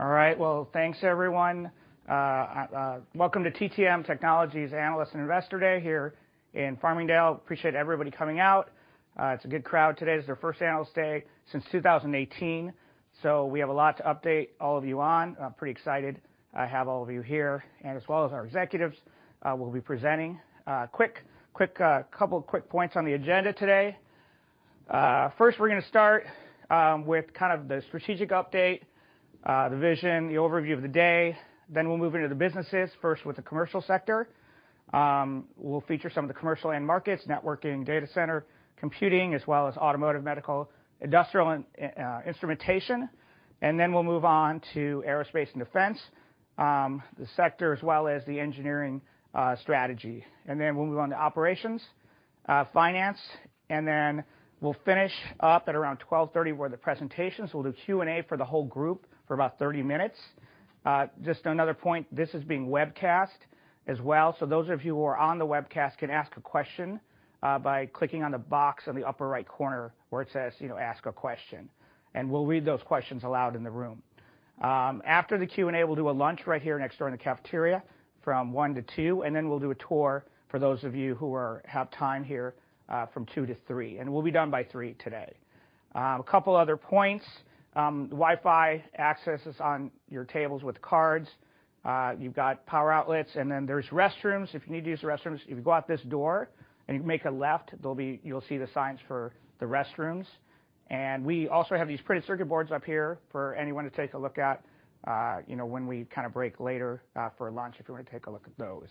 All right. Well, thanks, everyone. Welcome to TTM Technologies Analyst and Investor Day here in Farmingdale. Appreciate everybody coming out. It's a good crowd today. This is our first Analyst Day since 2018. We have a lot to update all of you on. I'm pretty excited to have all of you here, as well as our executives will be presenting. Quick, couple of quick points on the agenda today. First, we're gonna start with kind of the strategic update, the vision, the overview of the day. We'll move into the businesses, first with the commercial sector. We'll feature some of the commercial end markets, networking, data center, computing, as well as automotive, medical, industrial, and instrumentation. We'll move on to Aerospace & Defense, the sector, as well as the engineering strategy. We'll move on to operations, finance, and then we'll finish up at around 12:30 P.M. with the presentations. We'll do Q&A for the whole group for about 30 minutes. Just another point, this is being webcast as well. Those of you who are on the webcast can ask a question by clicking on the box on the upper right corner where it says, you know, "Ask a question," and we'll read those questions aloud in the room. After the Q&A, we'll do a lunch right here next door in the cafeteria from 1:00 P.M. to 2:00 P.M., and then we'll do a tour for those of you who have time here from 2:00 P.M. to 3:00 P.M., and we'll be done by 3:00 P.M. today. A couple of other points, Wi-Fi access is on your tables with cards. You've got power outlets, and then there's restrooms. If you need to use the restrooms, if you go out this door and you make a left, you'll see the signs for the restrooms. We also have these printed circuit boards up here for anyone to take a look at, you know, when we kind of break later for lunch, if you want to take a look at those.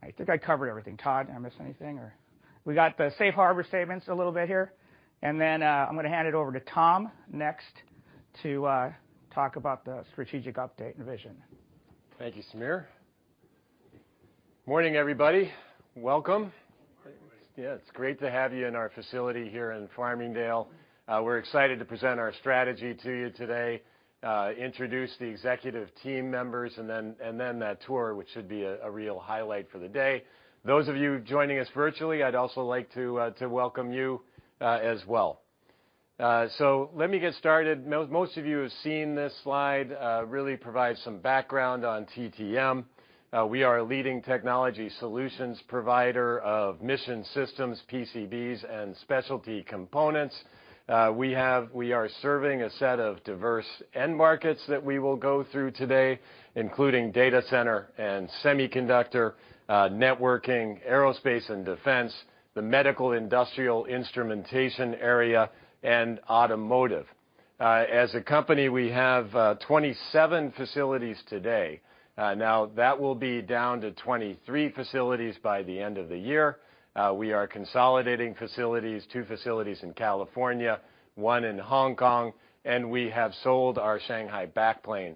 I think I covered everything. Todd, did I miss anything? We got the safe harbor statements a little bit here, and then, I'm going to hand it over to Tom next to talk about the strategic update and vision. Thank you, Sameer. Morning, everybody. Welcome. Good morning. Yeah, it's great to have you in our facility here in Farmingdale. We're excited to present our strategy to you today, introduce the executive team members, and then that tour, which should be a real highlight for the day. Those of you joining us virtually, I'd also like to welcome you as well. Let me get started. Most of you have seen this slide, really provides some background on TTM. We are a leading technology solutions provider of mission systems, PCBs, and specialty components. We are serving a set of diverse end markets that we will go through today, including data center and semiconductor, networking, aerospace and defense, the medical, industrial, instrumentation area, and automotive. As a company, we have 27 facilities today. Now, that will be down to 23 facilities by the end of the year. We are consolidating facilities, two facilities in California, one in Hong Kong, and we have sold our Shanghai backplane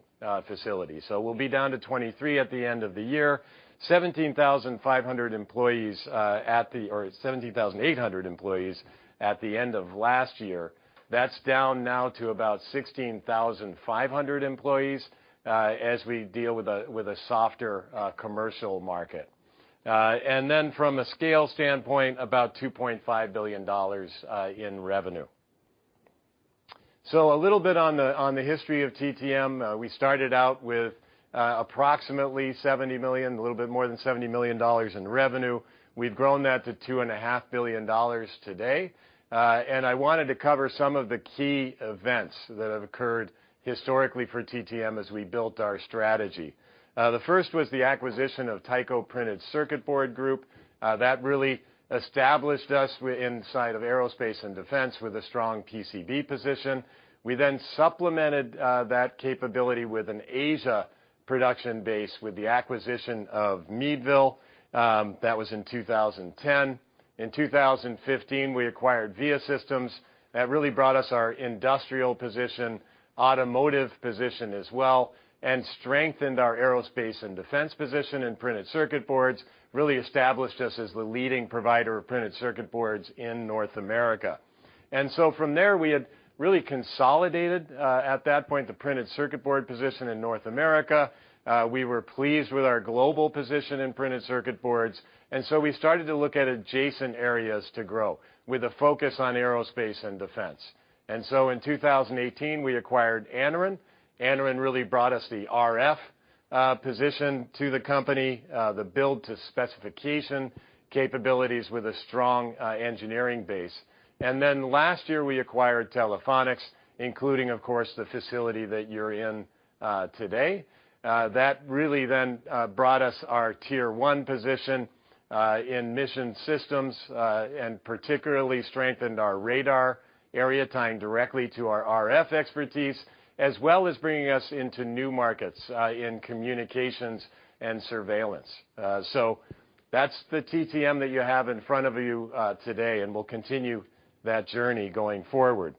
facility. We'll be down to 23 at the end of the year. 17,800 employees at the end of last year. That's down now to about 16,500 employees as we deal with a softer commercial market. From a scale standpoint, about $2.5 billion in revenue. A little bit on the history of TTM. We started out with approximately $70 million, a little bit more than $70 million in revenue. We've grown that to $2.5 billion today. I wanted to cover some of the key events that have occurred historically for TTM as we built our strategy. The first was the acquisition of Tyco Printed Circuit Board Group. That really established us inside of aerospace and defense with a strong PCB position. We supplemented that capability with an Asia production base with the acquisition of Meadville. That was in 2010. In 2015, we acquired Viasystems. That really brought us our industrial position, automotive position as well, and strengthened our aerospace and defense position in printed circuit boards. Really established us as the leading provider of printed circuit boards in North America. From there, we had really consolidated, at that point, the printed circuit board position in North America. We were pleased with our global position in printed circuit boards, so we started to look at adjacent areas to grow, with a focus on aerospace and defense. In 2018, we acquired Anaren. Anaren really brought us the RF position to the company, the build to specification capabilities with a strong engineering base. Last year, we acquired Telephonics, including, of course, the facility that you're in today. That really brought us our tier one position in mission systems, and particularly strengthened our radar area, tying directly to our RF expertise, as well as bringing us into new markets in communications and surveillance. That's the TTM that you have in front of you today, and we'll continue that journey going forward.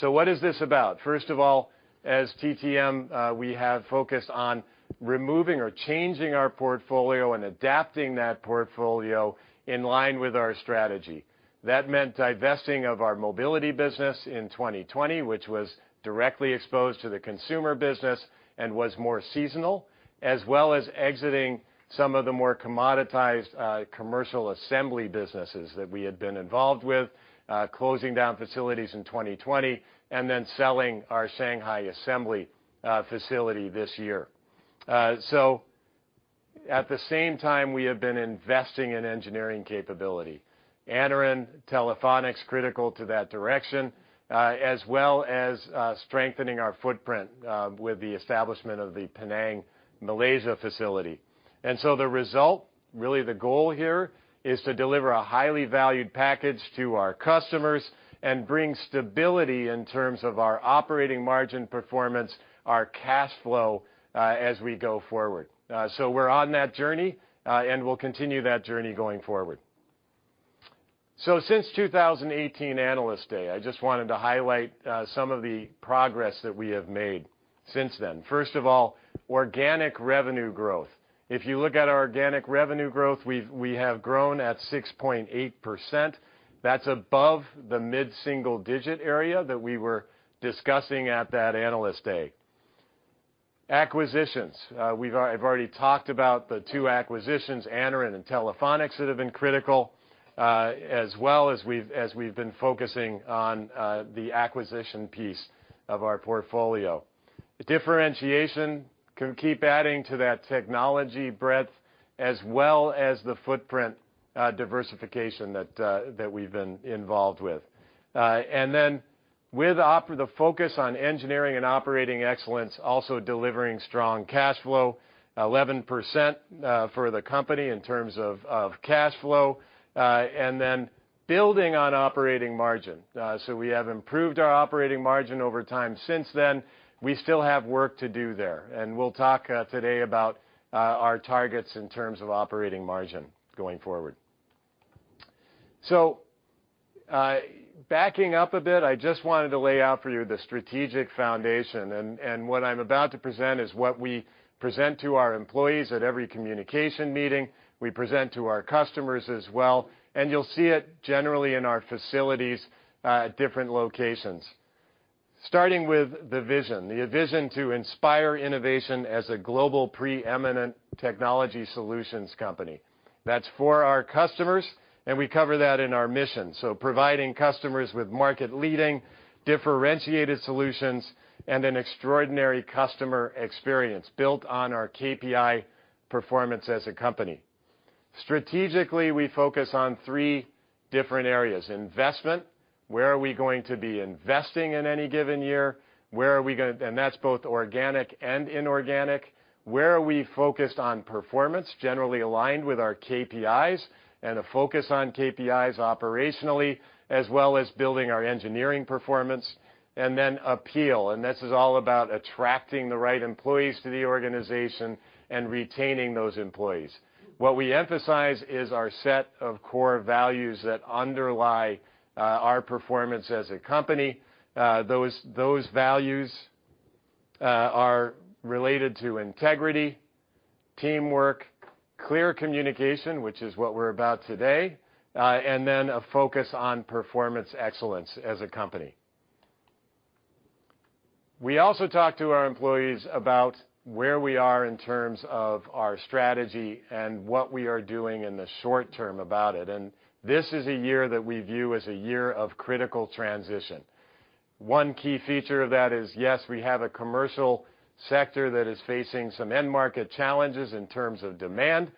What is this about? First of all, as TTM, we have focused on removing or changing our portfolio and adapting that portfolio in line with our strategy. That meant divesting of our mobility business in 2020, which was directly exposed to the consumer business and was more seasonal, as well as exiting some of the more commoditized commercial assembly businesses that we had been involved with, closing down facilities in 2020, and then selling our Shanghai assembly facility this year. At the same time, we have been investing in engineering capability. Anaren, Telephonics, critical to that direction, as well as strengthening our footprint with the establishment of the Penang, Malaysia facility. The result, really the goal here, is to deliver a highly valued package to our customers and bring stability in terms of our operating margin performance, our cash flow, as we go forward. We're on that journey, and we'll continue that journey going forward. Since 2018 Analyst Day, I just wanted to highlight some of the progress that we have made since then. First of all, organic revenue growth. If you look at our organic revenue growth, we have grown at 6.8%. That's above the mid-single digit area that we were discussing at that Analyst Day. Acquisitions. I've already talked about the two acquisitions, Anaren and Telephonics, that have been critical, as well as we've been focusing on the acquisition piece of our portfolio. Differentiation can keep adding to that technology breadth as well as the footprint diversification that we've been involved with. Then with the focus on engineering and operating excellence, also delivering strong cash flow, 11% for the company in terms of cash flow, and then building on operating margin. We have improved our operating margin over time since then. We still have work to do there, and we'll talk today about our targets in terms of operating margin going forward. Backing up a bit, I just wanted to lay out for you the strategic foundation, and what I'm about to present is what we present to our employees at every communication meeting, we present to our customers as well, and you'll see it generally in our facilities at different locations. Starting with the vision, the vision to inspire innovation as a global, preeminent technology solutions company. That's for our customers, and we cover that in our mission. Providing customers with market-leading, differentiated solutions and an extraordinary customer experience built on our KPI performance as a company. Strategically, we focus on three different areas: investment, where are we going to be investing in any given year? That's both organic and inorganic. Where are we focused on performance, generally aligned with our KPIs, and a focus on KPIs operationally, as well as building our engineering performance. Appeal, this is all about attracting the right employees to the organization and retaining those employees. What we emphasize is our set of core values that underlie our performance as a company. Those values are related to integrity, teamwork, clear communication, which is what we're about today, and then a focus on performance excellence as a company. We also talk to our employees about where we are in terms of our strategy and what we are doing in the short term about it. This is a year that we view as a year of critical transition. One key feature of that is, yes, we have a commercial sector that is facing some end-market challenges in terms of demand,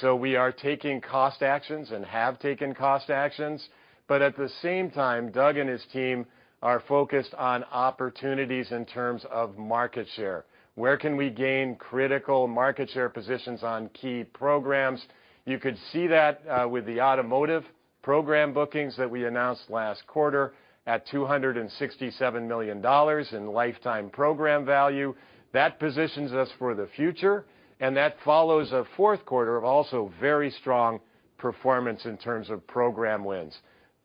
so we are taking cost actions and have taken cost actions. At the same time, Doug and his team are focused on opportunities in terms of market share. Where can we gain critical market share positions on key programs? You could see that with the automotive program bookings that we announced last quarter at $267 million in lifetime program value. That positions us for the future, and that follows a fourth quarter of also very strong performance in terms of program wins.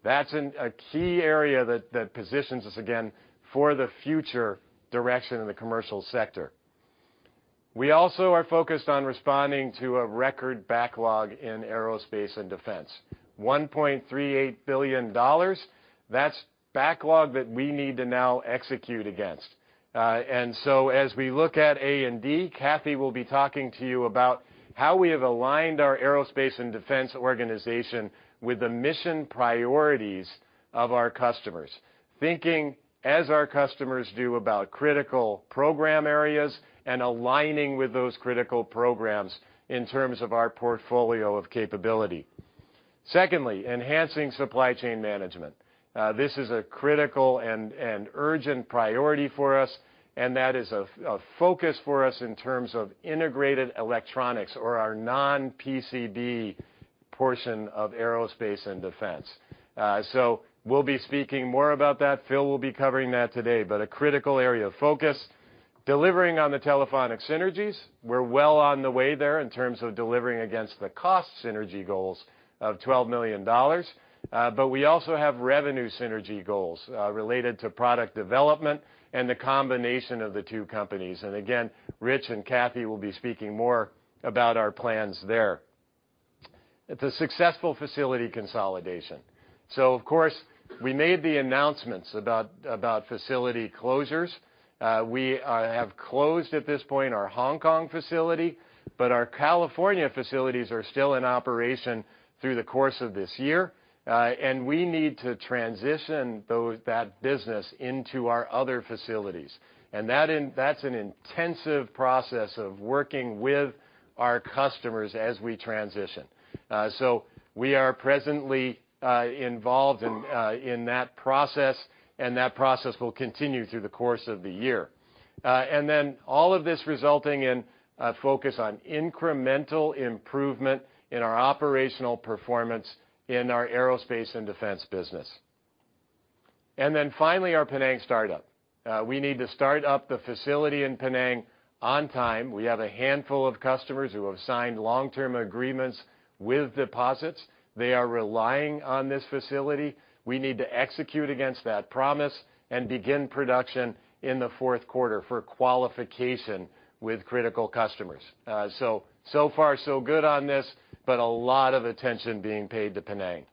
That's a key area that positions us again, for the future direction in the commercial sector. We also are focused on responding to a record backlog in aerospace and defense, $1.38 billion. That's backlog that we need to now execute against. As we look at A&D, Cathy will be talking to you about how we have aligned our aerospace and defense organization with the mission priorities of our customers, thinking as our customers do about critical program areas and aligning with those critical programs in terms of our portfolio of capability. Secondly, enhancing supply chain management. This is a critical and urgent priority for us, and that is a focus for us in terms of integrated electronics or our non-PCB portion of aerospace and defense. We'll be speaking more about that. Phil will be covering that today, a critical area of focus. Delivering on the Telephonics synergies. We're well on the way there in terms of delivering against the cost synergy goals of $12 million. We also have revenue synergy goals related to product development and the combination of the two companies. Again, Rich and Cathy will be speaking more about our plans there. It's a successful facility consolidation. Of course, we made the announcements about facility closures. We have closed at this point, our Hong Kong facility, but our California facilities are still in operation through the course of this year. We need to transition that business into our other facilities, and that's an intensive process of working with our customers as we transition. We are presently involved in that process, and that process will continue through the course of the year. All of this resulting in a focus on incremental improvement in our operational performance in our Aerospace and Defense business. Finally, our Penang startup. We need to start up the facility in Penang on time. We have a handful of customers who have signed long-term agreements with deposits. They are relying on this facility. We need to execute against that promise and begin production in the fourth quarter for qualification with critical customers. So far, so good on this, but a lot of attention being paid to Penang.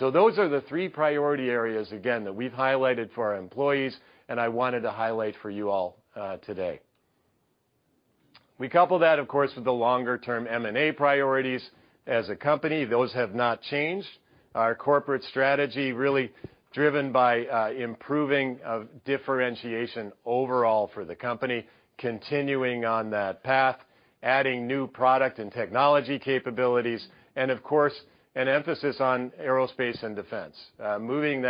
Those are the three priority areas, again, that we've highlighted for our employees, and I wanted to highlight for you all today. We couple that, of course, with the longer-term M&A priorities. As a company, those have not changed. Our corporate strategy really driven by improving differentiation overall for the company, continuing on that path, adding new product and technology capabilities, and of course, an emphasis on Aerospace & Defense. Moving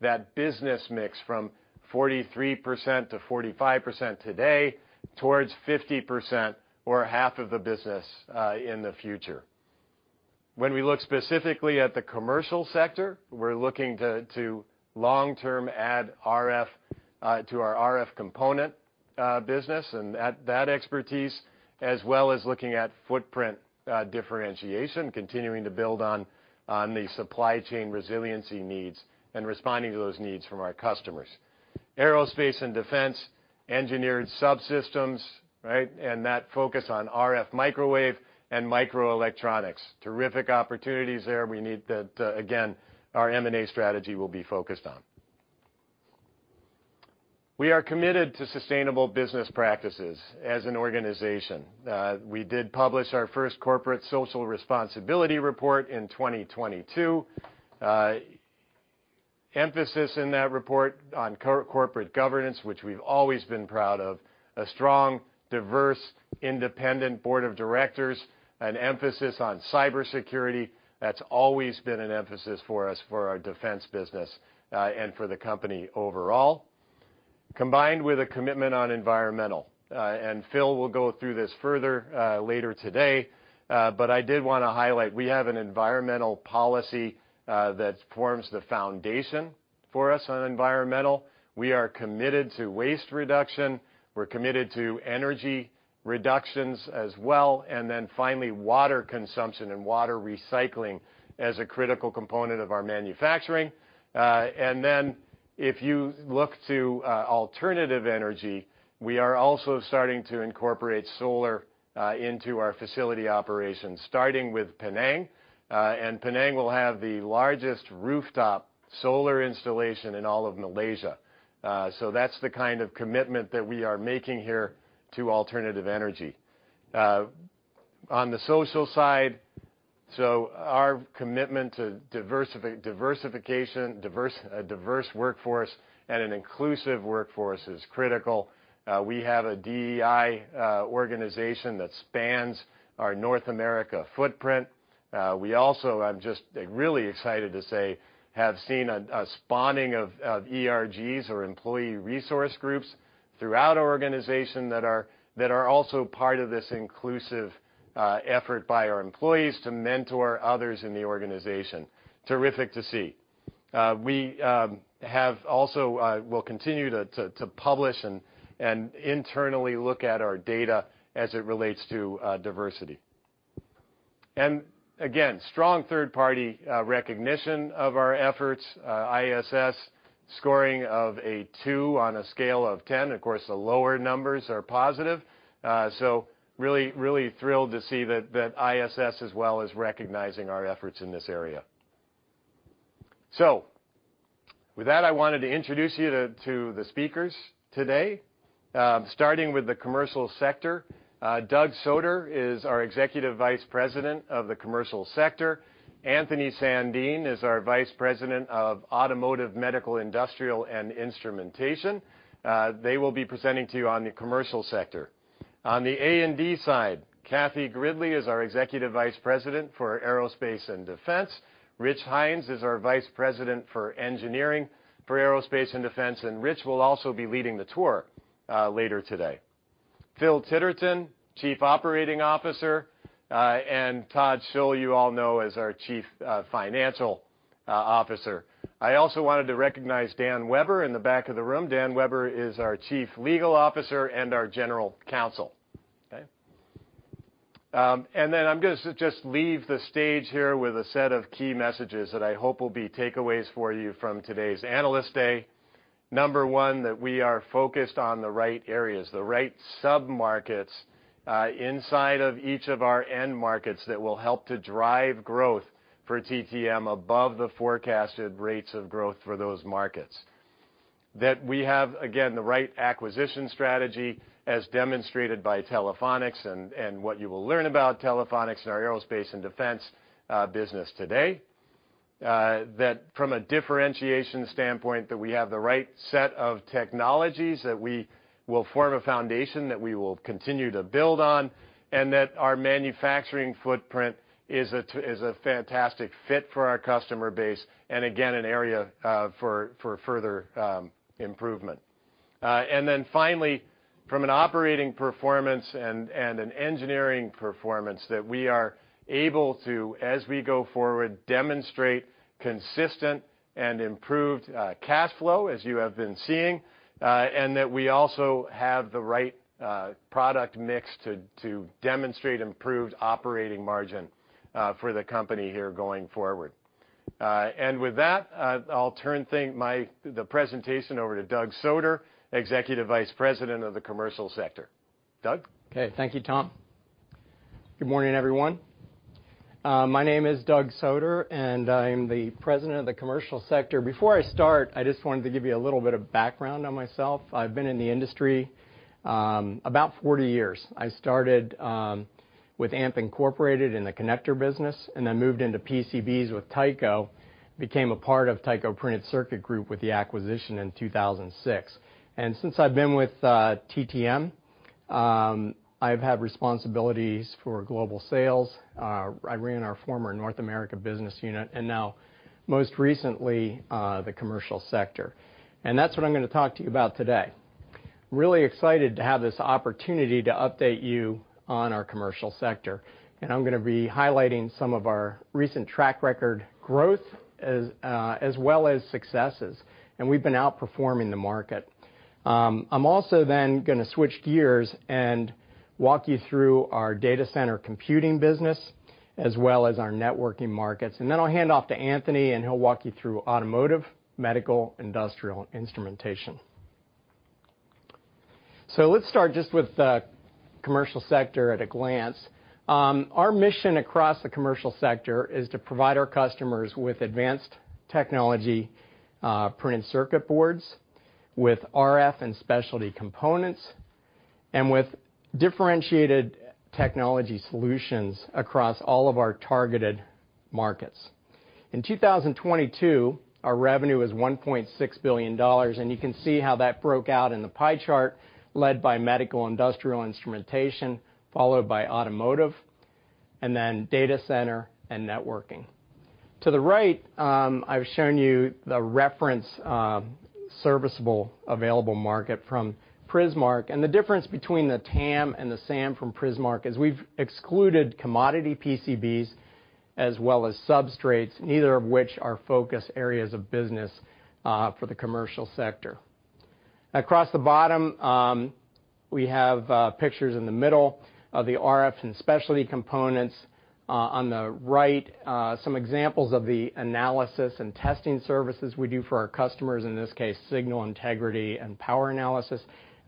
that business mix from 43% to 45% today, towards 50% or half of the business in the future. When we look specifically at the commercial sector, we're looking to long-term add RF to our RF component business and at that expertise, as well as looking at footprint differentiation, continuing to build on the supply chain resiliency needs and responding to those needs from our customers. Aerospace and defense, engineered subsystems, right? That focus on RF microwave and microelectronics. Terrific opportunities there we need that, again, our M&A strategy will be focused on. We are committed to sustainable business practices as an organization. We did publish our first corporate social responsibility report in 2022. Emphasis in that report on corporate governance, which we've always been proud of. A strong, diverse, independent board of directors, an emphasis on cybersecurity, that's always been an emphasis for us for our defense business and for the company overall, combined with a commitment on environmental. Phil will go through this further later today, but I did want to highlight, we have an environmental policy that forms the foundation for us on environmental. We are committed to waste reduction, we're committed to energy reductions as well, finally, water consumption and water recycling as a critical component of our manufacturing. If you look to alternative energy, we are also starting to incorporate solar into our facility operations, starting with Penang will have the largest rooftop solar installation in all of Malaysia. That's the kind of commitment that we are making here to alternative energy. On the social side, our commitment to diversification, a diverse workforce and an inclusive workforce is critical. We have a DEI organization that spans our North America footprint. We also, I'm just really excited to say, have seen a spawning of ERGs or employee resource groups throughout our organization that are also part of this inclusive effort by our employees to mentor others in the organization. Terrific to see. We have also, we'll continue to publish and internally look at our data as it relates to diversity. Again, strong third-party recognition of our efforts, ISS scoring of a 2 on a scale of 10. Of course, the lower numbers are positive, really thrilled to see that ISS as well is recognizing our efforts in this area. With that, I wanted to introduce you to the speakers today, starting with the commercial sector. Doug Soder is our Executive Vice President of the Commercial Sector. Anthony Sandeen is our Vice President of Automotive, Medical, Industrial, and Instrumentation. They will be presenting to you on the commercial sector. On the A&D side, Cathy Gridley is our Executive Vice President for Aerospace and Defense. Rich Hines is our Vice President for Engineering for Aerospace and Defense, Rich will also be leading the tour later today. Phil Titterton, Chief Operating Officer, Todd Schull, you all know, as our Chief Financial Officer. I also wanted to recognize Dan Weber in the back of the room. Dan Weber is our Chief Legal Officer and our General Counsel. Okay? Then I'm going to just leave the stage here with a set of key messages that I hope will be takeaways for you from today's Analyst Day. Number one, that we are focused on the right areas, the right sub-markets inside of each of our end markets that will help to drive growth for TTM above the forecasted rates of growth for those markets. We have, again, the right acquisition strategy, as demonstrated by Telephonics and what you will learn about Telephonics and our Aerospace and Defense business today. That from a differentiation standpoint, that we have the right set of technologies, that we will form a foundation that we will continue to build on, and that our manufacturing footprint is a fantastic fit for our customer base, and again, an area for further improvement. And then finally, from an operating performance and an engineering performance, that we are able to, as we go forward, demonstrate consistent and improved cash flow, as you have been seeing, and that we also have the right product mix to demonstrate improved operating margin for the company here going forward. And with that, I'll turn the presentation over to Doug Soder, Executive Vice President of the Commercial Sector. Doug? Okay. Thank you, Tom. Good morning, everyone. My name is Doug Soder, and I'm the President of the Commercial Sector. Before I start, I just wanted to give you a little bit of background on myself. I've been in the industry, about 40 years. I started with AMP Incorporated in the connector business and then moved into PCBs with Tyco, became a part of Tyco Printed Circuit Group with the acquisition in 2006. Since I've been with TTM, I've had responsibilities for global sales, I ran our former North America business unit, and now, most recently, the commercial sector. That's what I'm gonna talk to you about today. Really excited to have this opportunity to update you on our commercial sector, and I'm gonna be highlighting some of our recent track record growth, as well as successes, and we've been outperforming the market. I'm also then gonna switch gears and walk you through our data center computing business, as well as our networking markets. Then I'll hand off to Anthony, and he'll walk you through automotive, medical, industrial, and instrumentation. Let's start just with the commercial sector at a glance. Our mission across the commercial sector is to provide our customers with advanced technology, printed circuit boards, with RF and Specialty Components, and with differentiated technology solutions across all of our targeted markets. In 2022, our revenue was $1.6 billion. You can see how that broke out in the pie chart, led by medical, industrial, and instrumentation, followed by automotive, and then data center and networking. To the right, I've shown you the reference serviceable available market from Prismark. The difference between the TAM and the SAM from Prismark is we've excluded commodity PCBs as well as substrates, neither of which are focus areas of business for the commercial sector. Across the bottom, we have pictures in the middle of the RF and Specialty Components, on the right, some examples of the analysis and testing services we do for our customers, in this case, signal integrity and power analysis.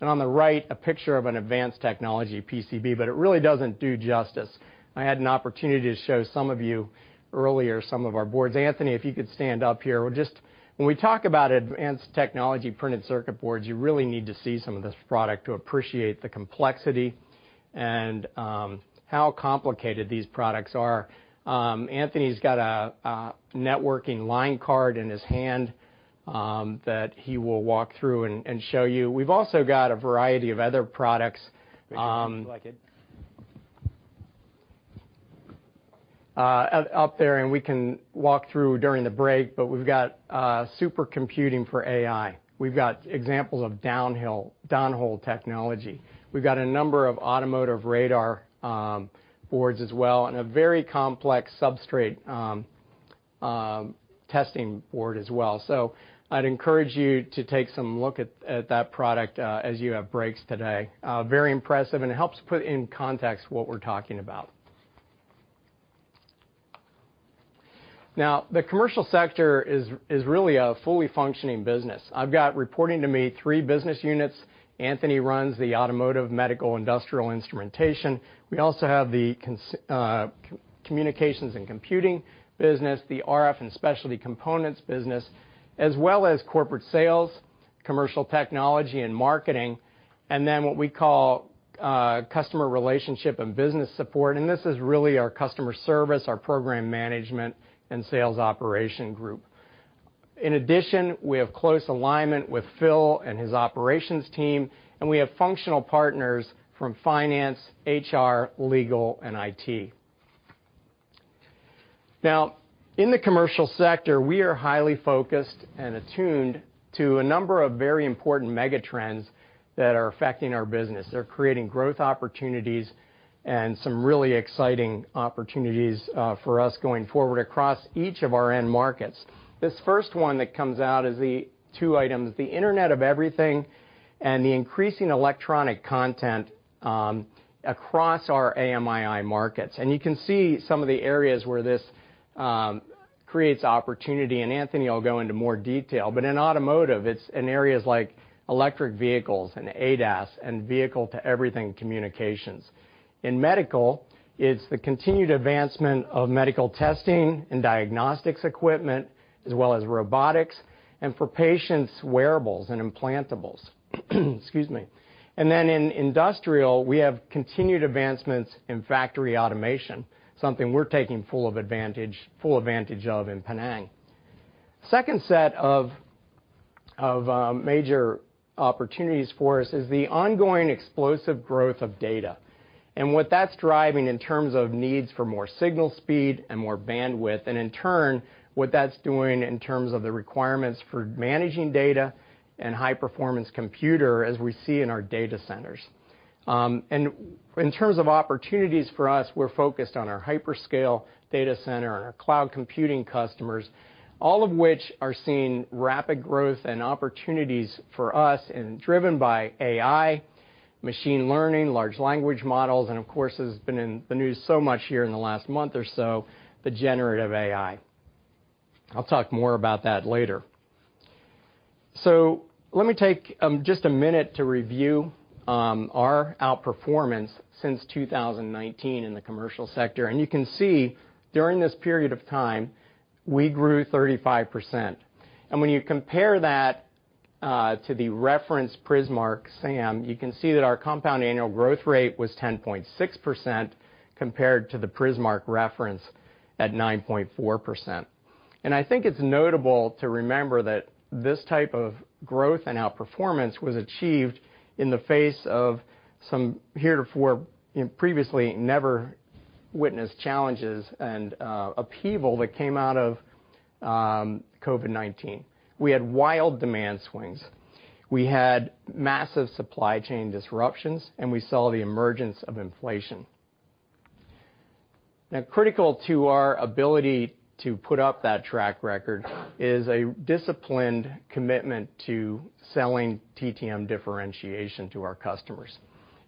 On the right, a picture of an advanced technology PCB. It really doesn't do justice. I had an opportunity to show some of you earlier some of our boards. Anthony, if you could stand up here. Well, just when we talk about advanced technology printed circuit boards, you really need to see some of this product to appreciate the complexity and how complicated these products are. Anthony's got a networking line card in his hand that he will walk through and show you. We've also got a variety of other products. out there, and we can walk through during the break, but we've got supercomputing for AI. We've got examples of downhole technology. We've got a number of automotive radar boards as well, and a very complex substrate testing board as well. I'd encourage you to take some look at that product as you have breaks today. Very impressive, and it helps put in context what we're talking about. Now, the Commercial Sector is really a fully functioning business. I've got reporting to me three business units. Anthony runs the Automotive, Medical, Industrial, Instrumentation. We also have the Communications and Computing business, the RF and Specialty Components business, as well as Corporate Sales, Commercial Technology, and Marketing, and then what we call Customer Relationship and Business Support, and this is really our customer service, our program management, and sales operation group. In addition, we have close alignment with Phil and his operations team. We have functional partners from Finance, HR, Legal, and IT. In the commercial sector, we are highly focused and attuned to a number of very important mega trends that are affecting our business. They're creating growth opportunities and some really exciting opportunities for us going forward across each of our end markets. This first one that comes out is the two items, the Internet of Everything and the increasing electronic content across our AMII markets. You can see some of the areas where this creates opportunity, and Anthony will go into more detail, but in automotive, it's in areas like electric vehicles and ADAS and vehicle-to-everything communications. In medical, it's the continued advancement of medical testing and diagnostics equipment, as well as robotics, and for patients, wearables and implantables. Excuse me. Then in industrial, we have continued advancements in factory automation, something we're taking full advantage of in Penang. Second set of major opportunities for us is the ongoing explosive growth of data, and what that's driving in terms of needs for more signal speed and more bandwidth, and in turn, what that's doing in terms of the requirements for managing data and high-performance computer, as we see in our data centers. In terms of opportunities for us, we're focused on our hyperscale data center and our cloud computing customers, all of which are seeing rapid growth and opportunities for us, driven by AI, Machine Learning, Large Language Models, and of course, has been in the news so much here in the last month or so, the Generative AI. I'll talk more about that later. Let me take just a minute to review our outperformance since 2019 in the commercial sector. You can see during this period of time, we grew 35%. When you compare that to the reference Prismark SAM, you can see that our compound annual growth rate was 10.6%, compared to the Prismark reference at 9.4%. I think it's notable to remember that this type of growth and outperformance was achieved in the face of some heretofore and previously never-witnessed challenges and upheaval that came out of COVID-19. We had wild demand swings, we had massive supply chain disruptions, and we saw the emergence of inflation. Critical to our ability to put up that track record is a disciplined commitment to selling TTM differentiation to our customers,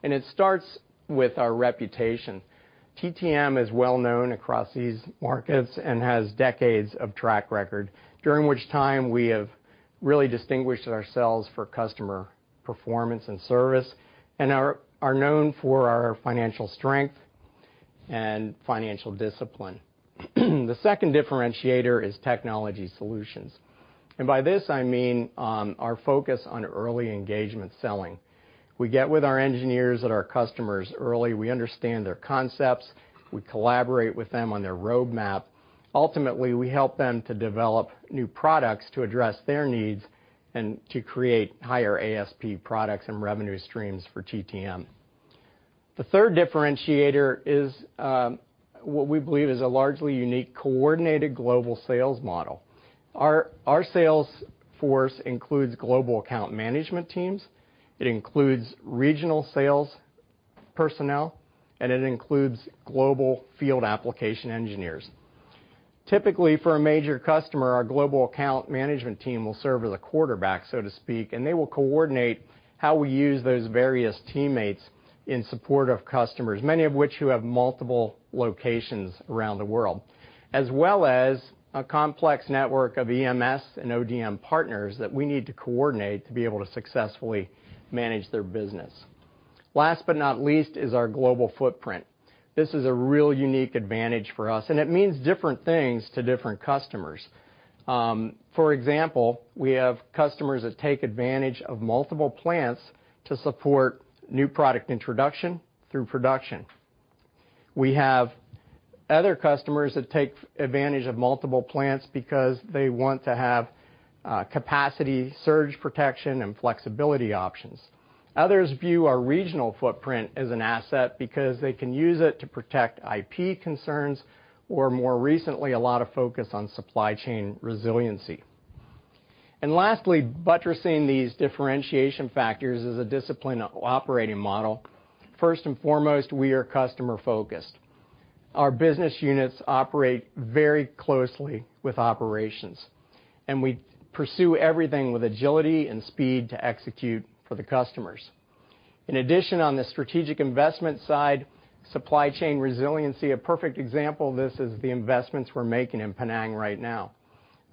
and it starts with our reputation. TTM is well known across these markets and has decades of track record, during which time we have really distinguished ourselves for customer performance and service, and are known for our financial strength and financial discipline. The second differentiator is technology solutions. By this, I mean, our focus on early engagement selling. We get with our engineers and our customers early, we understand their concepts, we collaborate with them on their roadmap. Ultimately, we help them to develop new products to address their needs and to create higher ASP products and revenue streams for TTM. The third differentiator is what we believe is a largely unique, coordinated global sales model. Our sales force includes global account management teams, it includes regional sales personnel, and it includes global field application engineers. Typically, for a major customer, our global account management team will serve as a quarterback, so to speak, and they will coordinate how we use those various teammates in support of customers, many of which who have multiple locations around the world, as well as a complex network of EMS and ODM partners that we need to coordinate to be able to successfully manage their business. Last but not least is our global footprint. This is a real unique advantage for us, and it means different things to different customers. For example, we have customers that take advantage of multiple plants to support new product introduction through production. We have other customers that take advantage of multiple plants because they want to have capacity, surge protection, and flexibility options. Others view our regional footprint as an asset because they can use it to protect IP concerns, or more recently, a lot of focus on supply chain resiliency. Lastly, buttressing these differentiation factors is a disciplined operating model. First and foremost, we are customer-focused. Our business units operate very closely with operations, and we pursue everything with agility and speed to execute for the customers. In addition, on the strategic investment side, supply chain resiliency, a perfect example of this is the investments we're making in Penang right now.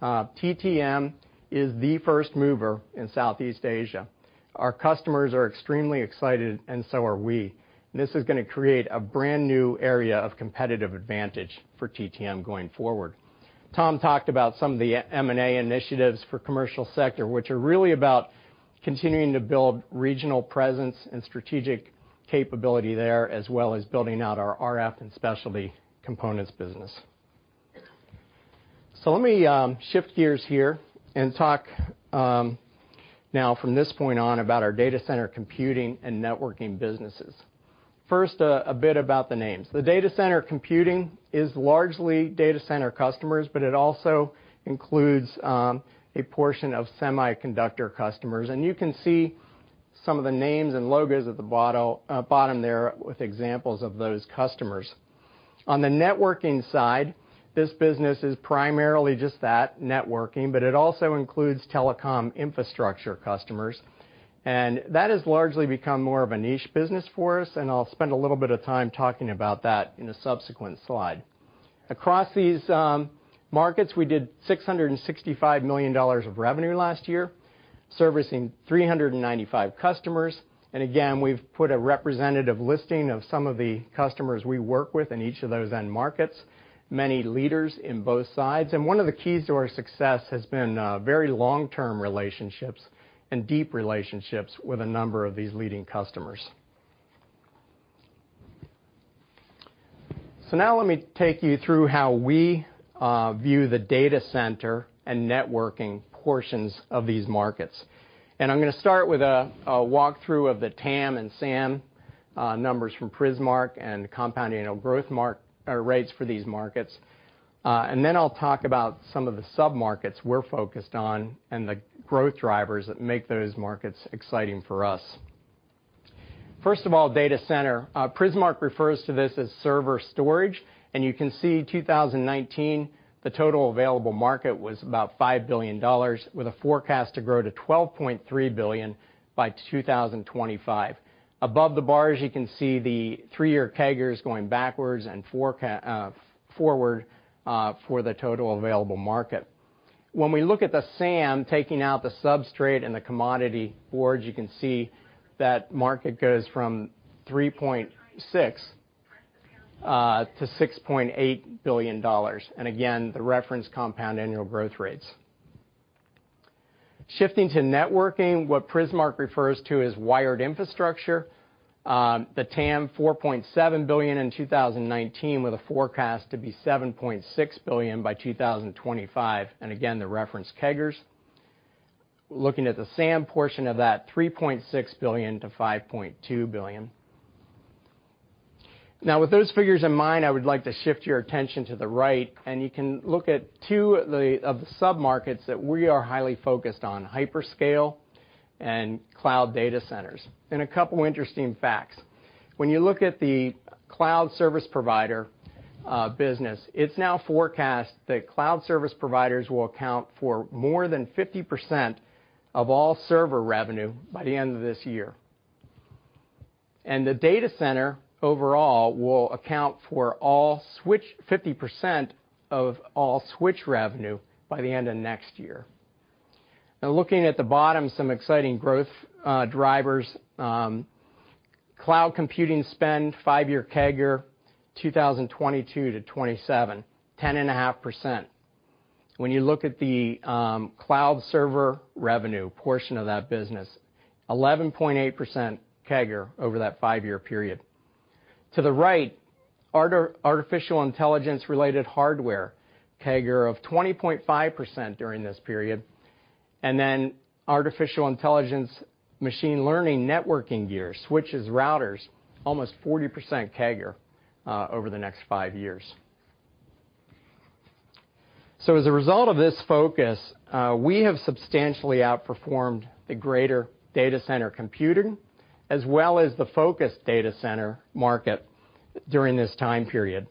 TTM is the first mover in Southeast Asia. Our customers are extremely excited, and so are we. This is gonna create a brand-new area of competitive advantage for TTM going forward. Tom talked about some of the M&A initiatives for commercial sector, which are really about continuing to build regional presence and strategic capability there, as well as building out our RF and specialty components business. Let me shift gears here and talk now from this point on, about our data center computing and networking businesses. First, a bit about the names. The data center computing is largely data center customers, but it also includes a portion of semiconductor customers. You can see some of the names and logos at the bottom there with examples of those customers. On the networking side, this business is primarily just that, networking, but it also includes telecom infrastructure customers. That has largely become more of a niche business for us, and I'll spend a little bit of time talking about that in a subsequent slide. Across these markets, we did $665 million of revenue last year, servicing 395 customers. Again, we've put a representative listing of some of the customers we work with in each of those end markets, many leaders in both sides. One of the keys to our success has been very long-term relationships and deep relationships with a number of these leading customers. Now let me take you through how we view the data center and networking portions of these markets. I'm gonna start with a walkthrough of the TAM and SAM numbers from Prismark and compound annual growth or rates for these markets. I'll talk about some of the submarkets we're focused on and the growth drivers that make those markets exciting for us. First of all, data center. Prismark refers to this as server storage, and you can see, 2019, the total available market was about $5 billion, with a forecast to grow to $12.3 billion by 2025. Above the bars, you can see the three-year CAGRs going backwards and forward for the total available market. When we look at the SAM, taking out the substrate and the commodity boards, you can see that market goes from 3.6 to $6.8 billion. Again, the reference compound annual growth rates. Shifting to networking, what Prismark refers to as wired infrastructure, the TAM, $4.7 billion in 2019, with a forecast to be $7.6 billion by 2025. Again, the reference CAGRs. Looking at the SAM portion of that, $3.6 billion to $5.2 billion. With those figures in mind, I would like to shift your attention to the right, and you can look at two of the submarkets that we are highly focused on, hyperscale and cloud data centers. A couple interesting facts. When you look at the cloud service provider business, it's now forecast that cloud service providers will account for more than 50% of all server revenue by the end of this year. The data center overall will account for 50% of all switch revenue by the end of next year. Looking at the bottom, some exciting growth drivers. Cloud computing spend, five-year CAGR, 2022-2027, 10.5%. When you look at the cloud server revenue portion of that business, 11.8% CAGR over that five-year period. To the right, artificial intelligence-related hardware, CAGR of 20.5% during this period, and then artificial intelligence, machine learning, networking gear, switches, routers, almost 40% CAGR over the next five years. As a result of this focus, we have substantially outperformed the greater data center computing, as well as the focused data center market during this time period.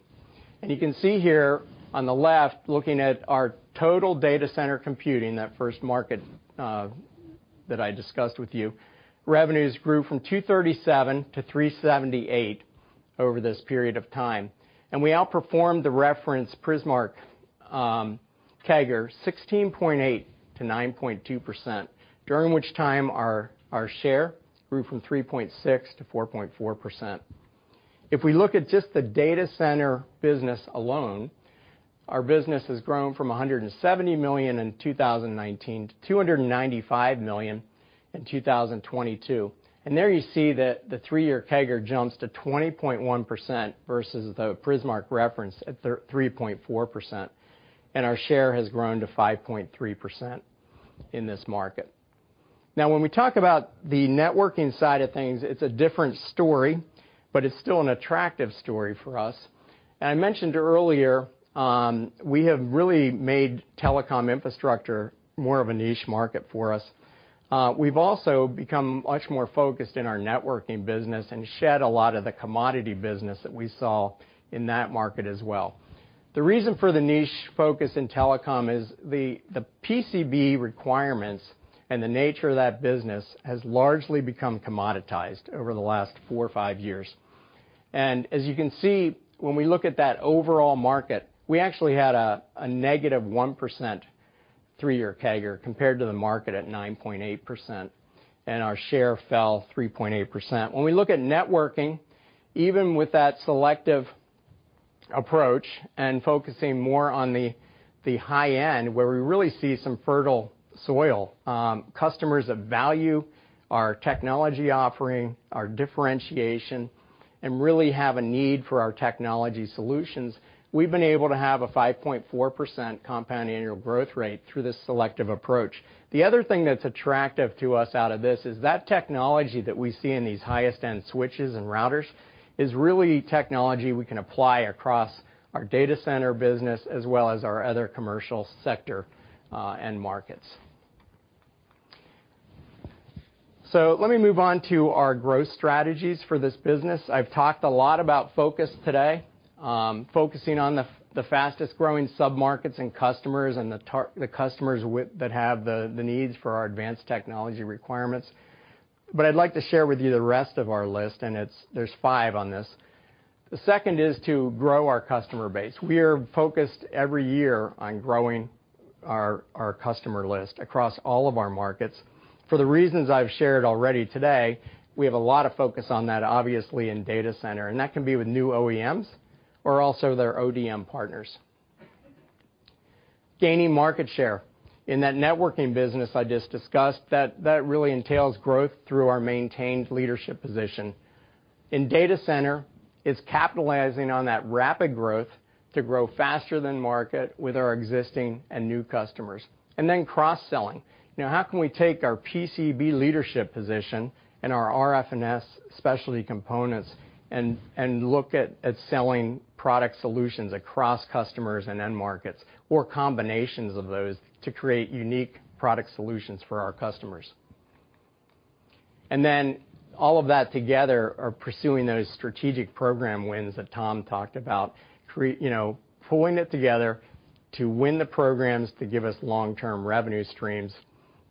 You can see here on the left, looking at our total data center computing, that first market that I discussed with you, revenues grew from $237 to $378 over this period of time, and we outperformed the reference Prismark CAGR, 16.8% to 9.2%, during which time our share grew from 3.6% to 4.4%. If we look at just the data center business alone, our business has grown from $170 million in 2019 to $295 million in 2022. There you see that the three-year CAGR jumps to 20.1% versus the Prismark reference at 3.4%, and our share has grown to 5.3% in this market. Now, when we talk about the networking side of things, it's a different story, but it's still an attractive story for us. I mentioned earlier, we have really made telecom infrastructure more of a niche market for us. We've also become much more focused in our networking business and shed a lot of the commodity business that we saw in that market as well. The reason for the niche focus in telecom is the PCB requirements and the nature of that business has largely become commoditized over the last four or five years. As you can see, when we look at that overall market, we actually had a negative 1% 3-year CAGR compared to the market at 9.8%, and our share fell 3.8%. When we look at networking, even with that selective approach and focusing more on the high end, where we really see some fertile soil, customers that value our technology offering, our differentiation, and really have a need for our technology solutions, we've been able to have a 5.4% compound annual growth rate through this selective approach. The other thing that's attractive to us out of this is that technology that we see in these highest-end switches and routers is really technology we can apply across our data center business as well as our other commercial sector end markets. Let me move on to our growth strategies for this business. I've talked a lot about focus today, focusing on the fastest-growing submarkets and customers, and the customers that have the needs for our advanced technology requirements. I'd like to share with you the rest of our list, and there's five on this. The second is to grow our customer base. We are focused every year on growing our customer list across all of our markets. For the reasons I've shared already today, we have a lot of focus on that, obviously, in data center, and that can be with new OEMs or also their ODM partners. Gaining market share. In that networking business I just discussed, that really entails growth through our maintained leadership position. In data center, it's capitalizing on that rapid growth to grow faster than market with our existing and new customers. Cross-selling. Now, how can we take our PCB leadership position and our RF&S specialty components and look at selling product solutions across customers and end markets, or combinations of those to create unique product solutions for our customers? All of that together are pursuing those strategic program wins that Tom talked about. You know, pulling it together to win the programs to give us long-term revenue streams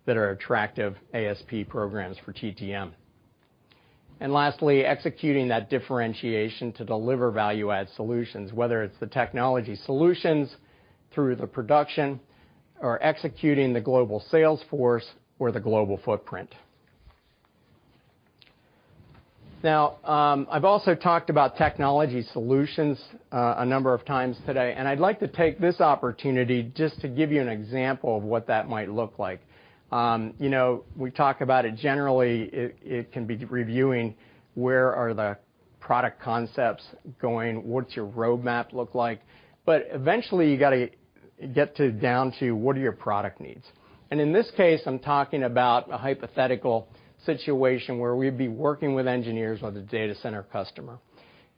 that are attractive ASP programs for TTM. Lastly, executing that differentiation to deliver value-add solutions, whether it's the technology solutions through the production or executing the global sales force or the global footprint. I've also talked about technology solutions, a number of times today, and I'd like to take this opportunity just to give you an example of what that might look like. You know, we talk about it generally, it can be reviewing where are the product concepts going, what's your roadmap look like? Eventually, you gotta get to down to, what are your product needs? In this case, I'm talking about a hypothetical situation where we'd be working with engineers on the data center customer.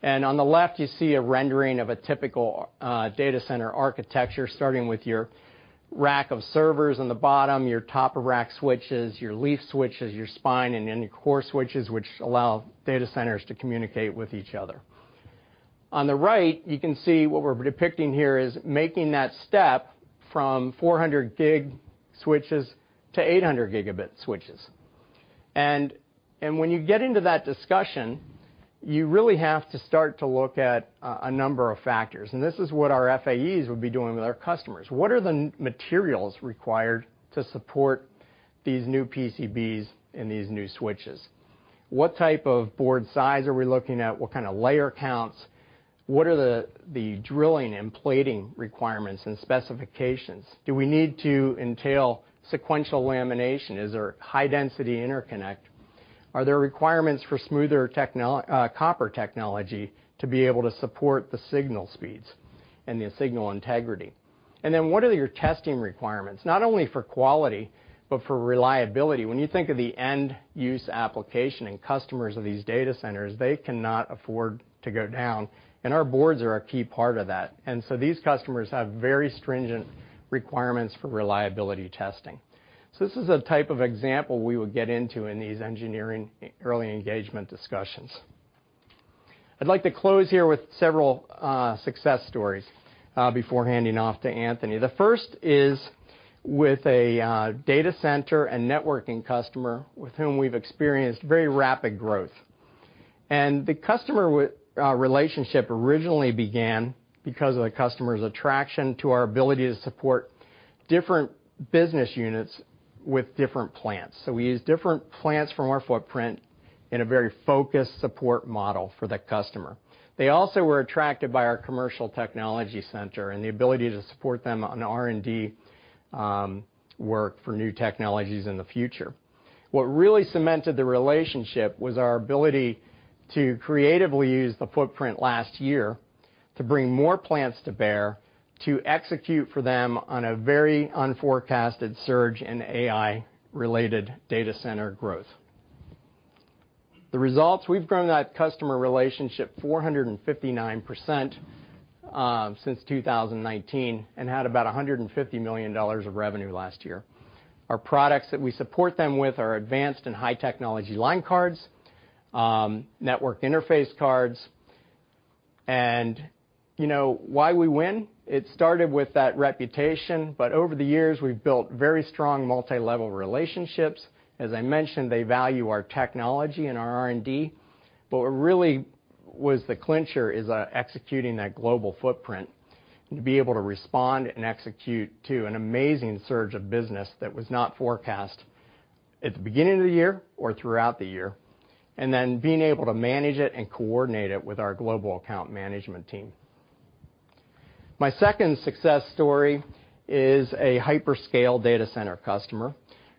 On the left, you see a rendering of a typical data center architecture, starting with your rack of servers on the bottom, your top of rack switches, your leaf switches, your spine, and then your core switches, which allow data centers to communicate with each other. On the right, you can see what we're depicting here is making that step from 400 gig switches to 800 gigabit switches. When you get into that discussion, you really have to start to look at a number of factors, and this is what our FAEs would be doing with our customers. What are the materials required to support these new PCBs and these new switches? What type of board size are we looking at? What kind of layer counts? What are the drilling and plating requirements and specifications? Do we need to entail sequential lamination? Is there high-density interconnect? Are there requirements for smoother copper technology to be able to support the signal speeds and the signal integrity? What are your testing requirements, not only for quality, but for reliability? When you think of the end-use application and customers of these data centers, they cannot afford to go down, and our boards are a key part of that. These customers have very stringent requirements for reliability testing. This is a type of example we would get into in these engineering early engagement discussions. I'd like to close here with several success stories before handing off to Anthony. The first is with a data center and networking customer with whom we've experienced very rapid growth. The customer relationship originally began because of the customer's attraction to our ability to support different business units with different plans. We use different plans from our footprint in a very focused support model for the customer. They also were attracted by our commercial technology center and the ability to support them on R&D work for new technologies in the future. What really cemented the relationship was our ability to creatively use the footprint last year to bring more plans to bear, to execute for them on a very unforecasted surge in AI-related data center growth. The results, we've grown that customer relationship 459% since 2019 and had about $150 million of revenue last year. Our products that we support them with are advanced and high-technology line cards, network interface cards. You know why we win? It started with that reputation, but over the years, we've built very strong multilevel relationships. As I mentioned, they value our technology and our R&D, but what really was the clincher is executing that global footprint, and to be able to respond and execute to an amazing surge of business that was not forecast at the beginning of the year or throughout the year, and then being able to manage it and coordinate it with our global account management team. My second success story is a hyperscale data center customer.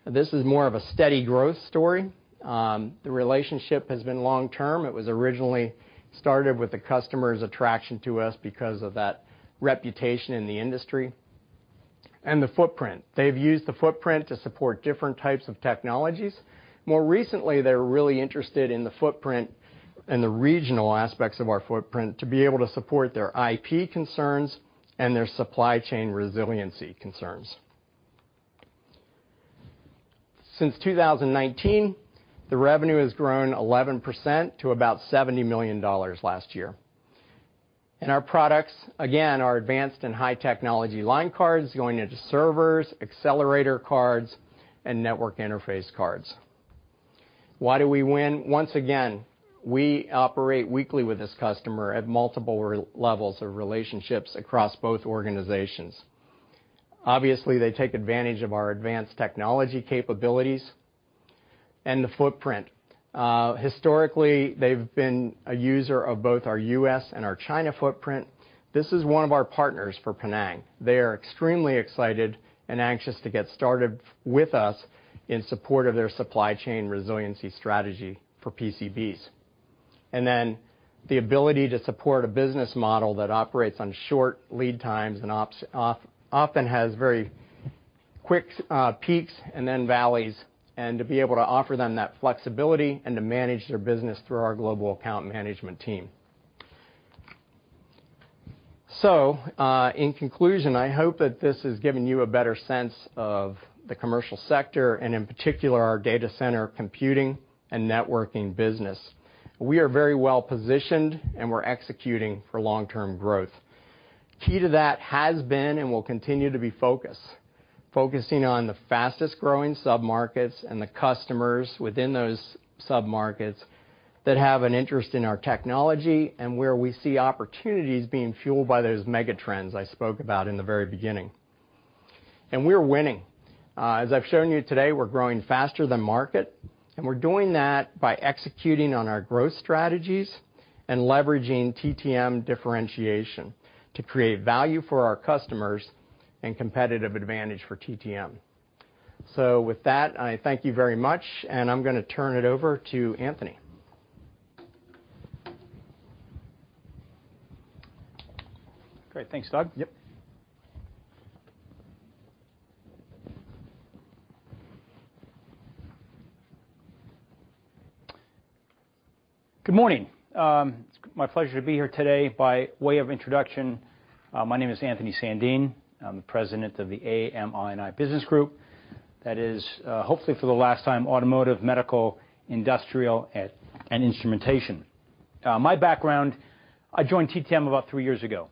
This is more of a steady growth story. The relationship has been long-term. It was originally started with the customer's attraction to us because of that reputation in the industry and the footprint. They've used the footprint to support different types of technologies. More recently, they're really interested in the footprint and the regional aspects of our footprint to be able to support their IP concerns and their supply chain resiliency concerns. Since 2019, the revenue has grown 11% to about $70 million last year. Our products, again, are advanced in high technology line cards, going into servers, accelerator cards, and network interface cards. Why do we win? Once again, we operate weekly with this customer at multiple levels of relationships across both organizations. Obviously, they take advantage of our advanced technology capabilities and the footprint. Historically, they've been a user of both our US and our China footprint. This is one of our partners for Penang. They are extremely excited and anxious to get started with us in support of their supply chain resiliency strategy for PCBs. The ability to support a business model that operates on short lead times and ops, often has very quick peaks and then valleys, and to be able to offer them that flexibility and to manage their business through our global account management team. In conclusion, I hope that this has given you a better sense of the commercial sector and in particular, our data center, computing, and networking business. We are very well positioned, and we're executing for long-term growth. Key to that has been and will continue to be focus. Focusing on the fastest-growing sub-markets and the customers within those sub-markets that have an interest in our technology, and where we see opportunities being fueled by those mega trends I spoke about in the very beginning. We're winning. As I've shown you today, we're growing faster than market, and we're doing that by executing on our growth strategies and leveraging TTM differentiation to create value for our customers and competitive advantage for TTM. With that, I thank you very much, and I'm gonna turn it over to Anthony. Great. Thanks, Doug. Yep. Good morning. It's my pleasure to be here today. By way of introduction, my name is Anthony Sandeen. I'm the President of the AMII business group. That is, hopefully for the last time, Automotive, Medical, Industrial, and Instrumentation. My background, I joined TTM about 3 years ago.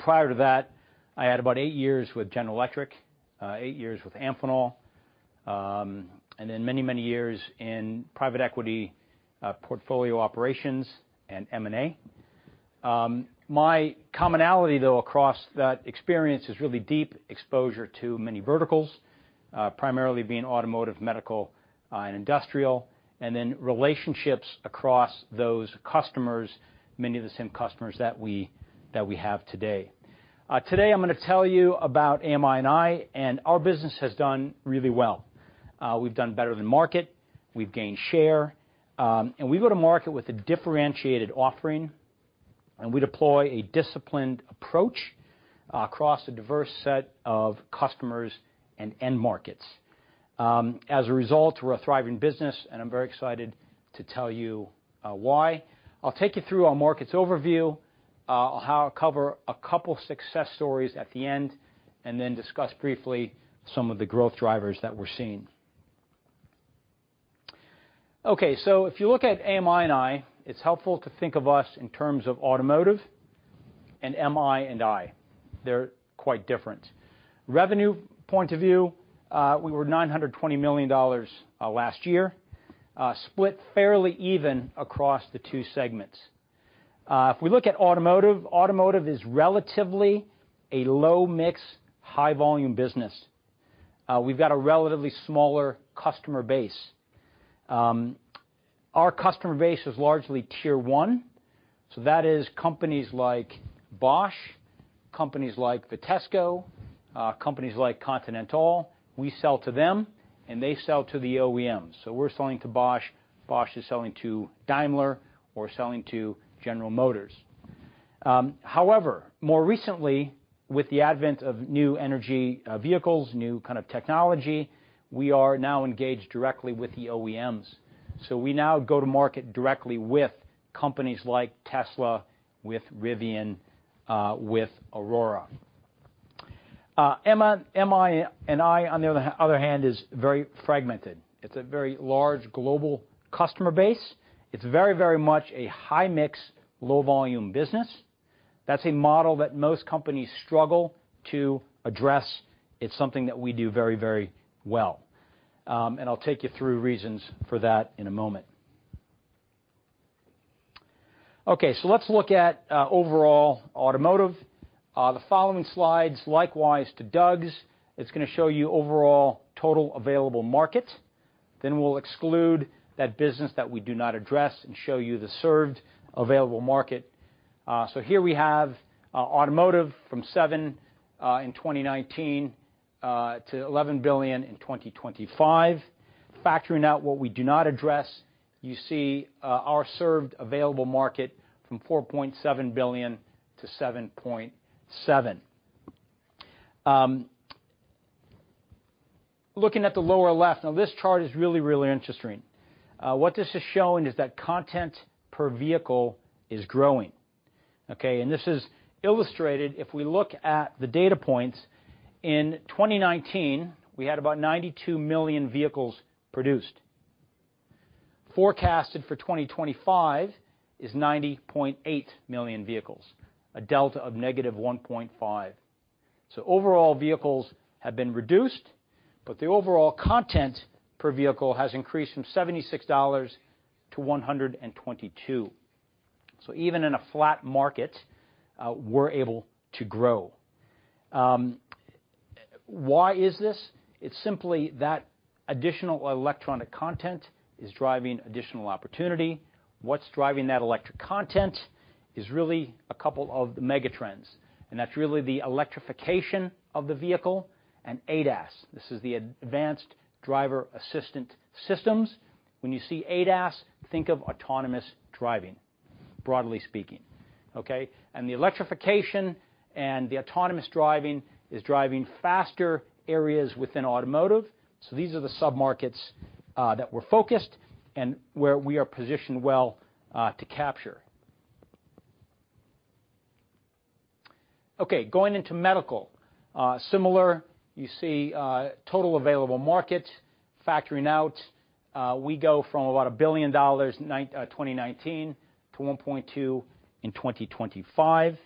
Prior to that, I had about 8 years with General Electric, 8 years with Amphenol, and then many, many years in private equity, portfolio operations and M&A. My commonality, though, across that experience, is really deep exposure to many verticals, primarily being automotive, medical, and industrial, and then relationships across those customers, many of the same customers that we have today. Today, I'm gonna tell you about AMII. Our business has done really well. We've done better than market, we've gained share. We go to market with a differentiated offering. We deploy a disciplined approach across a diverse set of customers and end markets. As a result, we're a thriving business. I'm very excited to tell you why. I'll take you through our markets overview. I'll cover a couple of success stories at the end. Discuss briefly some of the growth drivers that we're seeing. If you look at AMI&I, it's helpful to think of us in terms of automotive and MI and I. They're quite different. Revenue point of view, we were $920 million last year, split fairly even across the two segments. Automotive is relatively a low-mix, high-volume business. We've got a relatively smaller customer base. Our customer base is largely tier one, so that is companies like Bosch, companies like Vitesco, companies like Continental. We sell to them, and they sell to the OEMs. We're selling to Bosch is selling to Daimler, or selling to General Motors. However, more recently, with the advent of new energy vehicles, new kind of technology, we are now engaged directly with the OEMs. We now go to market directly with companies like Tesla, with Rivian, with Aurora. AMII, on the other hand, is very fragmented. It's a very large global customer base. It's very, very much a high-mix, low-volume business. That's a model that most companies struggle to address. It's something that we do very, very well. I'll take you through reasons for that in a moment. Let's look at overall automotive. The following slides, likewise to Doug's, it's gonna show you overall total available markets, then we'll exclude that business that we do not address and show you the served available market. Here we have automotive from $7 billion in 2019 to $11 billion in 2025. Factoring out what we do not address, you see our served available market from $4.7 billion to $7.7 billion. Looking at the lower left, now, this chart is really interesting. What this is showing is that content per vehicle is growing. This is illustrated if we look at the data points. In 2019, we had about 92 million vehicles produced. Forecasted for 2025 is 90.8 million vehicles, a delta of -1.5. Overall, vehicles have been reduced, but the overall content per vehicle has increased from $76 to $122. Even in a flat market, we're able to grow. Why is this? It's simply that additional electronic content is driving additional opportunity. What's driving that electronic content is really a couple of the megatrends, and that's really the electrification of the vehicle and ADAS. This is the Advanced Driver Assistant Systems. When you see ADAS, think of autonomous driving, broadly speaking, okay? The electrification and the autonomous driving is driving faster areas within automotive, so these are the submarkets that we're focused and where we are positioned well to capture. Okay, going into medical. Similar, you see total available market. Factoring out, we go from about $1 billion nine, 2019 to $1.2 billion in 2025.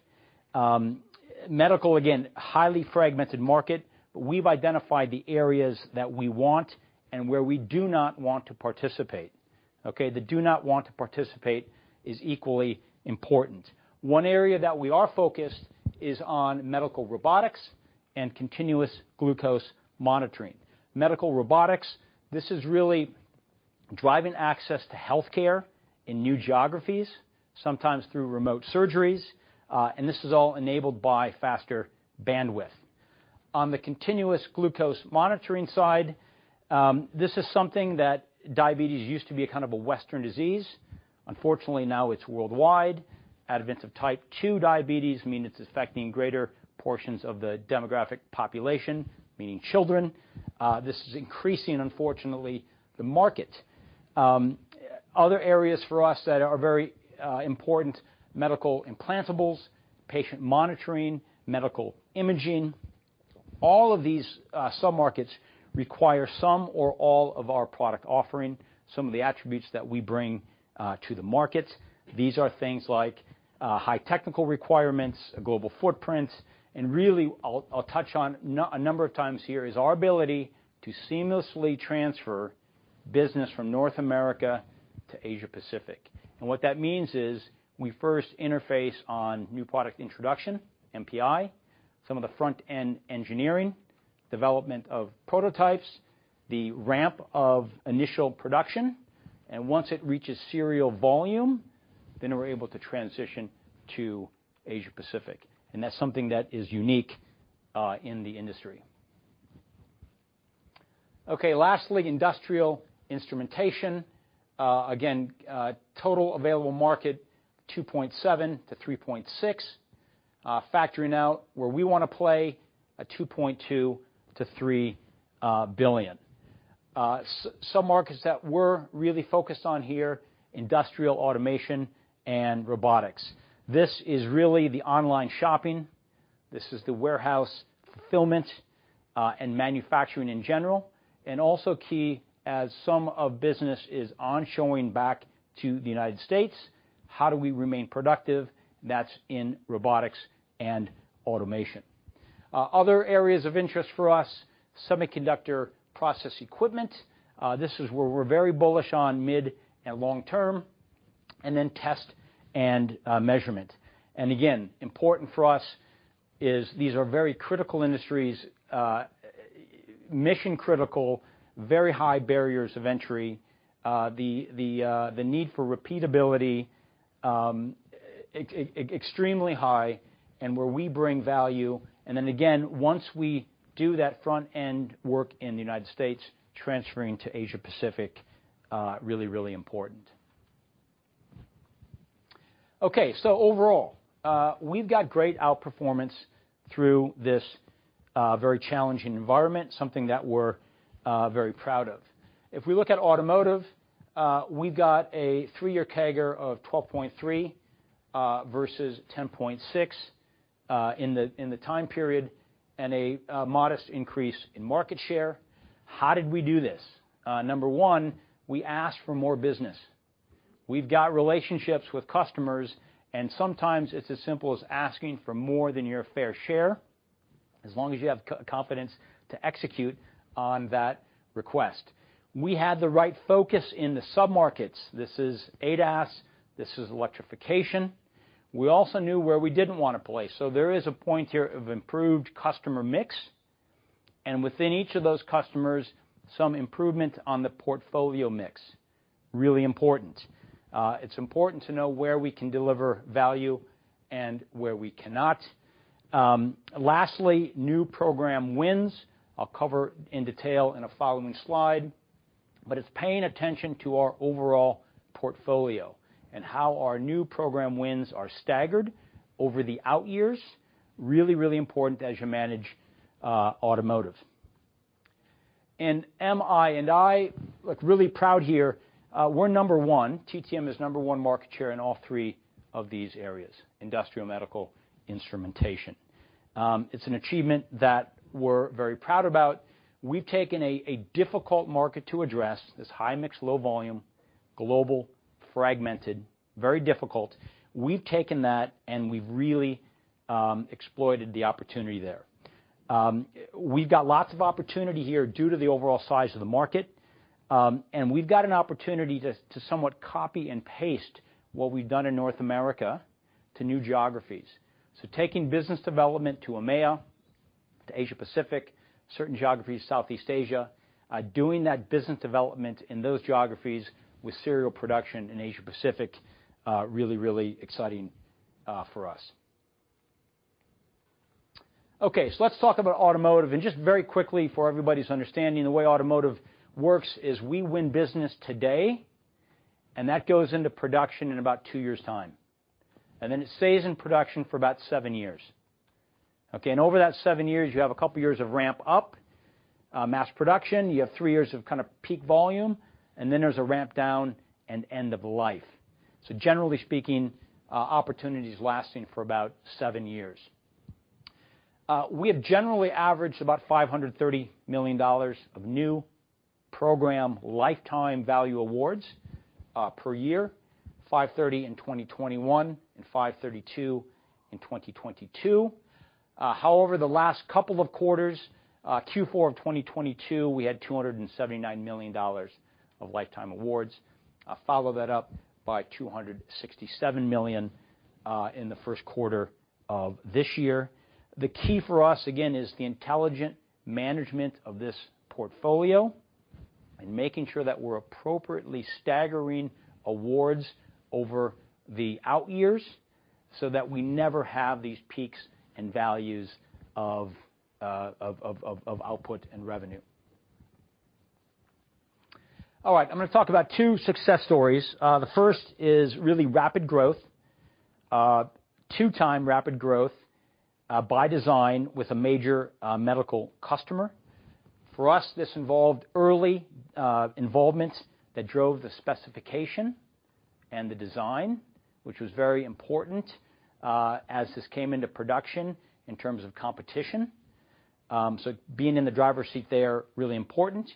Medical, again, highly fragmented market, but we've identified the areas that we want and where we do not want to participate, okay? The do not want to participate is equally important. One area that we are focused is on Medical robotics and continuous glucose monitoring. Medical robotics, this is really driving access to healthcare in new geographies, sometimes through remote surgeries, and this is all enabled by faster bandwidth. On the continuous glucose monitoring side, this is something that... Diabetes used to be a kind of a Western disease. Unfortunately, now it's worldwide. Advents of type two diabetes mean it's affecting greater portions of the demographic population, meaning children. This is increasing, unfortunately, the market. Other areas for us that are very important, medical implantables, patient monitoring, medical imaging. All of these submarkets require some or all of our product offering, some of the attributes that we bring to the market. These are things like high technical requirements, a global footprint, and really, I'll touch on a number of times here, is our ability to seamlessly transfer business from North America to Asia Pacific. What that means is we first interface on new product introduction, NPI, some of the front-end engineering, development of prototypes, the ramp of initial production, and once it reaches serial volume, then we're able to transition to Asia Pacific, and that's something that is unique in the industry. Okay, lastly, industrial instrumentation. Again, total available market, $2.7-$3.6. Factoring out where we wanna play, a $2.2 billion-$3 billion. Some markets that we're really focused on here, industrial automation and robotics. This is really the online shopping. This is the warehouse fulfillment and manufacturing in general, and also key, as some of business is onshoring back to the United States, how do we remain productive? That's in robotics and automation. Other areas of interest for us, semiconductor process equipment, this is where we're very bullish on mid- and long-term, and then test and measurement. Again, important for us is these are very critical industries, mission-critical, very high barriers of entry, the need for repeatability, extremely high, and where we bring value. Once we do that front-end work in the United States, transferring to Asia Pacific, really, really important. Overall, we've got great outperformance through this very challenging environment, something that we're very proud of. If we look at automotive, we've got a three-year CAGR of 12.3% versus 10.6% in the time period, and a modest increase in market share. How did we do this? Number one, we asked for more business. We've got relationships with customers, and sometimes it's as simple as asking for more than your fair share, as long as you have confidence to execute on that request. We had the right focus in the submarkets. This is ADAS, this is electrification. We also knew where we didn't want to play, there is a point here of improved customer mix, and within each of those customers, some improvement on the portfolio mix, really important. It's important to know where we can deliver value and where we cannot. Lastly, new program wins. I'll cover in detail in a following slide, but it's paying attention to our overall portfolio and how our new program wins are staggered over the out years. Really, really important as you manage automotive... MI, and I look really proud here, we're number one. TTM is number one market share in all three of these areas: industrial, medical, instrumentation. It's an achievement that we're very proud about. We've taken a difficult market to address, this high mix, low volume, global, fragmented, very difficult. We've taken that, and we've really exploited the opportunity there. We've got lots of opportunity here due to the overall size of the market, and we've got an opportunity to somewhat copy and paste what we've done in North America to new geographies. Taking business development to EMEA, to Asia Pacific, certain geographies, Southeast Asia, doing that business development in those geographies with serial production in Asia Pacific, really exciting for us. Let's talk about automotive. Just very quickly, for everybody's understanding, the way automotive works is we win business today, and that goes into production in about two years' time, and then it stays in production for about seven years. Over that seven years, you have a couple of years of ramp up, mass production. You have three years of kind of peak volume, and then there's a ramp down and end of life. Generally speaking, opportunities lasting for about seven years. We have generally averaged about $530 million of new program lifetime value awards per year, $530 in 2021 and $532 in 2022. However, the last couple of quarters, Q4 of 2022, we had $279 million of lifetime awards. Follow that up by $267 million in the first quarter of this year. The key for us, again, is the intelligent management of this portfolio and making sure that we're appropriately staggering awards over the out years so that we never have these peaks and values of output and revenue. All right, I'm going to talk about two success stories. The first is really rapid growth, two-time rapid growth, by design, with a major medical customer. For us, this involved early involvement that drove the specification and the design, which was very important as this came into production in terms of competition. Being in the driver's seat there, really important.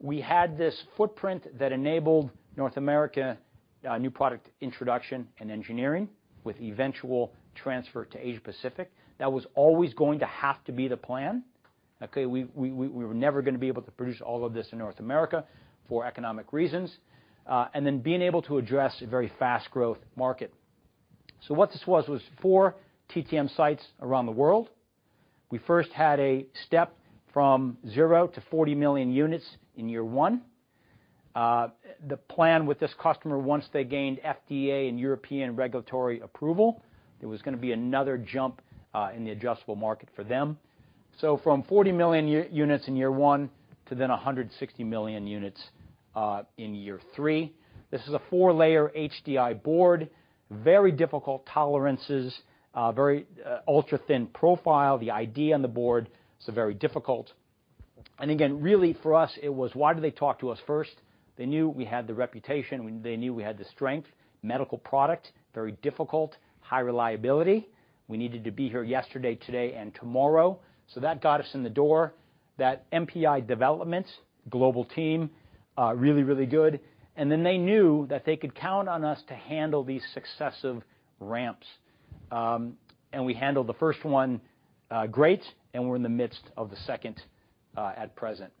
We had this footprint that enabled North America new product introduction and engineering, with eventual transfer to Asia Pacific. That was always going to have to be the plan. Okay, we were never going to be able to produce all of this in North America for economic reasons, and then being able to address a very fast growth market. What this was four TTM sites around the world. We first had a step from 0 to 40 million units in year one. The plan with this customer, once they gained FDA and European regulatory approval, there was going to be another jump in the adjustable market for them. From 40 million units in year one to 160 million units in year three. This is a four-layer HDI board, very difficult tolerances, very ultra-thin profile. The ID on the board, it's very difficult. Again, really for us, it was, why did they talk to us first? They knew we had the reputation. They knew we had the strength, medical product, very difficult, high reliability. We needed to be here yesterday, today and tomorrow. That got us in the door, that NPI development, global team, really good. They knew that they could count on us to handle these successive ramps. We handled the first one great, and we're in the midst of the second at present.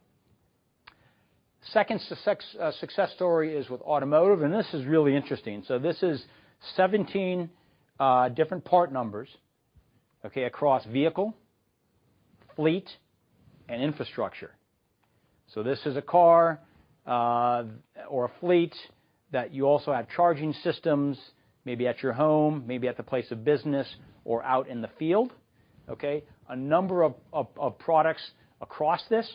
Second success story is with automotive, and this is really interesting. This is 17 different part numbers, okay, across vehicle, fleet, and infrastructure. This is a car, or a fleet that you also have charging systems, maybe at your home, maybe at the place of business or out in the field. Okay? A number of products across this.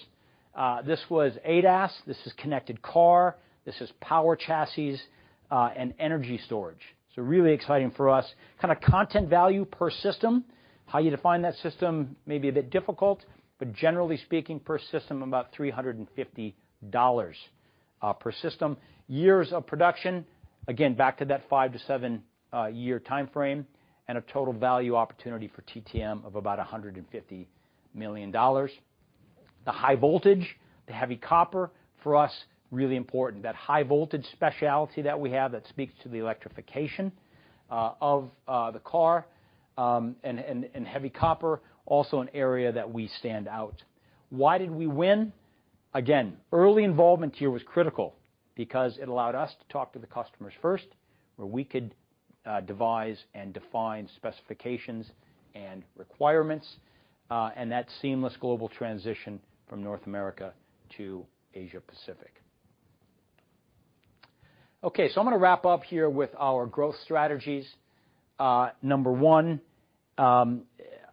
This was ADAS, this is connected car, this is power chassis, and energy storage. Really exciting for us. Kind of content value per system. How you define that system may be a bit difficult, generally speaking, per system, about $350 per system. Years of production, again, back to that five to seven year time frame, a total value opportunity for TTM of about $150 million. The high voltage, the heavy copper for us, really important. That high voltage specialty that we have, that speaks to the electrification of the car. Heavy copper, also an area that we stand out. Why did we win? Again, early involvement here was critical because it allowed us to talk to the customers first, where we could devise and define specifications and requirements, that seamless global transition from North America to Asia Pacific. I'm going to wrap up here with our growth strategies. Number one,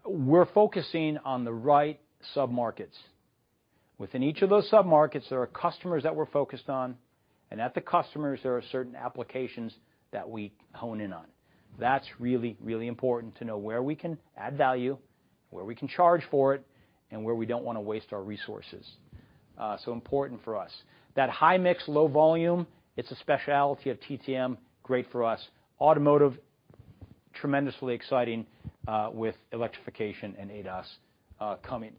we're focusing on the right submarkets. Within each of those submarkets, there are customers that we're focused on. At the customers, there are certain applications that we hone in on. That's really, really important to know where we can add value, where we can charge for it, and where we don't want to waste our resources. Important for us. That high mix, low volume, it's a specialty of TTM, great for us. Automotive, tremendously exciting, with electrification and ADAS coming.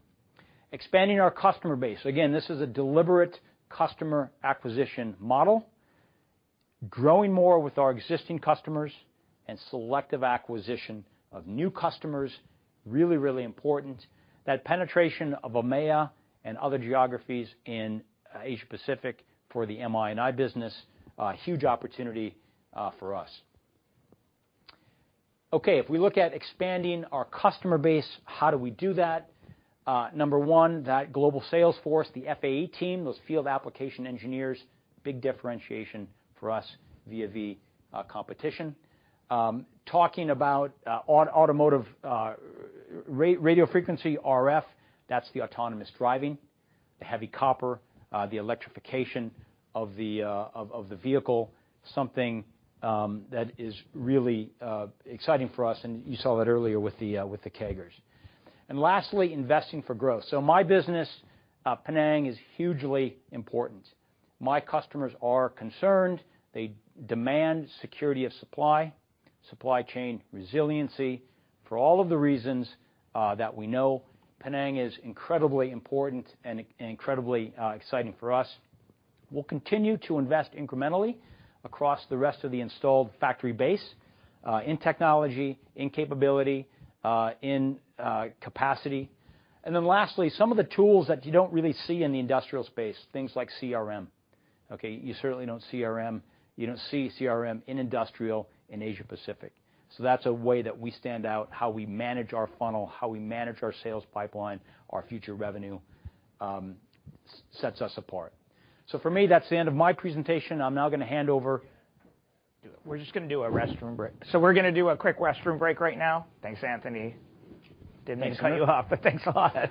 Expanding our customer base. Again, this is a deliberate customer acquisition model, growing more with our existing customers and selective acquisition of new customers, really, really important. That penetration of EMEA and other geographies in Asia Pacific for the MI and I business, a huge opportunity for us. Okay, if we look at expanding our customer base, how do we do that? Number one, that global sales force, the FAE team, those field application engineers, big differentiation for us vis-a-vis competition. Talking about on automotive, radio frequency, RF, that's the autonomous driving, the heavy copper, the electrification of the vehicle, something that is really exciting for us, and you saw that earlier with the CAGRs. Lastly, investing for growth. My business, Penang, is hugely important. My customers are concerned. They demand security of supply chain resiliency. For all of the reasons that we know, Penang is incredibly important and incredibly exciting for us. We'll continue to invest incrementally across the rest of the installed factory base in technology, in capability, in capacity. Lastly, some of the tools that you don't really see in the industrial space, things like CRM. Okay, you certainly don't see CRM in industrial in Asia Pacific. That's a way that we stand out, how we manage our funnel, how we manage our sales pipeline, our future revenue, sets us apart. For me, that's the end of my presentation. I'm now going to hand over. We're just going to do a restroom break. We're going to do a quick restroom break right now. Thanks, Anthony. Didn't mean to cut you off, but thanks a lot.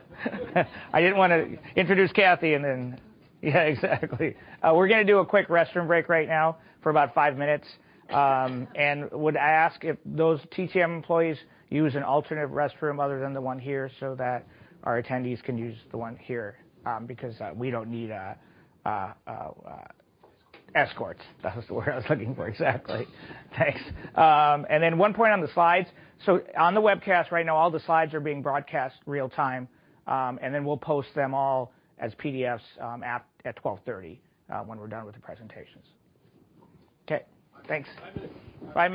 I didn't want to introduce Cathy and then. Yeah, exactly. We're going to do a quick restroom break right now for about five minutes, and would ask if those TTM employees use an alternative restroom other than the one here, so that our attendees can use the one here, because we don't need escorts. That's the word I was looking for. Exactly. Thanks. One point on the slides. On the webcast right now, all the slides are being broadcast real time, and then we'll post them all as PDFs at 12:30 when we're done with the presentations. Okay, thanks. Five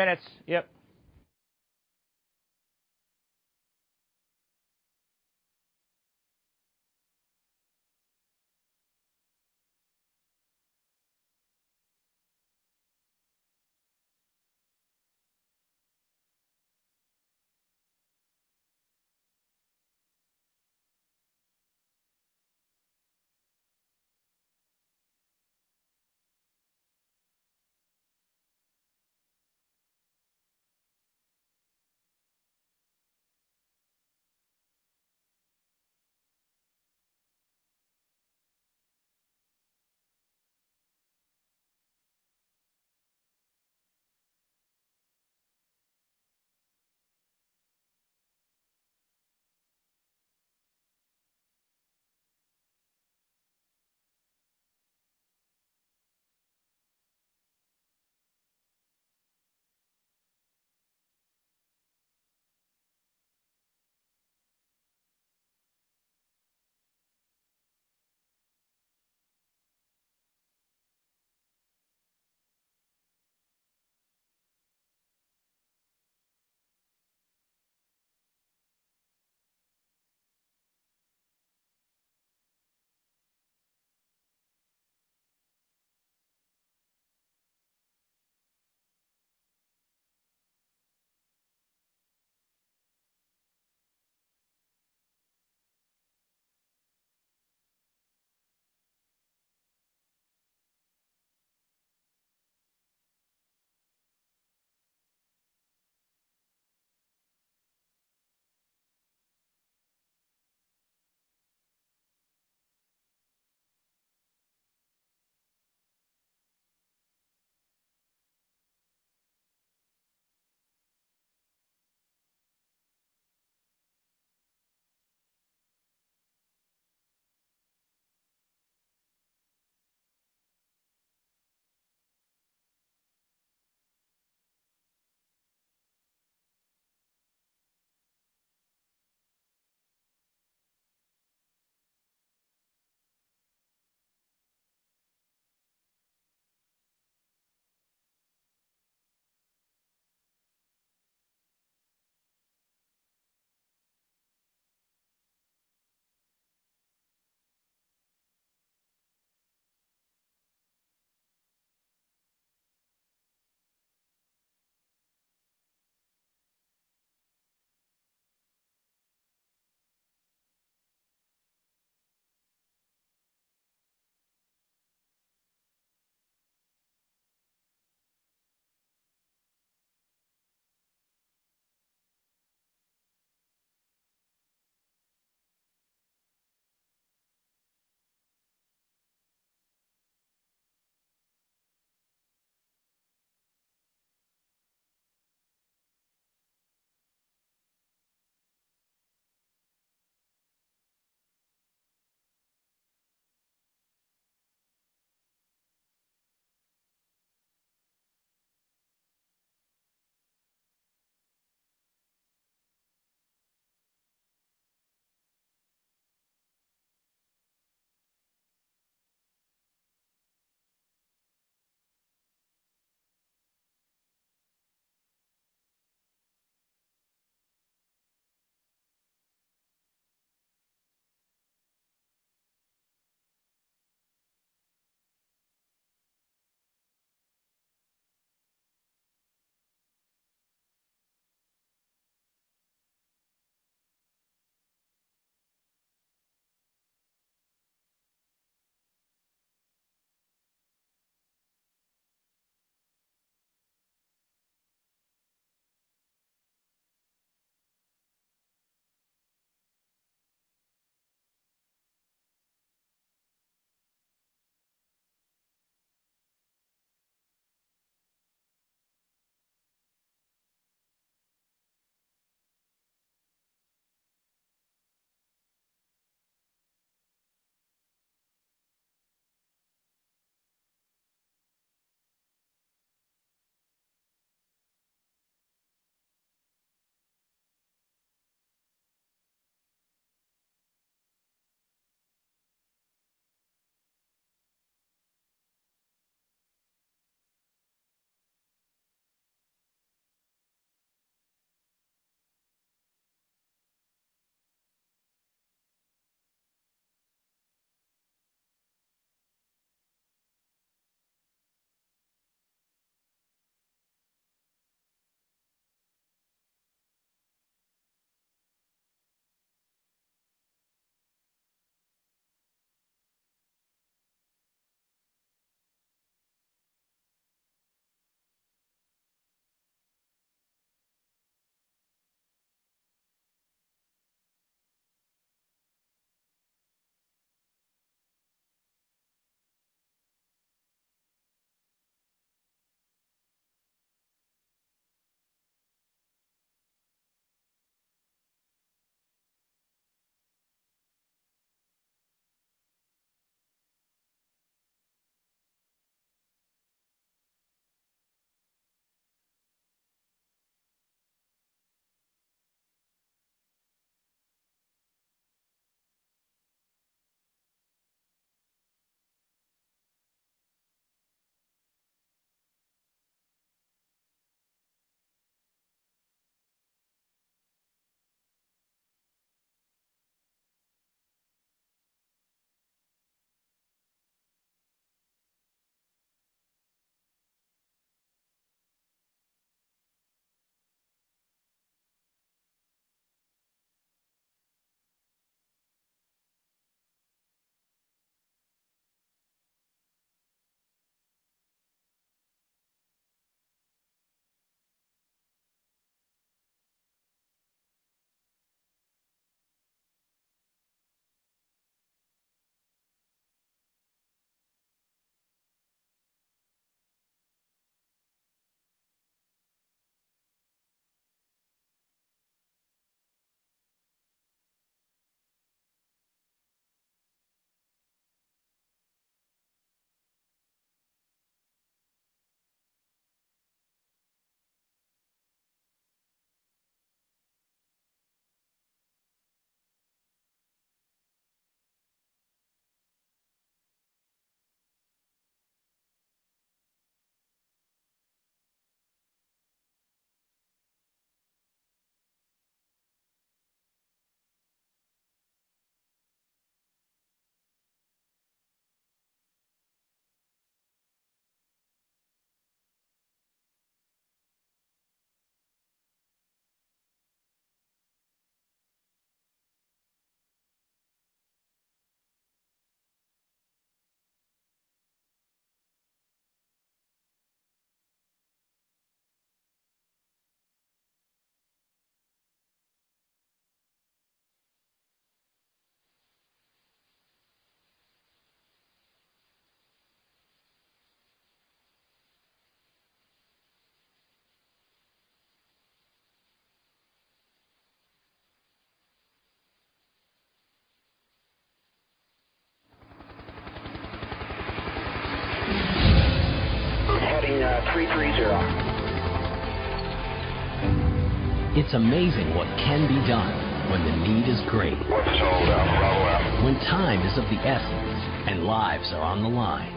minutes. Yep.... Heading 330. It's amazing what can be done when the need is great. Watch it all down, follow up. When time is of the essence and lives are on the line.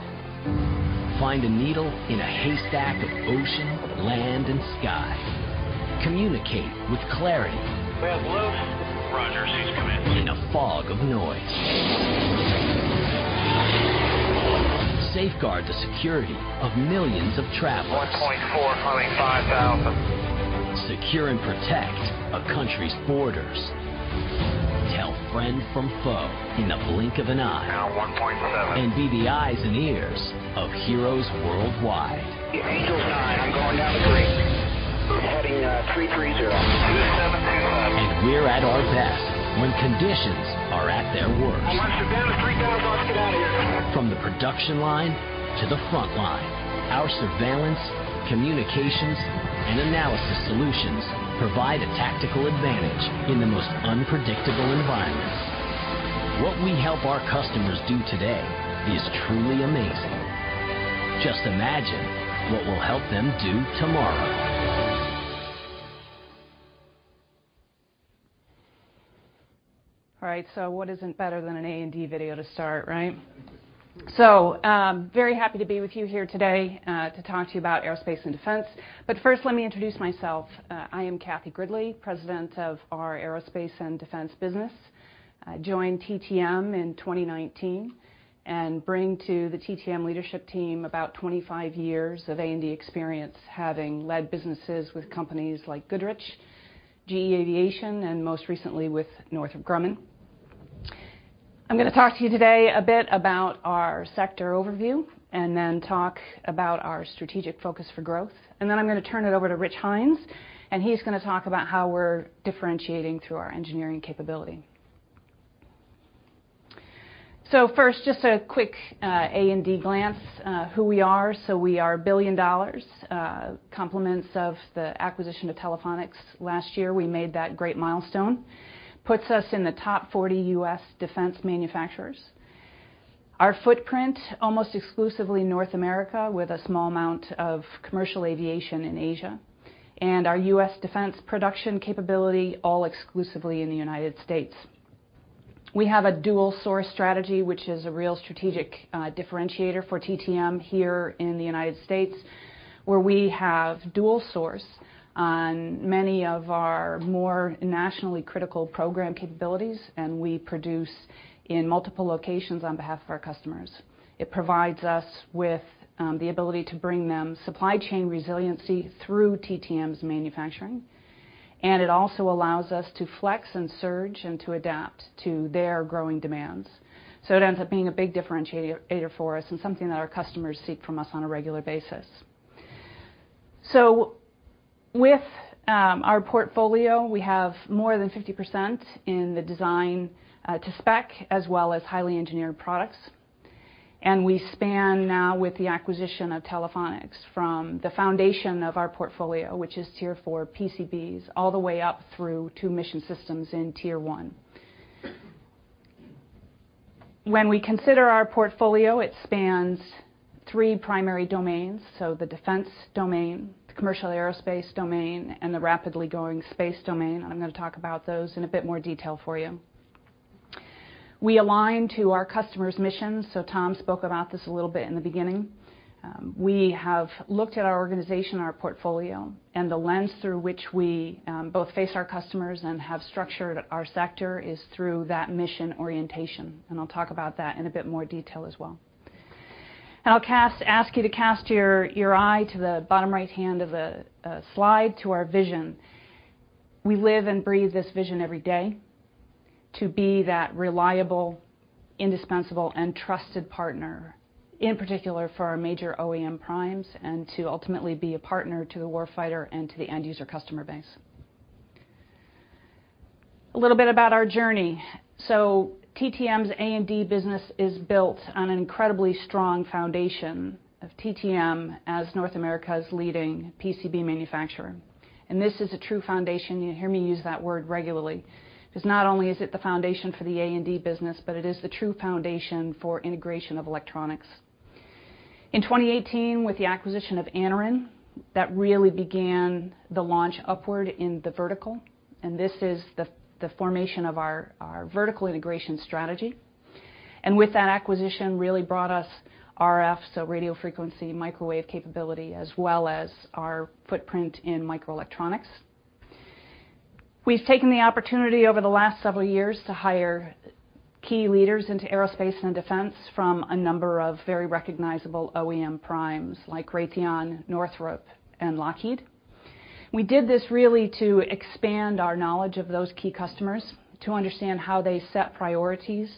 Find a needle in a haystack of ocean, land, and sky. Communicate with clarity- We have loose. Roger, she's coming. -in a fog of noise. Safeguard the security of millions of travelers. 1.4, climbing 5,000. Secure and protect a country's borders. Tell friend from foe in the blink of an eye. Now 1.7. Be the eyes and ears of heroes worldwide. Angel nine, I'm going down to three. Heading 330. 272. We're at our best when conditions are at their worst. I'm down to 3,000. Let's get out of here! From the production line to the front line, our surveillance, communications, and analysis solutions provide a tactical advantage in the most unpredictable environments. What we help our customers do today is truly amazing. Just imagine what we'll help them do tomorrow. All right, what isn't better than an A&D video to start, right? Very happy to be with you here today to talk to you about aerospace and defense. First, let me introduce myself. I am Cathy Gridley, President of our Aerospace and Defense business. I joined TTM in 2019, and bring to the TTM leadership team about 25 years of A&D experience, having led businesses with companies like Goodrich, GE Aviation, and most recently with Northrop Grumman. I'm going to talk to you today a bit about our sector overview and then talk about our strategic focus for growth. I'm going to turn it over to Rich Hines, and he's going to talk about how we're differentiating through our engineering capability. First, just a quick A&D glance, who we are. We are $1 billion, compliments of the acquisition of Telephonics last year. We made that great milestone. Puts us in the top 40 U.S. defense manufacturers. Our footprint, almost exclusively North America, with a small amount of commercial aviation in Asia, and our U.S. defense production capability, all exclusively in the United States. We have a dual source strategy, which is a real strategic differentiator for TTM here in the United States, where we have dual source on many of our more nationally critical program capabilities, and we produce in multiple locations on behalf of our customers. It provides us with the ability to bring them supply chain resiliency through TTM's manufacturing, and it also allows us to flex and surge and to adapt to their growing demands. It ends up being a big differentiator for us and something that our customers seek from us on a regular basis. With our portfolio, we have more than 50% in the design to spec as well as highly engineered products. We span now with the acquisition of Telephonics from the foundation of our portfolio, which is tier four PCBs, all the way up through two mission systems in tier one. When we consider our portfolio, it spans 3 primary domains: the defense domain, the commercial aerospace domain, and the rapidly growing space domain. I'm going to talk about those in a bit more detail for you. We align to our customer's missions. Tom spoke about this a little bit in the beginning. We have looked at our organization, our portfolio, and the lens through which we both face our customers and have structured our sector is through that mission orientation. I'll ask you to cast your eye to the bottom right-hand of the slide to our vision. We live and breathe this vision every day: to be that reliable, indispensable, and trusted partner, in particular for our major OEM primes, and to ultimately be a partner to the warfighter and to the end user customer base. A little bit about our journey. TTM's A&D business is built on an incredibly strong foundation of TTM as North America's leading PCB manufacturer. This is a true foundation. You hear me use that word regularly, not only is it the foundation for the A&D business, but it is the true foundation for integration of electronics. In 2018, with the acquisition of Anaren, that really began the launch upward in the vertical, this is the formation of our vertical integration strategy. With that acquisition, really brought us RF, so radio frequency, microwave capability, as well as our footprint in microelectronics. We've taken the opportunity over the last several years to hire key leaders into aerospace and defense from a number of very recognizable OEM primes like Raytheon, Northrop, and Lockheed. We did this really to expand our knowledge of those key customers, to understand how they set priorities,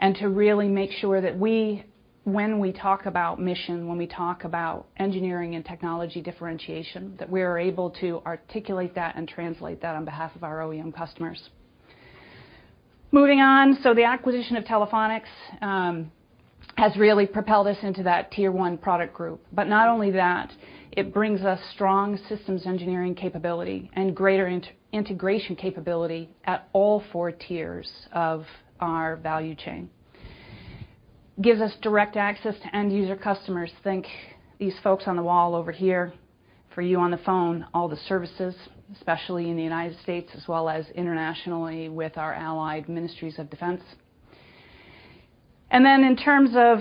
and to really make sure that we, when we talk about mission, when we talk about engineering and technology differentiation, that we are able to articulate that and translate that on behalf of our OEM customers. Moving on, the acquisition of Telephonics has really propelled us into that tier one product group. Not only that, it brings us strong systems engineering capability and greater integration capability at all four tiers of our value chain. Gives us direct access to end user customers. Think these folks on the wall over here, for you on the phone, all the services, especially in the United States, as well as internationally with our allied ministries of defense. In terms of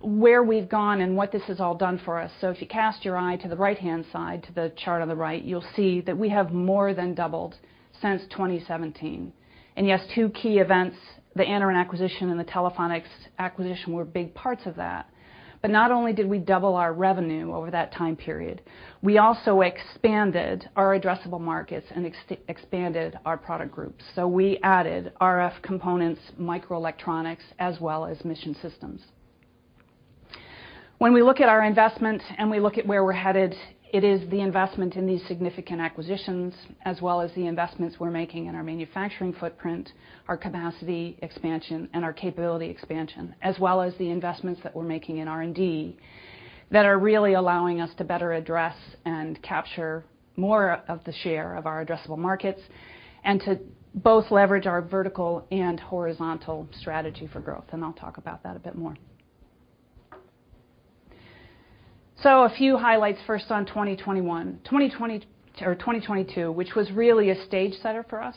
where we've gone and what this has all done for us, so if you cast your eye to the right-hand side, to the chart on the right, you'll see that we have more than doubled since 2017. Yes, two key events, the Anaren acquisition and the Telephonics acquisition, were big parts of that. Not only did we double our revenue over that time period, we also expanded our addressable markets and expanded our product groups. We added RF components, microelectronics, as well as mission systems. When we look at our investments, and we look at where we're headed, it is the investment in these significant acquisitions, as well as the investments we're making in our manufacturing footprint, our capacity expansion, and our capability expansion, as well as the investments that we're making in R&D, that are really allowing us to better address and capture more of the share of our addressable markets, and to both leverage our vertical and horizontal strategy for growth, and I'll talk about that a bit more. A few highlights first on 2021. 2022, which was really a stage setter for us.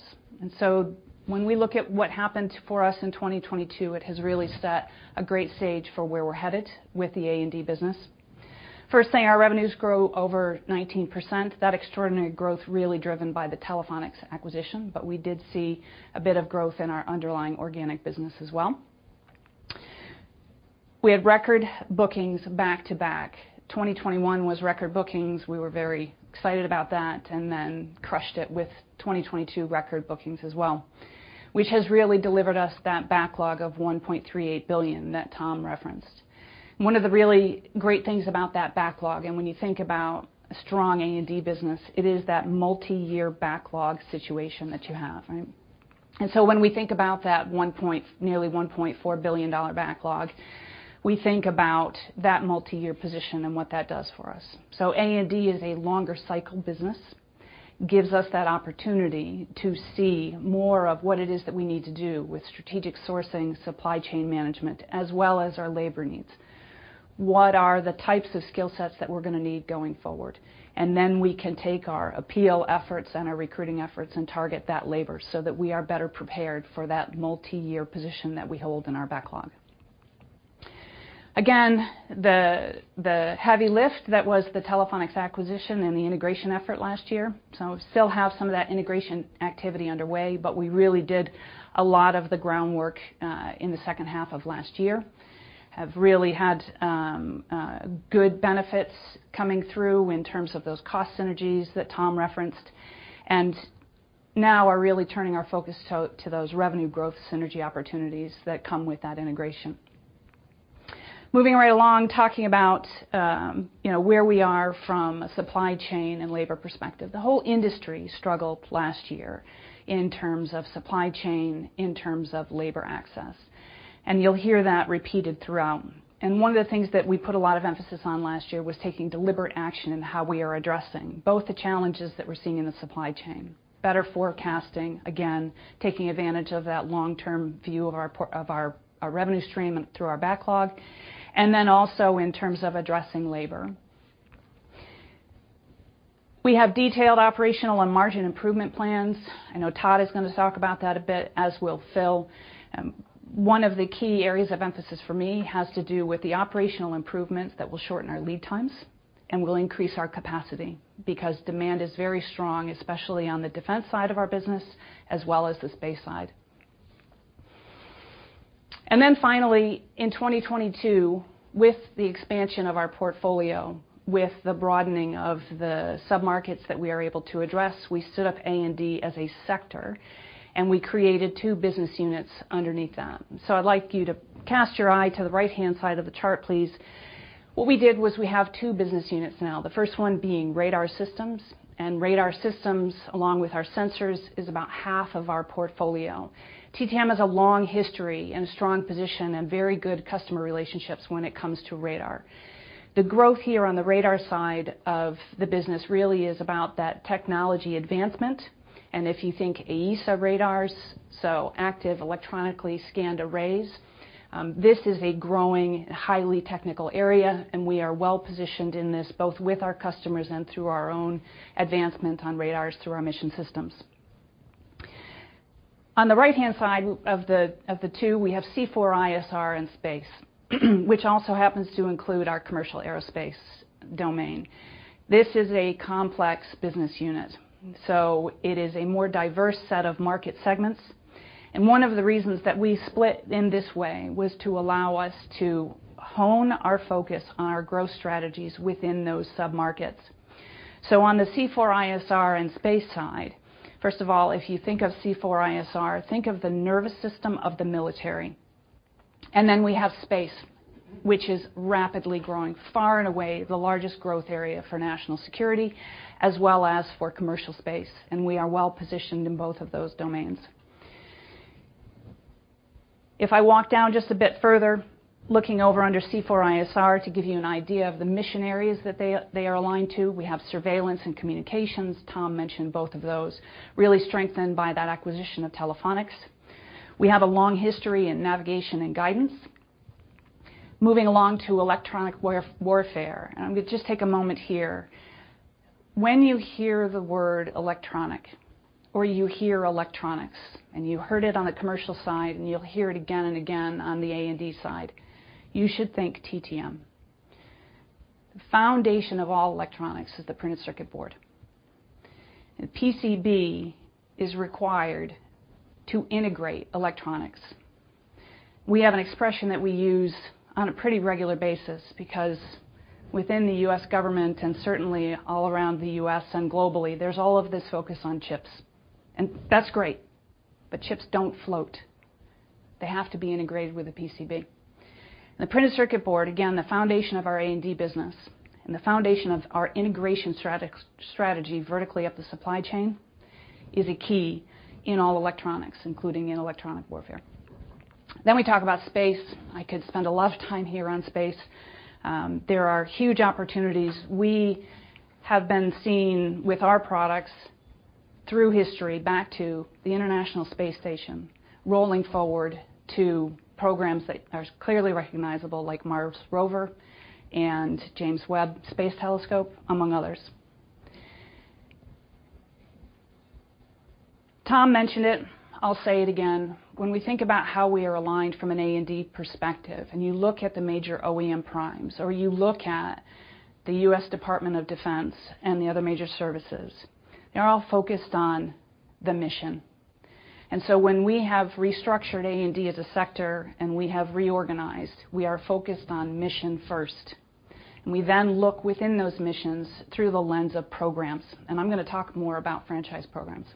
When we look at what happened for us in 2022, it has really set a great stage for where we're headed with the A&D business. First thing, our revenues grow over 19%. That extraordinary growth really driven by the Telephonics acquisition, we did see a bit of growth in our underlying organic business as well. We had record bookings back-to-back. 2021 was record bookings. We were very excited about that and then crushed it with 2022 record bookings as well, which has really delivered us that backlog of $1.38 billion that Tom referenced. One of the really great things about that backlog, and when you think about a strong A&D business, it is that multiyear backlog situation that you have, right? When we think about that Nearly $1.4 billion backlog, we think about that multiyear position and what that does for us. A&D is a longer cycle business. Gives us that opportunity to see more of what it is that we need to do with strategic sourcing, supply chain management, as well as our labor needs. What are the types of skill sets that we're going to need going forward? Then we can take our appeal efforts and our recruiting efforts and target that labor so that we are better prepared for that multiyear position that we hold in our backlog. Again, the heavy lift, that was the Telephonics acquisition and the integration effort last year. Still have some of that integration activity underway, but we really did a lot of the groundwork in the second half of last year. Have really had good benefits coming through in terms of those cost synergies that Tom referenced. Now are really turning our focus to those revenue growth synergy opportunities that come with that integration. Moving right along, talking about, you know, where we are from a supply chain and labor perspective. The whole industry struggled last year in terms of supply chain, in terms of labor access, and you'll hear that repeated throughout. One of the things that we put a lot of emphasis on last year was taking deliberate action in how we are addressing both the challenges that we're seeing in the supply chain, better forecasting, again, taking advantage of that long-term view of our revenue stream through our backlog, and then also in terms of addressing labor. We have detailed operational and margin improvement plans. I know Todd is going to talk about that a bit, as will Phil. One of the key areas of emphasis for me has to do with the operational improvements that will shorten our lead times and will increase our capacity, because demand is very strong, especially on the defense side of our business, as well as the space side. Finally, in 2022, with the expansion of our portfolio, with the broadening of the submarkets that we are able to address, we stood up A&D as a sector, and we created two business units underneath that. I'd like you to cast your eye to the right-hand side of the chart, please. What we did was we have two business units now. The first one being radar systems, and radar systems, along with our sensors, is about half of our portfolio. TTM has a long history and a strong position and very good customer relationships when it comes to radar. The growth here on the radar side of the business really is about that technology advancement, and if you think AESA radars, so active, electronically scanned arrays, this is a growing, highly technical area, and we are well positioned in this, both with our customers and through our own advancement on radars through our mission systems. On the right-hand side of the, of the two, we have C4ISR and space, which also happens to include our commercial aerospace domain. This is a complex business unit, so it is a more diverse set of market segments. One of the reasons that we split in this way was to allow us to hone our focus on our growth strategies within those submarkets. On the C4ISR and space side, first of all, if you think of C4ISR, think of the nervous system of the military. We have space, which is rapidly growing, far and away the largest growth area for national security as well as for commercial space, and we are well positioned in both of those domains. If I walk down just a bit further, looking over under C4ISR, to give you an idea of the mission areas that they are aligned to, we have surveillance and communications. Tom mentioned both of those, really strengthened by that acquisition of Telephonics. We have a long history in navigation and guidance. Moving along to electronic warfare, and I'm going to just take a moment here. You hear the word electronic, or you hear electronics, and you heard it on the commercial side, and you'll hear it again and again on the A&D side, you should think TTM. The foundation of all electronics is the printed circuit board. A PCB is required to integrate electronics. We have an expression that we use on a pretty regular basis within the U.S. government, and certainly all around the U.S. and globally, there's all of this focus on chips, and that's great, but chips don't float. They have to be integrated with a PCB. The printed circuit board, again, the foundation of our A&D business and the foundation of our integration strategy vertically up the supply chain, is a key in all electronics, including in electronic warfare. We talk about space. I could spend a lot of time here on space. There are huge opportunities. We have been seen with our products through history back to the International Space Station, rolling forward to programs that are clearly recognizable, like Mars Rover and James Webb Space Telescope, among others. Tom mentioned it, I'll say it again, when we think about how we are aligned from an A&D perspective, you look at the major OEM primes, or you look at the U.S. Department of Defense and the other major services, they're all focused on the mission. When we have restructured A&D as a sector and we have reorganized, we are focused on mission first, and we then look within those missions through the lens of programs. I'm gonna talk more about franchise programs.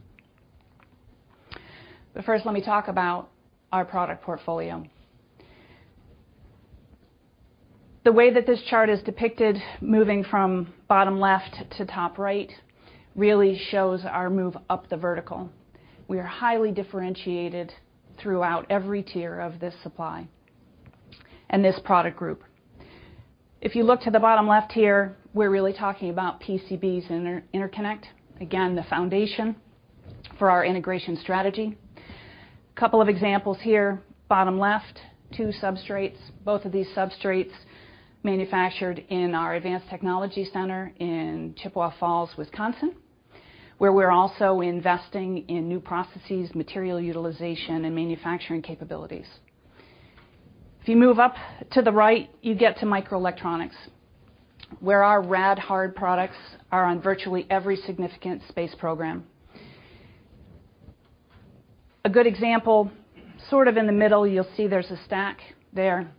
First, let me talk about our product portfolio. The way that this chart is depicted, moving from bottom left to top right, really shows our move up the vertical. We are highly differentiated throughout every tier of this supply and this product group. If you look to the bottom left here, we're really talking about PCBs and interconnect. The foundation for our integration strategy. A couple of examples here. Bottom left, two substrates. Both of these substrates manufactured in our Advanced Technology Center in Chippewa Falls, Wisconsin, where we're also investing in new processes, material utilization, and manufacturing capabilities. If you move up to the right, you get to microelectronics, where our rad-hard products are on virtually every significant space program. A good example, sort of in the middle, you'll see there's a stack there,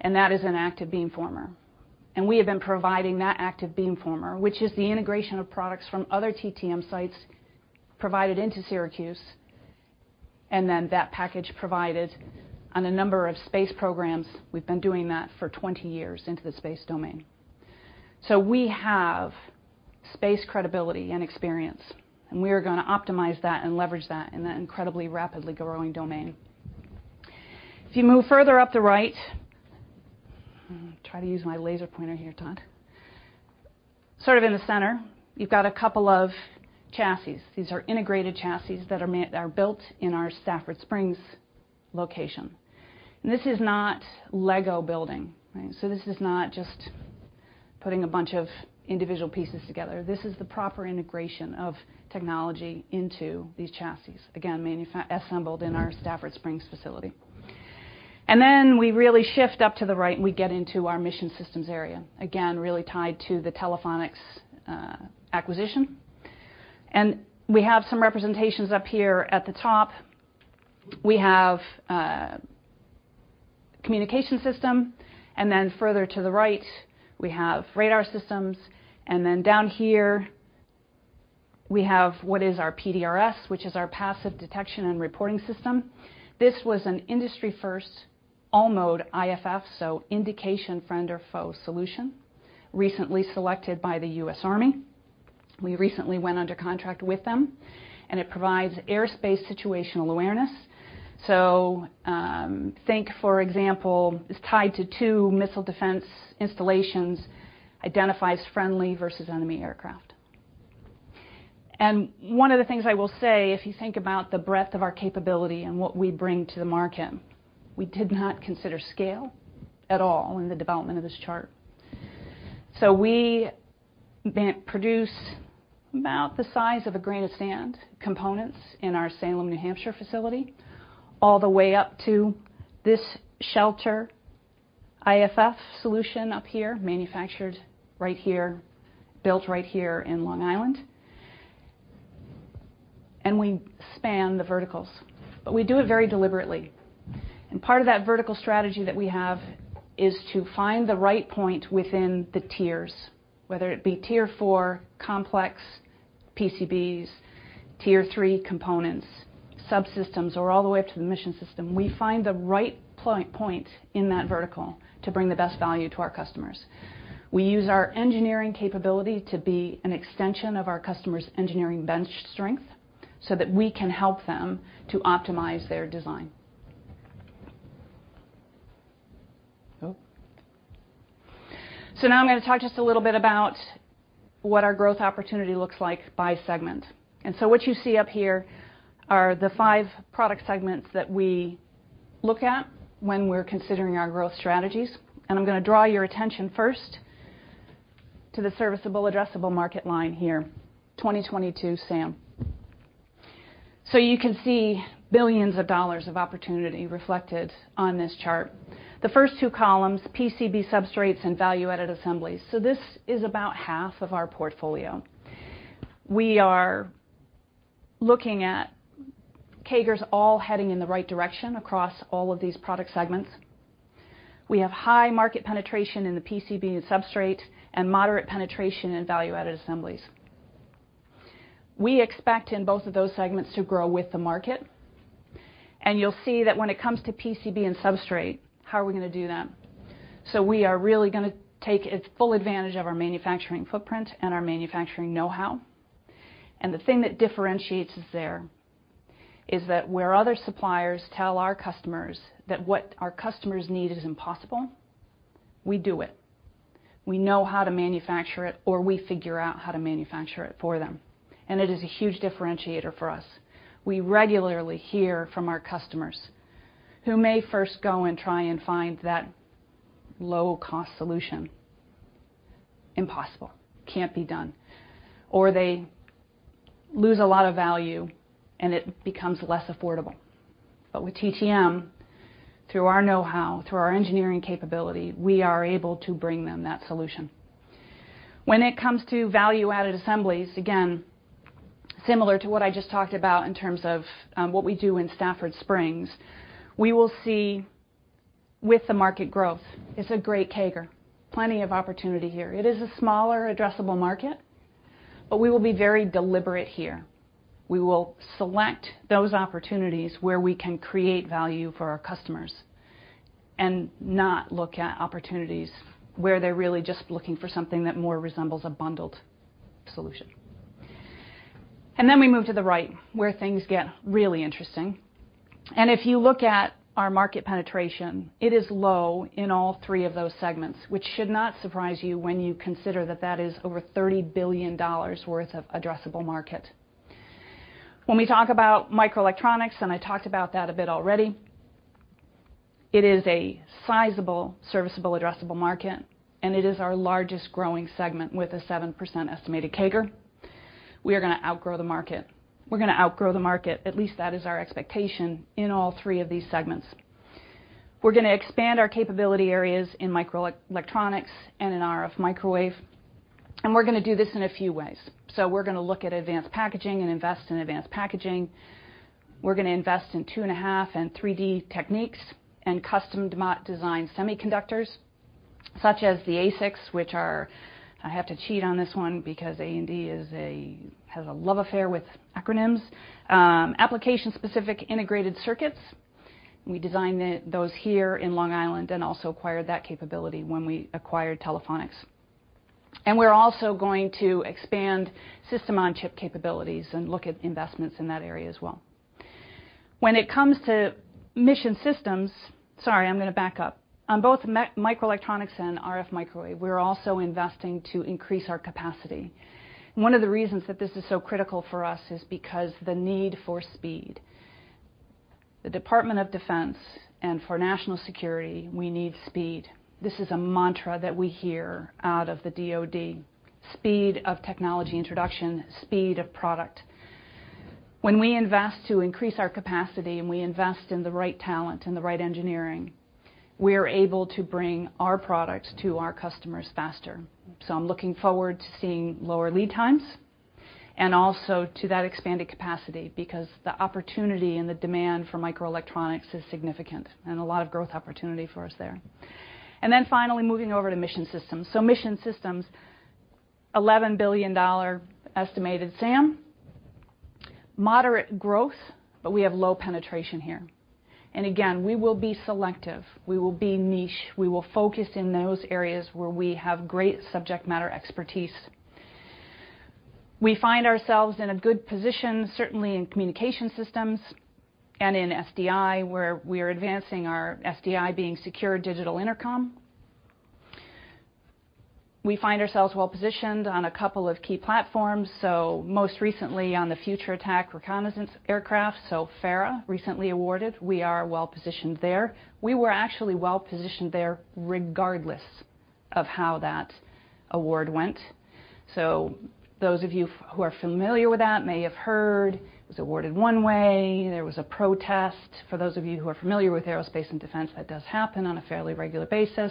and that is an active beamformer. We have been providing that active beamformer, which is the integration of products from other TTM sites provided into Syracuse, and then that package provided on a number of space programs. We've been doing that for 20 years into the space domain. We have space credibility and experience, and we are gonna optimize that and leverage that in that incredibly rapidly growing domain. If you move further up to the right, I'll try to use my laser pointer here, Todd. Sort of in the center, you've got a couple of chassis. These are integrated chassis that are built in our Stafford Springs location. This is not Lego building, right? This is not just putting a bunch of individual pieces together. This is the proper integration of technology into these chassis, again, assembled in our Stafford Springs facility. Then we really shift up to the right, and we get into our mission systems area. Again, really tied to the Telephonics acquisition. We have some representations up here at the top. We have a communication system, and then further to the right, we have radar systems, and then down here, we have what is our PDRS, which is our Passive Detection and Reporting System. This was an industry-first, all-mode IFF, so Indication Friend or Foe solution, recently selected by the U.S. Army. We recently went under contract with them, and it provides airspace situational awareness. Think, for example, it's tied to two missile defense installations, identifies friendly versus enemy aircraft. One of the things I will say, if you think about the breadth of our capability and what we bring to the market, we did not consider scale at all in the development of this chart. We produce about the size of a grain of sand components in our Salem, New Hampshire, facility, all the way up to this shelter, IFF solution up here, manufactured right here, built right here in Long Island. We span the verticals, but we do it very deliberately. Part of that vertical strategy that we have is to find the right point within the tiers, whether it be tier four, complex PCBs, tier three components, subsystems, or all the way up to the mission system. We find the right point in that vertical to bring the best value to our customers. We use our engineering capability to be an extension of our customer's engineering bench strength, so that we can help them to optimize their design. Now I'm gonna talk just a little bit about what our growth opportunity looks like by segment. What you see up here are the five product segments that we look at when we're considering our growth strategies. I'm gonna draw your attention first to the serviceable addressable market line here, 2022 SAM. You can see billions of dollars of opportunity reflected on this chart. The first two columns, PCB substrates and value-added assemblies. This is about half of our portfolio. looking at CAGRs all heading in the right direction across all of these product segments. We have high market penetration in the PCB and substrate, and moderate penetration in value-added assemblies. We expect in both of those segments to grow with the market, and you'll see that when it comes to PCB and substrate, how are we going to do that? We are really going to take full advantage of our manufacturing footprint and our manufacturing know-how. The thing that differentiates us there is that where other suppliers tell our customers that what our customers need is impossible, we do it. We know how to manufacture it, or we figure out how to manufacture it for them, and it is a huge differentiator for us. We regularly hear from our customers, who may first go and try and find that low-cost solution. Impossible, can't be done. They lose a lot of value, and it becomes less affordable. With TTM, through our know-how, through our engineering capability, we are able to bring them that solution. When it comes to value-added assemblies, again, similar to what I just talked about in terms of what we do in Stafford Springs, we will see with the market growth, it's a great CAGR. Plenty of opportunity here. It is a smaller addressable market, but we will be very deliberate here. We will select those opportunities where we can create value for our customers and not look at opportunities where they're really just looking for something that more resembles a bundled solution. Then we move to the right, where things get really interesting. If you look at our market penetration, it is low in all three of those segments, which should not surprise you when you consider that that is over $30 billion worth of addressable market. When we talk about microelectronics, and I talked about that a bit already, it is a sizable, serviceable, addressable market, and it is our largest growing segment with a 7% estimated CAGR. We are going to outgrow the market. We're going to outgrow the market, at least that is our expectation in all three of these segments. We're going to expand our capability areas in microelectronics and in RF microwave, and we're going to do this in a few ways. We're going to look at advanced packaging and invest in advanced packaging. We're going to invest in 2.5D and 3D techniques and custom-designed semiconductors, such as the ASICs, which are... I have to cheat on this one because A&D has a love affair with acronyms. application-specific integrated circuits. We designed those here in Long Island and also acquired that capability when we acquired Telephonics. We're also going to expand system-on-chip capabilities and look at investments in that area as well. Sorry, I'm going to back up. On both microelectronics and RF microwave, we're also investing to increase our capacity. One of the reasons that this is so critical for us is because the need for speed. The Department of Defense and for national security, we need speed. This is a mantra that we hear out of the DoD, speed of technology introduction, speed of product. When we invest to increase our capacity, and we invest in the right talent and the right engineering, we are able to bring our products to our customers faster. I'm looking forward to seeing lower lead times and also to that expanded capacity, because the opportunity and the demand for microelectronics is significant and a lot of growth opportunity for us there. Finally, moving over to mission systems. Mission systems, $11 billion estimated SAM, moderate growth, but we have low penetration here. Again, we will be selective, we will be niche. We will focus in those areas where we have great subject matter expertise. We find ourselves in a good position, certainly in communication systems and in SDI, where we are advancing our SDI being secure digital intercom. We find ourselves well positioned on a couple of key platforms, most recently on the Future Attack Reconnaissance Aircraft. FARA, recently awarded, we are well positioned there. We were actually well positioned there regardless of how that award went. Those of you who are familiar with that may have heard it was awarded one way. There was a protest. For those of you who are familiar with aerospace and defense, that does happen on a fairly regular basis.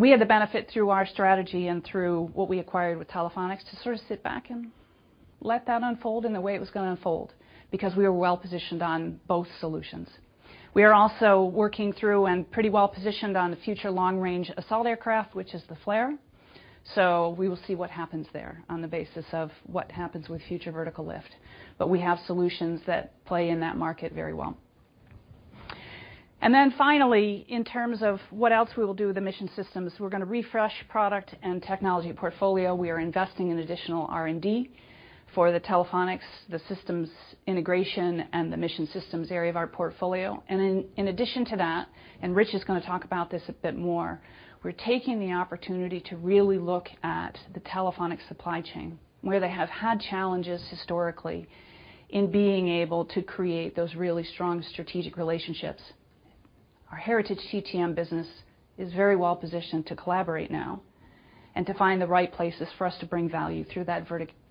We had the benefit through our strategy and through what we acquired with Telephonics to sort of sit back and let that unfold in the way it was going to unfold, because we were well positioned on both solutions. We are also working through and pretty well positioned on the Future Long-Range Assault Aircraft, which is the FLRAA. We will see what happens there on the basis of what happens with Future Vertical Lift. We have solutions that play in that market very well. Finally, in terms of what else we will do with the mission systems, we're going to refresh product and technology portfolio. We are investing in additional R&D for the Telephonics, the systems integration, and the mission systems area of our portfolio. In addition to that, Rich is going to talk about this a bit more, we're taking the opportunity to really look at the Telephonics supply chain, where they have had challenges historically in being able to create those really strong strategic relationships. Our heritage TTM business is very well positioned to collaborate now and to find the right places for us to bring value through that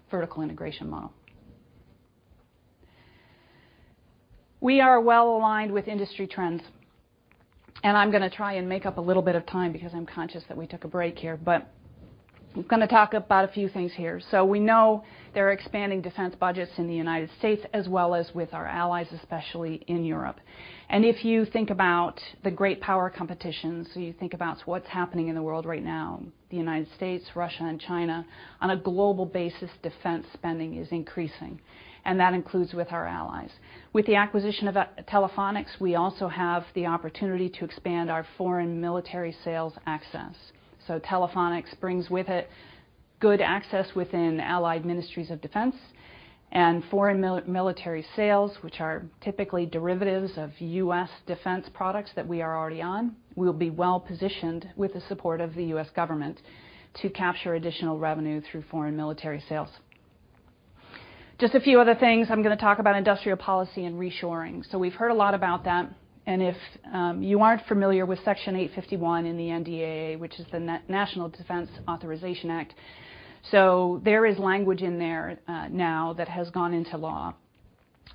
vertical integration model. We are well aligned with industry trends, I'm going to try and make up a little bit of time because I'm conscious that we took a break here, but I'm going to talk about a few things here. We know there are expanding defense budgets in the United States as well as with our allies, especially in Europe. If you think about the great power competitions, you think about what's happening in the world right now, the United States, Russia, and China, on a global basis, defense spending is increasing, and that includes with our allies. With the acquisition of Telephonics, we also have the opportunity to expand our foreign military sales access. Telephonics brings with it good access within Allied Ministries of Defense and foreign military sales, which are typically derivatives of U.S. defense products that we are already on. We'll be well-positioned, with the support of the U.S. government, to capture additional revenue through foreign military sales. Just a few other things. I'm going to talk about industrial policy and reshoring. We've heard a lot about that, and if you aren't familiar with Section 851 in the NDAA, which is the National Defense Authorization Act. There is language in there now that has gone into law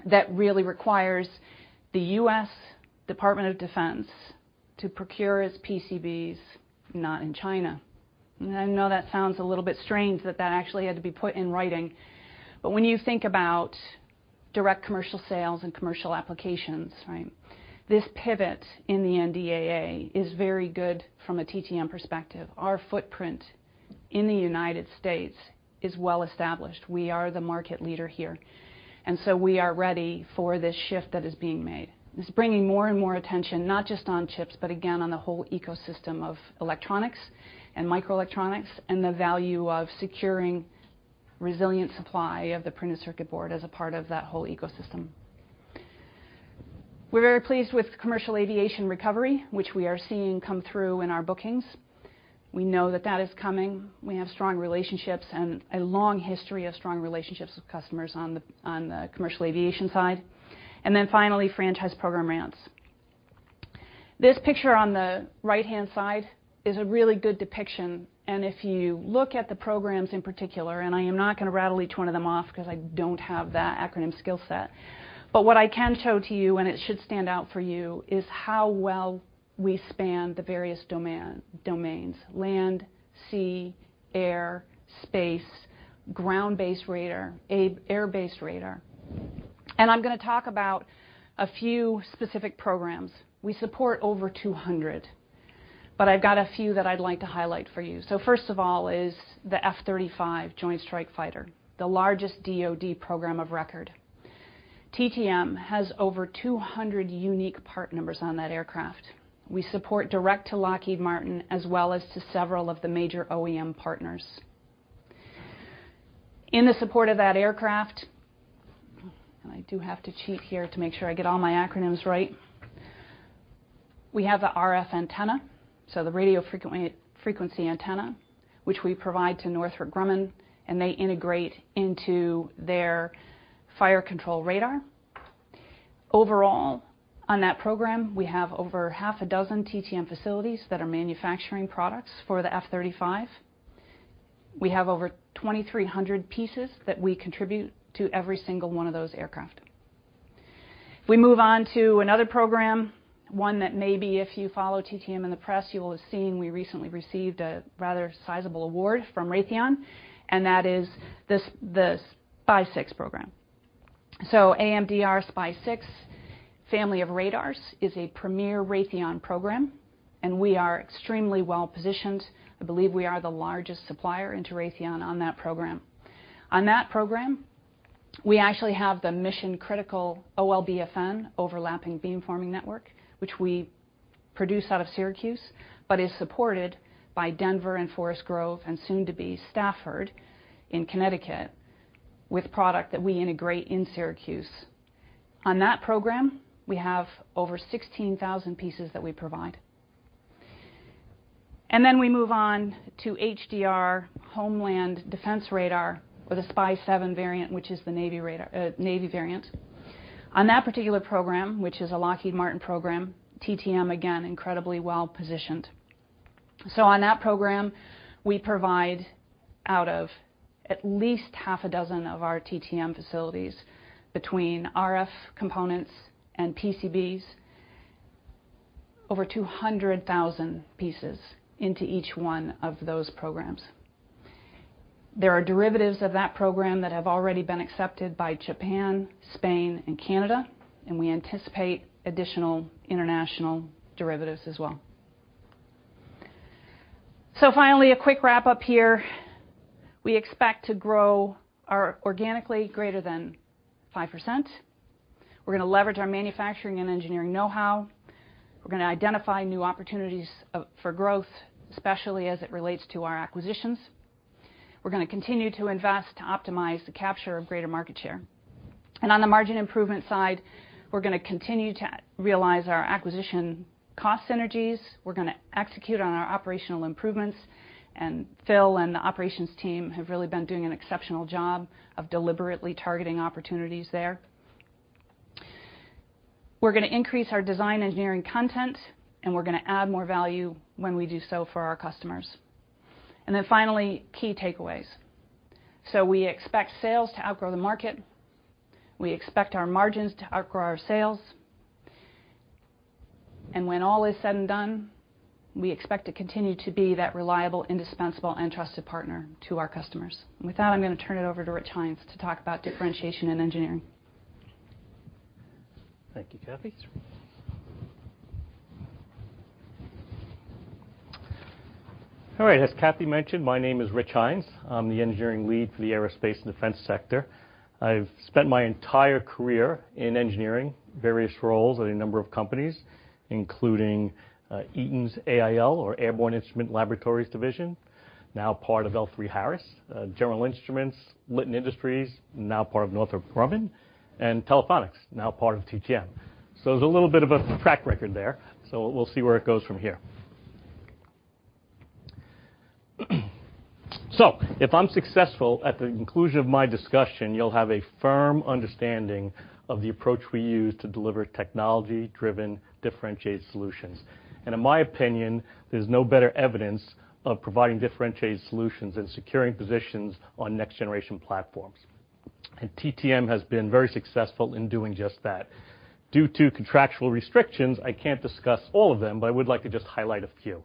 that really requires the U.S. Department of Defense to procure its PCBs not in China. I know that sounds a little bit strange that that actually had to be put in writing, but when you think about direct commercial sales and commercial applications, right? This pivot in the NDAA is very good from a TTM perspective. Our footprint in the United States is well established. We are the market leader here, we are ready for this shift that is being made. It's bringing more and more attention, not just on chips, but again, on the whole ecosystem of electronics and microelectronics and the value of securing resilient supply of the printed circuit board as a part of that whole ecosystem. We're very pleased with commercial aviation recovery, which we are seeing come through in our bookings. We know that that is coming. We have strong relationships and a long history of strong relationships with customers on the, on the commercial aviation side. Finally, franchise program rants. This picture on the right-hand side is a really good depiction, and if you look at the programs in particular, and I am not going to rattle each one of them off because I don't have that acronym skill set. What I can show to you, and it should stand out for you, is how well we span the various domains: land, sea, air, space, ground-based radar, air-based radar. I'm going to talk about a few specific programs. We support over 200, but I've got a few that I'd like to highlight for you. First of all is the F-35 Joint Strike Fighter, the largest DoD program of record. TTM has over 200 unique part numbers on that aircraft. We support direct to Lockheed Martin as well as to several of the major OEM partners. In the support of that aircraft, I do have to cheat here to make sure I get all my acronyms right. We have a RF antenna, so the radio frequency antenna, which we provide to Northrop Grumman, and they integrate into their fire control radar. Overall, on that program, we have over half a dozen TTM facilities that are manufacturing products for the F-35. We have over 2,300 pieces that we contribute to every single one of those aircraft. We move on to another program, one that maybe if you follow TTM in the press, you will have seen we recently received a rather sizable award from Raytheon, and that is the SPY-6 program. AMDR SPY-6 family of radars is a premier Raytheon program, and we are extremely well-positioned. I believe we are the largest supplier into Raytheon on that program. On that program, we actually have the mission-critical OLBFN, Overlapping Beam Forming Network, which we produce out of Syracuse, but is supported by Denver and Forest Grove, and soon to be Stafford in Connecticut, with product that we integrate in Syracuse. On that program, we have over 16,000 pieces that we provide. We move on to HDR, Homeland Defense Radar, with a SPY-7 variant, which is the Navy radar, Navy variant. On that particular program, which is a Lockheed Martin program, TTM, again, incredibly well-positioned. On that program, we provide out of at least half a dozen of our TTM facilities, between RF components and PCBs, over 200,000 pieces into each one of those programs. There are derivatives of that program that have already been accepted by Japan, Spain, and Canada, and we anticipate additional international derivatives as well. A quick wrap-up here. We expect to grow our organically greater than 5%. We're going to leverage our manufacturing and engineering know-how. We're going to identify new opportunities for growth, especially as it relates to our acquisitions. We're going to continue to invest to optimize the capture of greater market share. On the margin improvement side, we're going to continue to realize our acquisition cost synergies. We're going to execute on our operational improvements, and Phil and the operations team have really been doing an exceptional job of deliberately targeting opportunities there. We're going to increase our design engineering content, and we're going to add more value when we do so for our customers. Finally, key takeaways. We expect sales to outgrow the market. We expect our margins to outgrow our sales. When all is said and done, we expect to continue to be that reliable, indispensable, and trusted partner to our customers. With that, I'm gonna turn it over to Rich Hines to talk about differentiation and engineering. Thank you, Cathy. All right. As Cathy mentioned, my name is Rich Hines. I'm the engineering lead for the Aerospace & Defense Sector. I've spent my entire career in engineering, various roles at a number of companies, including Eaton's AIL, or Airborne Instruments Laboratory division, now part of L3Harris, General Instrument, Litton Industries, now part of Northrop Grumman, and Telephonics, now part of TTM. There's a little bit of a track record there, so we'll see where it goes from here. If I'm successful at the conclusion of my discussion, you'll have a firm understanding of the approach we use to deliver technology-driven, differentiated solutions. In my opinion, there's no better evidence of providing differentiated solutions than securing positions on next-generation platforms, and TTM has been very successful in doing just that. Due to contractual restrictions, I can't discuss all of them, but I would like to just highlight a few,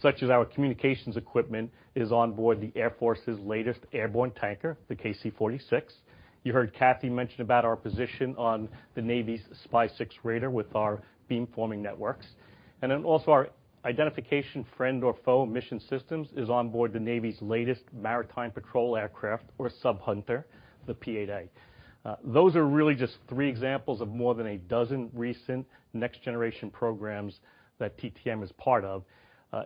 such as our communications equipment is on board the Air Force's latest airborne tanker, the KC-46. You heard Cathy mention about our position on the Navy's SPY-6 Radar with our beam forming networks. Also, our identification friend or foe mission systems is on board the Navy's latest maritime patrol aircraft or sub hunter, the P-8A. Those are really just three examples of more than a dozen recent next-generation programs that TTM is part of,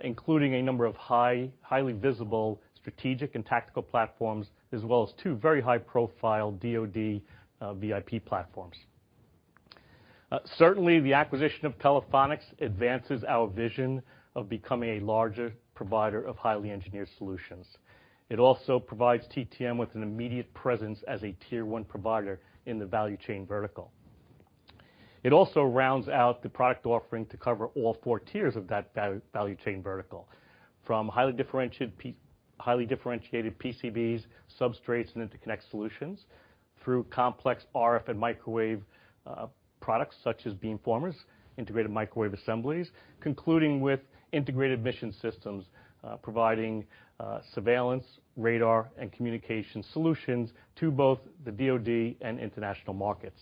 including a number of high, highly visible strategic and tactical platforms, as well as two very high-profile DoD VIP platforms. Certainly, the acquisition of Telephonics advances our vision of becoming a larger provider of highly engineered solutions. It also provides TTM with an immediate presence as a tier one provider in the value chain vertical. It also rounds out the product offering to cover all four tiers of that value chain vertical, from highly differentiated PCBs, substrates, and interconnect solutions, through complex RF and microwave products, such as beamformers, integrated microwave assemblies, concluding with integrated mission systems, providing surveillance, radar, and communication solutions to both the DoD and international markets.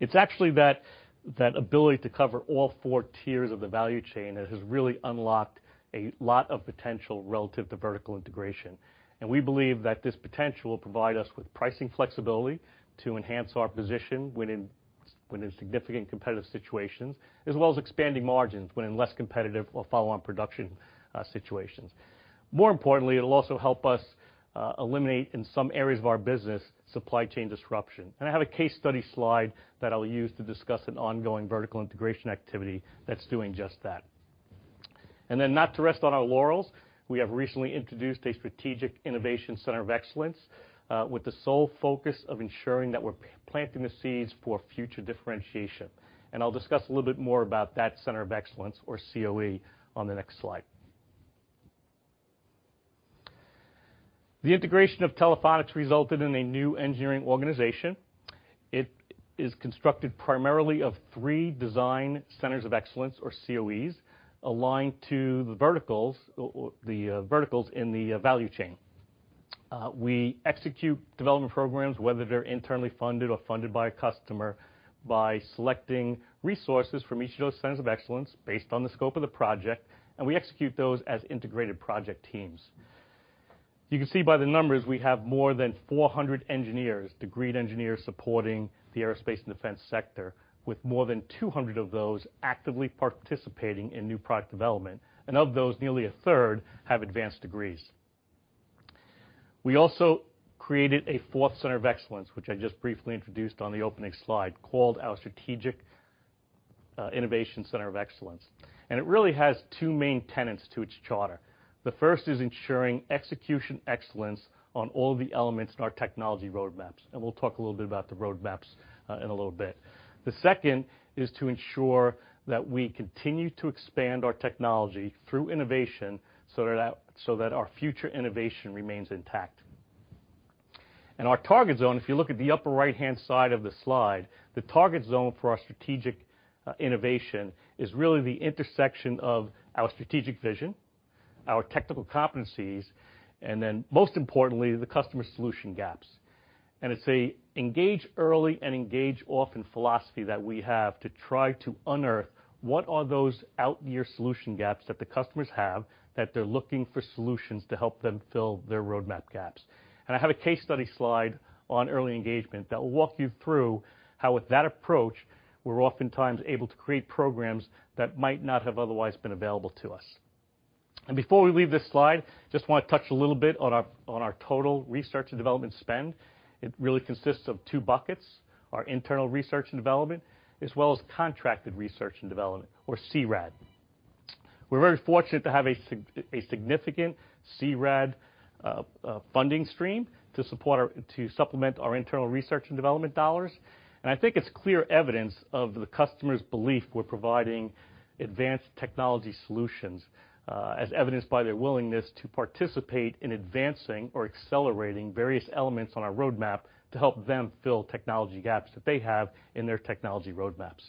It's actually that ability to cover all four tiers of the value chain that has really unlocked a lot of potential relative to vertical integration. We believe that this potential will provide us with pricing flexibility to enhance our position when in significant competitive situations, as well as expanding margins, when in less competitive or follow-on production situations. More importantly, it'll also help us eliminate, in some areas of our business, supply chain disruption. I have a case study slide that I'll use to discuss an ongoing vertical integration activity that's doing just that. Not to rest on our laurels, we have recently introduced a strategic innovation Center of Excellence with the sole focus of ensuring that we're planting the seeds for future differentiation. I'll discuss a little bit more about that Center of Excellence, or CoE, on the next slide. The integration of Telephonics resulted in a new engineering organization. It is constructed primarily of three design Centers of Excellence, or CoEs, aligned to the verticals or the verticals in the value chain. We execute development programs, whether they're internally funded or funded by a customer, by selecting resources from each of those Centers of Excellence based on the scope of the project. We execute those as integrated project teams. You can see by the numbers, we have more than 400 engineers, degreed engineers, supporting the Aerospace & Defense Sector, with more than 200 of those actively participating in new product development. Of those, nearly a third have advanced degrees. We also created a fourth Center of Excellence, which I just briefly introduced on the opening slide, called our Strategic Innovation Center of Excellence. It really has two main tenets to its charter. The first is ensuring execution excellence on all the elements in our technology road maps. We'll talk a little bit about the road maps in a little bit. The second is to ensure that we continue to expand our technology through innovation, so that our future innovation remains intact. Our target zone, if you look at the upper right-hand side of the slide, the target zone for our strategic innovation is really the intersection of our strategic vision, our technical competencies, and then, most importantly, the customer solution gaps. It's a engage early and engage often philosophy that we have to try to unearth what are those out year solution gaps that the customers have, that they're looking for solutions to help them fill their roadmap gaps. I have a case study slide on early engagement that will walk you through how, with that approach, we're oftentimes able to create programs that might not have otherwise been available to us. Before we leave this slide, just want to touch a little bit on our total research and development spend. It really consists of two buckets, our internal research and development, as well as contracted research and development, or CRAD. We're very fortunate to have a significant CRAD funding stream to supplement our internal research and development dollars. I think it's clear evidence of the customer's belief we're providing advanced technology solutions, as evidenced by their willingness to participate in advancing or accelerating various elements on our roadmap to help them fill technology gaps that they have in their technology roadmaps.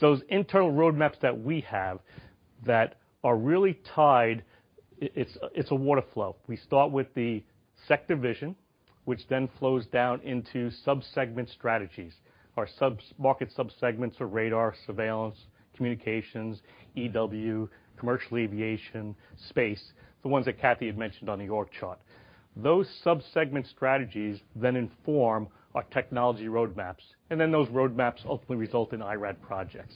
Those internal roadmaps that we have that are really tied, it's a water flow. We start with the sector vision, which then flows down into sub-segment strategies. Our market sub-segments are radar, surveillance, communications, EW, commercial aviation, space, the ones that Cathy had mentioned on the org chart. Those sub-segment strategies then inform our technology roadmaps, and then those roadmaps ultimately result in IRAD projects.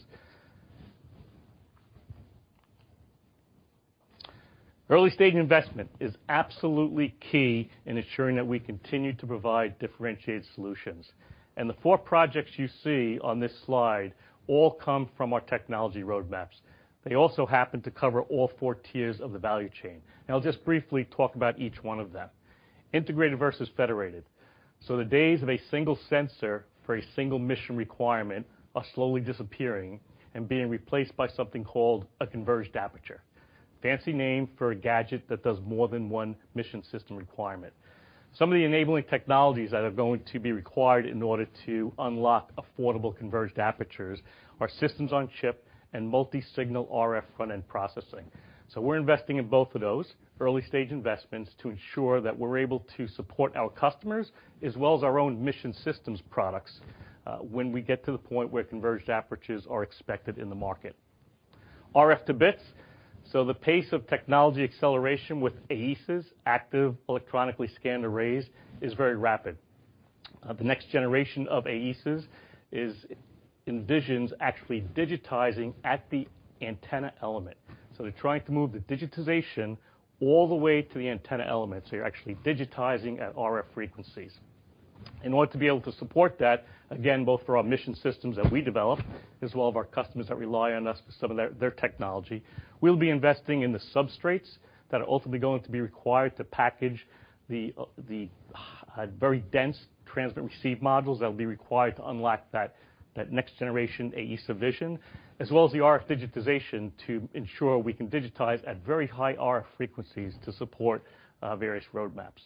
Early-stage investment is absolutely key in ensuring that we continue to provide differentiated solutions. The four projects you see on this slide all come from our technology roadmaps. They also happen to cover all four tiers of the value chain. I'll just briefly talk about each one of them. Integrated versus federated. The days of a single sensor for a single mission requirement are slowly disappearing and being replaced by something called a converged aperture. Fancy name for a gadget that does more than one mission system requirement. Some of the enabling technologies that are going to be required in order to unlock affordable converged apertures are systems-on-chip and multi-signal RF front-end processing. We're investing in both of those early-stage investments to ensure that we're able to support our customers, as well as our own mission systems products, when we get to the point where converged apertures are expected in the market. RF to bits. The pace of technology acceleration with AESA, active electronically scanned arrays, is very rapid. The next generation of AESAs envisions actually digitizing at the antenna element. They're trying to move the digitization all the way to the antenna element, so you're actually digitizing at RF frequencies. In order to be able to support that, again, both for our mission systems that we develop, as well as our customers that rely on us for some of their technology, we'll be investing in the substrates that are ultimately going to be required to package the very dense transmit/receive modules that will be required to unlock that next generation AESA vision, as well as the RF digitization, to ensure we can digitize at very high RF frequencies to support various roadmaps.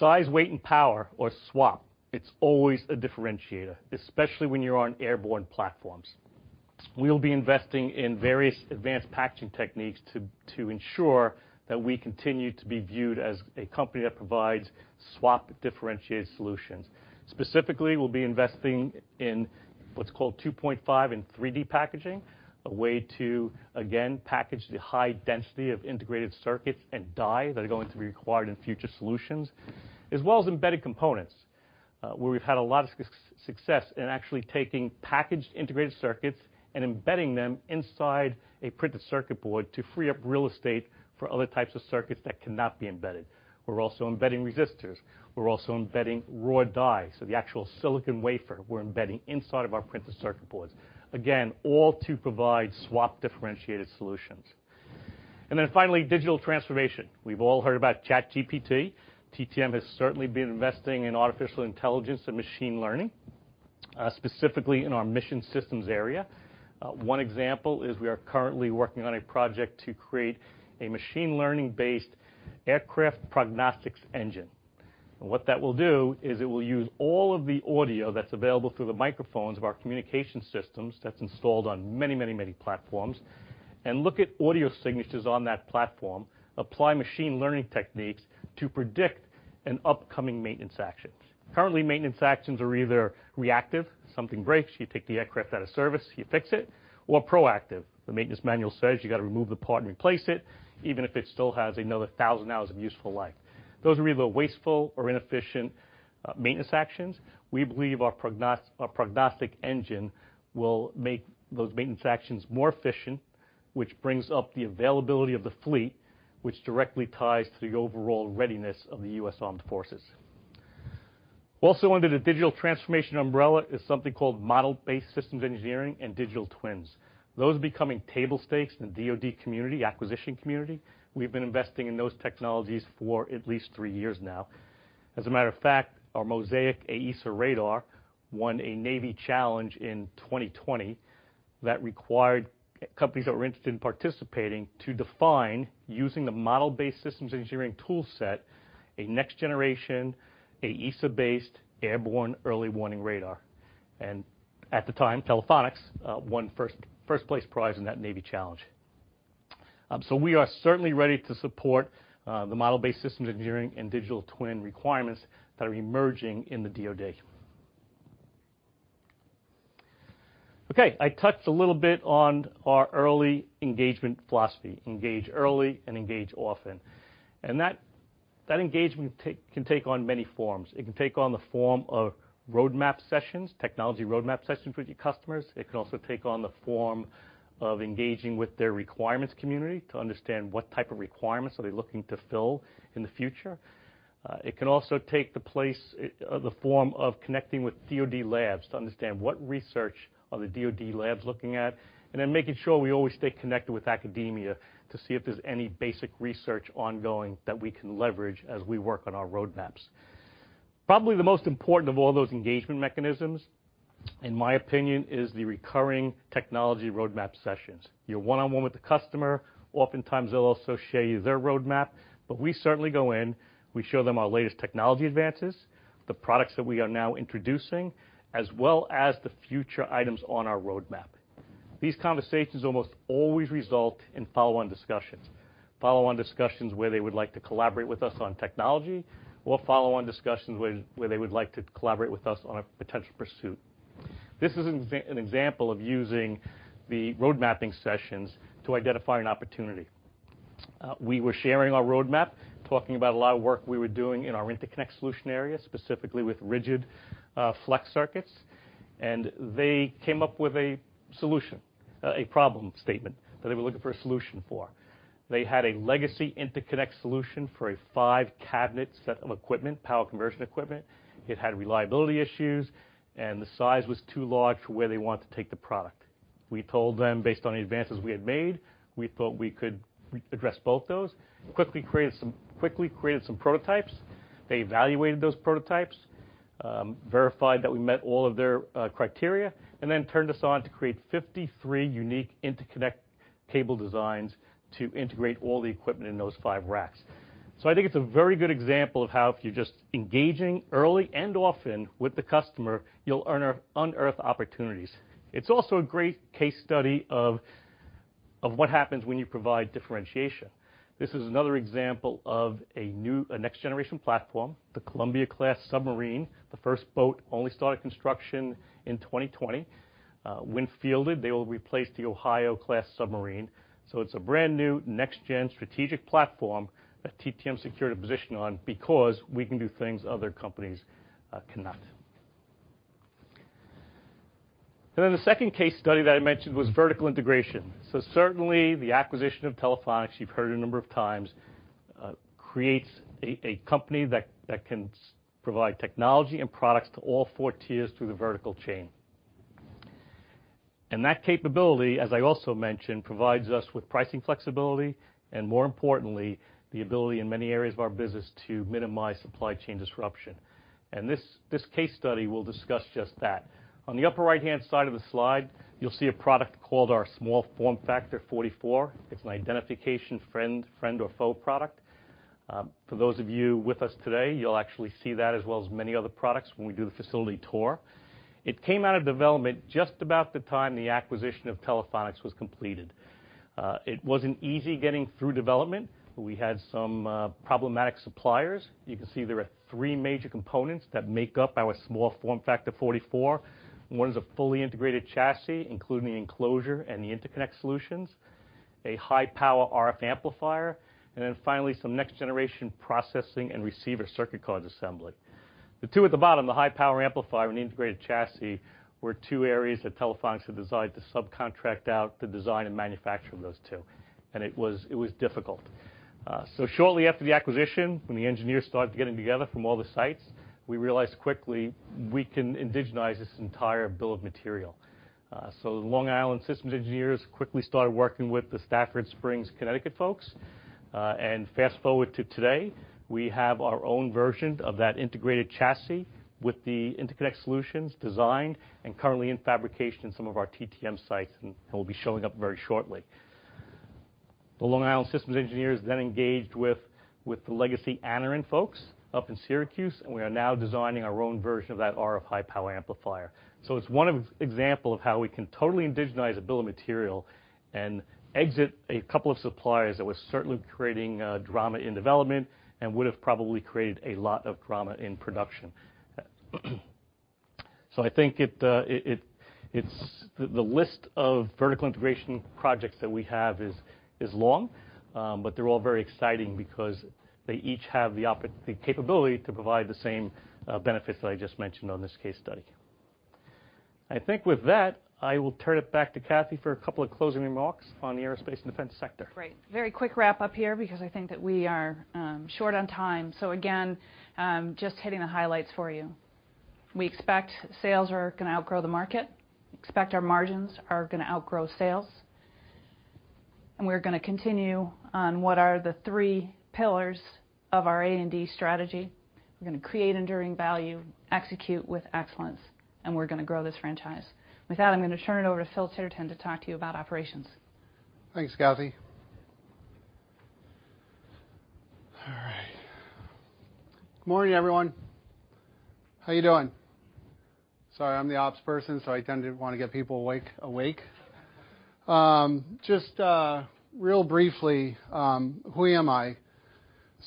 Size, weight, and power, or SWAP. It's always a differentiator, especially when you're on airborne platforms. We'll be investing in various advanced packaging techniques to ensure that we continue to be viewed as a company that provides SWAP differentiated solutions. Specifically, we'll be investing in what's called 2.5D and 3D packaging, a way to, again, package the high density of integrated circuits and die that are going to be required in future solutions, as well as embedded components, where we've had a lot of success in actually taking packaged integrated circuits and embedding them inside a printed circuit board to free up real estate for other types of circuits that cannot be embedded. We're also embedding resistors. We're also embedding raw die, so the actual silicon wafer, we're embedding inside of our printed circuit boards. Again, all to provide SWAP differentiated solutions. Finally, digital transformation. We've all heard about ChatGPT. TTM has certainly been investing in artificial intelligence and machine learning, specifically in our mission systems area. One example is we are currently working on a project to create a machine learning-based aircraft prognostics engine. What that will do is it will use all of the audio that's available through the microphones of our communication systems, that's installed on many platforms, and look at audio signatures on that platform, apply machine learning techniques to predict an upcoming maintenance action. Currently, maintenance actions are either reactive, something breaks, you take the aircraft out of service, you fix it, or proactive, the maintenance manual says you got to remove the part and replace it, even if it still has another 1,000 hours of useful life. Those are either wasteful or inefficient maintenance actions. We believe our prognostic engine will make those maintenance actions more efficient, which brings up the availability of the fleet, which directly ties to the overall readiness of the U.S. Armed Forces. Under the digital transformation umbrella is something called model-based systems engineering and digital twins. Those are becoming table stakes in the DoD community, acquisition community. We've been investing in those technologies for at least 3 years now. As a matter of fact, our Mosaic AESA Radar won a Navy challenge in 2020, that required companies that were interested in participating to define, using the model-based systems engineering tool set, a next-generation, AESA-based, airborne early warning radar. At the time, Telephonics won first place prize in that Navy challenge. We are certainly ready to support the model-based systems engineering and digital twin requirements that are emerging in the DoD. Okay, I touched a little bit on our early engagement philosophy, engage early and engage often. That engagement can take on many forms. It can take on the form of roadmap sessions, technology roadmap sessions with your customers. It can also take on the form of engaging with their requirements community to understand what type of requirements are they looking to fill in the future. It can also take the place, the form of connecting with DoD labs to understand what research are the DoD labs looking at, making sure we always stay connected with academia to see if there's any basic research ongoing that we can leverage as we work on our roadmaps. Probably the most important of all those engagement mechanisms, in my opinion, is the recurring technology roadmap sessions. You're one-on-one with the customer. Oftentimes, they'll also show you their roadmap, but we certainly go in, we show them our latest technology advances, the products that we are now introducing, as well as the future items on our roadmap. These conversations almost always result in follow-on discussions. Follow-on discussions where they would like to collaborate with us on technology, or follow-on discussions where they would like to collaborate with us on a potential pursuit. This is an example of using the roadmapping sessions to identify an opportunity. We were sharing our roadmap, talking about a lot of work we were doing in our interconnect solution area, specifically with rigid-flex circuits, and they came up with a problem statement that they were looking for a solution for. They had a legacy interconnect solution for a five-cabinet set of equipment, power conversion equipment. It had reliability issues. The size was too large for where they wanted to take the product. We told them, based on the advances we had made, we thought we could address both those. Quickly created some prototypes. They evaluated those prototypes, verified that we met all of their criteria, and then turned us on to create 53 unique interconnect cable designs to integrate all the equipment in those 5 racks. I think it's a very good example of how, if you're just engaging early and often with the customer, you'll unearth opportunities. It's also a great case study of what happens when you provide differentiation. This is another example of a next-generation platform, the Columbia-class submarine. The first boat only started construction in 2020. When fielded, they will replace the Ohio-class submarine, it's a brand-new, next-gen strategic platform that TTM secured a position on because we can do things other companies cannot. The second case study that I mentioned was vertical integration. Certainly, the acquisition of Telephonics, you've heard a number of times, creates a company that can provide technology and products to all four tiers through the vertical chain. That capability, as I also mentioned, provides us with pricing flexibility, and more importantly, the ability in many areas of our business to minimize supply chain disruption. This case study will discuss just that. On the upper right-hand side of the slide, you'll see a product called our Small Form Factor 44. It's an identification friend or foe product. For those of you with us today, you't actually see that, as well as many other products, when we do the facility tour. It came out of development just about the time the acquisition of Telephonics was completed. It wasn't easy getting through development. We had some problematic suppliers. You can see there are three major components that make up our Small Form Factor 44. One is a fully integrated chassis, including the enclosure and the interconnect solutions, a high-power RF amplifier, and then finally, some next-generation processing and receiver circuit cards assembly. The two at the bottom, the high-power amplifier and the integrated chassis, were two areas that Telephonics had decided to subcontract out the design and manufacturing of those two, and it was difficult. Shortly after the acquisition, when the engineers started getting together from all the sites, we realized quickly we can indigenize this entire bill of material. The Long Island systems engineers quickly started working with the Stafford Springs, Connecticut, folks. Fast-forward to today, we have our own version of that integrated chassis with the interconnect solutions designed and currently in fabrication in some of our TTM sites, and will be showing up very shortly. The Long Island systems engineers engaged with the legacy Anaren folks up in Syracuse, and we are now designing our own version of that RF high-power amplifier. It's one of example of how we can totally indigenize a bill of material and exit a couple of suppliers that were certainly creating drama in development and would have probably created a lot of drama in production. I think it's. The list of vertical integration projects that we have is long, but they're all very exciting because they each have the capability to provide the same benefits that I just mentioned on this case study. I think with that, I will turn it back to Cathy for a couple of closing remarks on the Aerospace and Defense Sector. Great. Very quick wrap-up here, because I think that we are short on time. Again, just hitting the highlights for you. We expect sales are going to outgrow the market, expect our margins are going to outgrow sales, and we're going to continue on what are the three pillars of our A&D strategy. We're going to create enduring value, execute with excellence, and we're going to grow this franchise. With that, I'm going to turn it over to Phil Titterton to talk to you about operations. Thanks, Cathy. Good morning, everyone. How are you doing? Sorry, I'm the ops person, so I tend to want to get people awake. Just real briefly, who am I?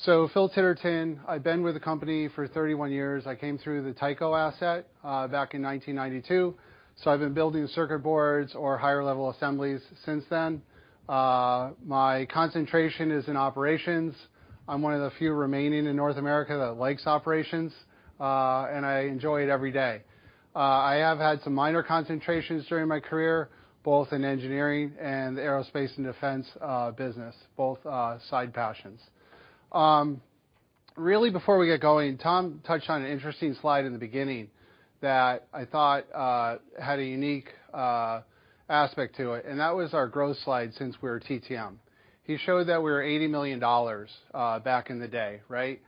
Phil Titterton, I've been with the company for 31 years. I came through the Tyco asset back in 1992, so I've been building circuit boards or higher-level assemblies since then. My concentration is in operations. I'm one of the few remaining in North America that likes operations. I enjoy it every day. I have had some minor concentrations during my career, both in engineering and aerospace and defense, business, both, side passions. Really, before we get going, Tom touched on an interesting slide in the beginning that I thought had a unique aspect to it. That was our growth slide since we were TTM. He showed that we were $80 million back in the day, right?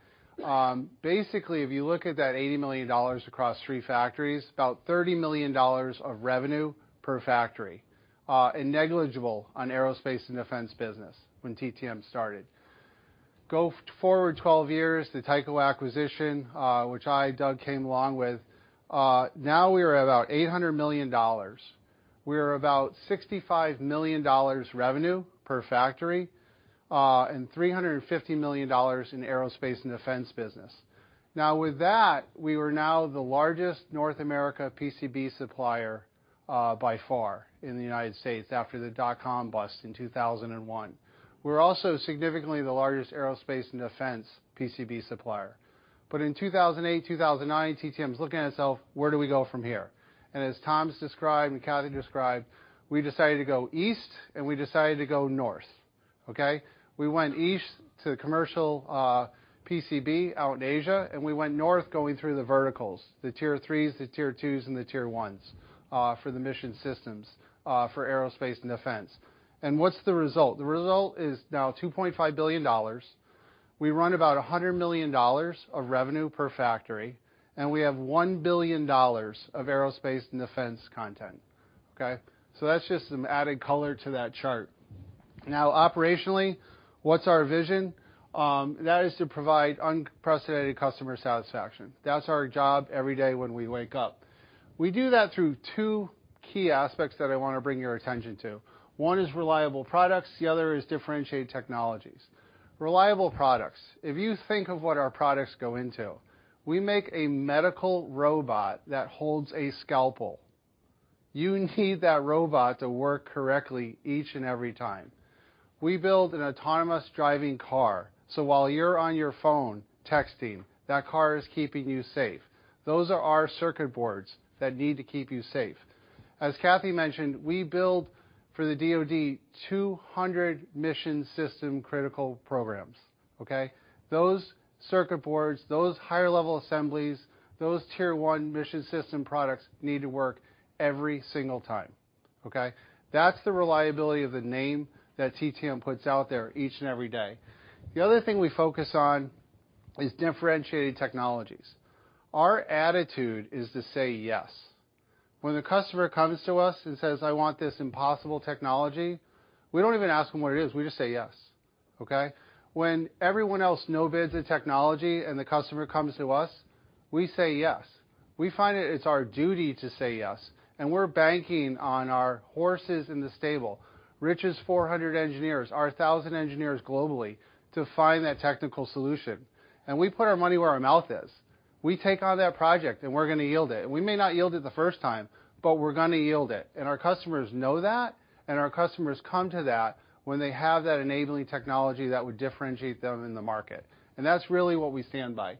Basically, if you look at that $80 million across three factories, about $30 million of revenue per factory, and negligible on aerospace and defense business when TTM started. Go forward 12 years, the Tyco acquisition, which I, Doug, came along with, now we are about $800 million. We are about $65 million revenue per factory, and $350 million in aerospace and defense business. With that, we were now the largest North America PCB supplier, by far in the United States after the dotcom bust in 2001. We're also significantly the largest aerospace and defense PCB supplier. In 2008, 2009, TTM's looking at itself, "Where do we go from here?" As Tom's described, and Cathy described, we decided to go east, and we decided to go north, okay? We went east to commercial PCB out in Asia, and we went north, going through the verticals, the tier threes, the tier twos, and the tier ones, for the mission systems, for aerospace and defense. What's the result? The result is now $2.5 billion. We run about $100 million of revenue per factory, and we have $1 billion of aerospace and defense content, okay? That's just some added color to that chart. Now, operationally, what's our vision? That is to provide unprecedented customer satisfaction. That's our job every day when we wake up. We do that through two key aspects that I want to bring your attention to. One is reliable products, the other is differentiated technologies. Reliable products. If you think of what our products go into, we make a medical robot that holds a scalpel. You need that robot to work correctly each and every time. We build an autonomous driving car, so while you're on your phone, texting, that car is keeping you safe. Those are our circuit boards that need to keep you safe. As Cathy mentioned, we build for the DoD, 200 mission system critical programs, okay? Those circuit boards, those higher-level assemblies, those tier-one mission system products need to work every single time, okay? That's the reliability of the name that TTM puts out there each and every day. The other thing we focus on is differentiating technologies. Our attitude is to say yes. When the customer comes to us and says, "I want this impossible technology," we don't even ask them what it is, we just say yes, okay? When everyone else no bids the technology and the customer comes to us, we say yes. We find it's our duty to say yes, and we're banking on our horses in the stable. Rich's 400 engineers, our 1,000 engineers globally, to find that technical solution, and we put our money where our mouth is. We take on that project, we're going to yield it. We may not yield it the first time, but we're going to yield it, and our customers know that, and our customers come to that when they have that enabling technology that would differentiate them in the market. That's really what we stand by.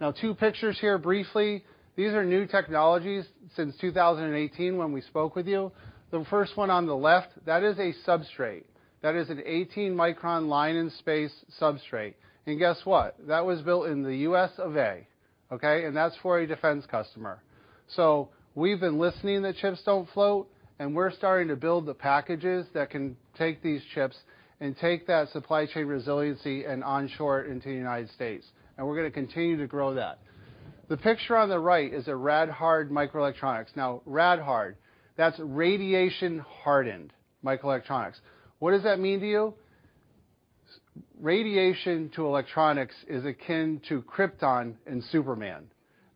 Now, two pictures here, briefly. These are new technologies since 2018, when we spoke with you. The first one on the left, that is a substrate. That is an 18-micron line in space substrate. Guess what? That was built in the U.S. of A., okay? That's for a defense customer. We've been listening that chips don't float, and we're starting to build the packages that can take these chips and take that supply chain resiliency and onshore into the United States, and we're going to continue to grow that. The picture on the right is a rad-hard microelectronics. Rad-hard, that's radiation-hardened microelectronics. What does that mean to you? Radiation to electronics is akin to krypton and Superman.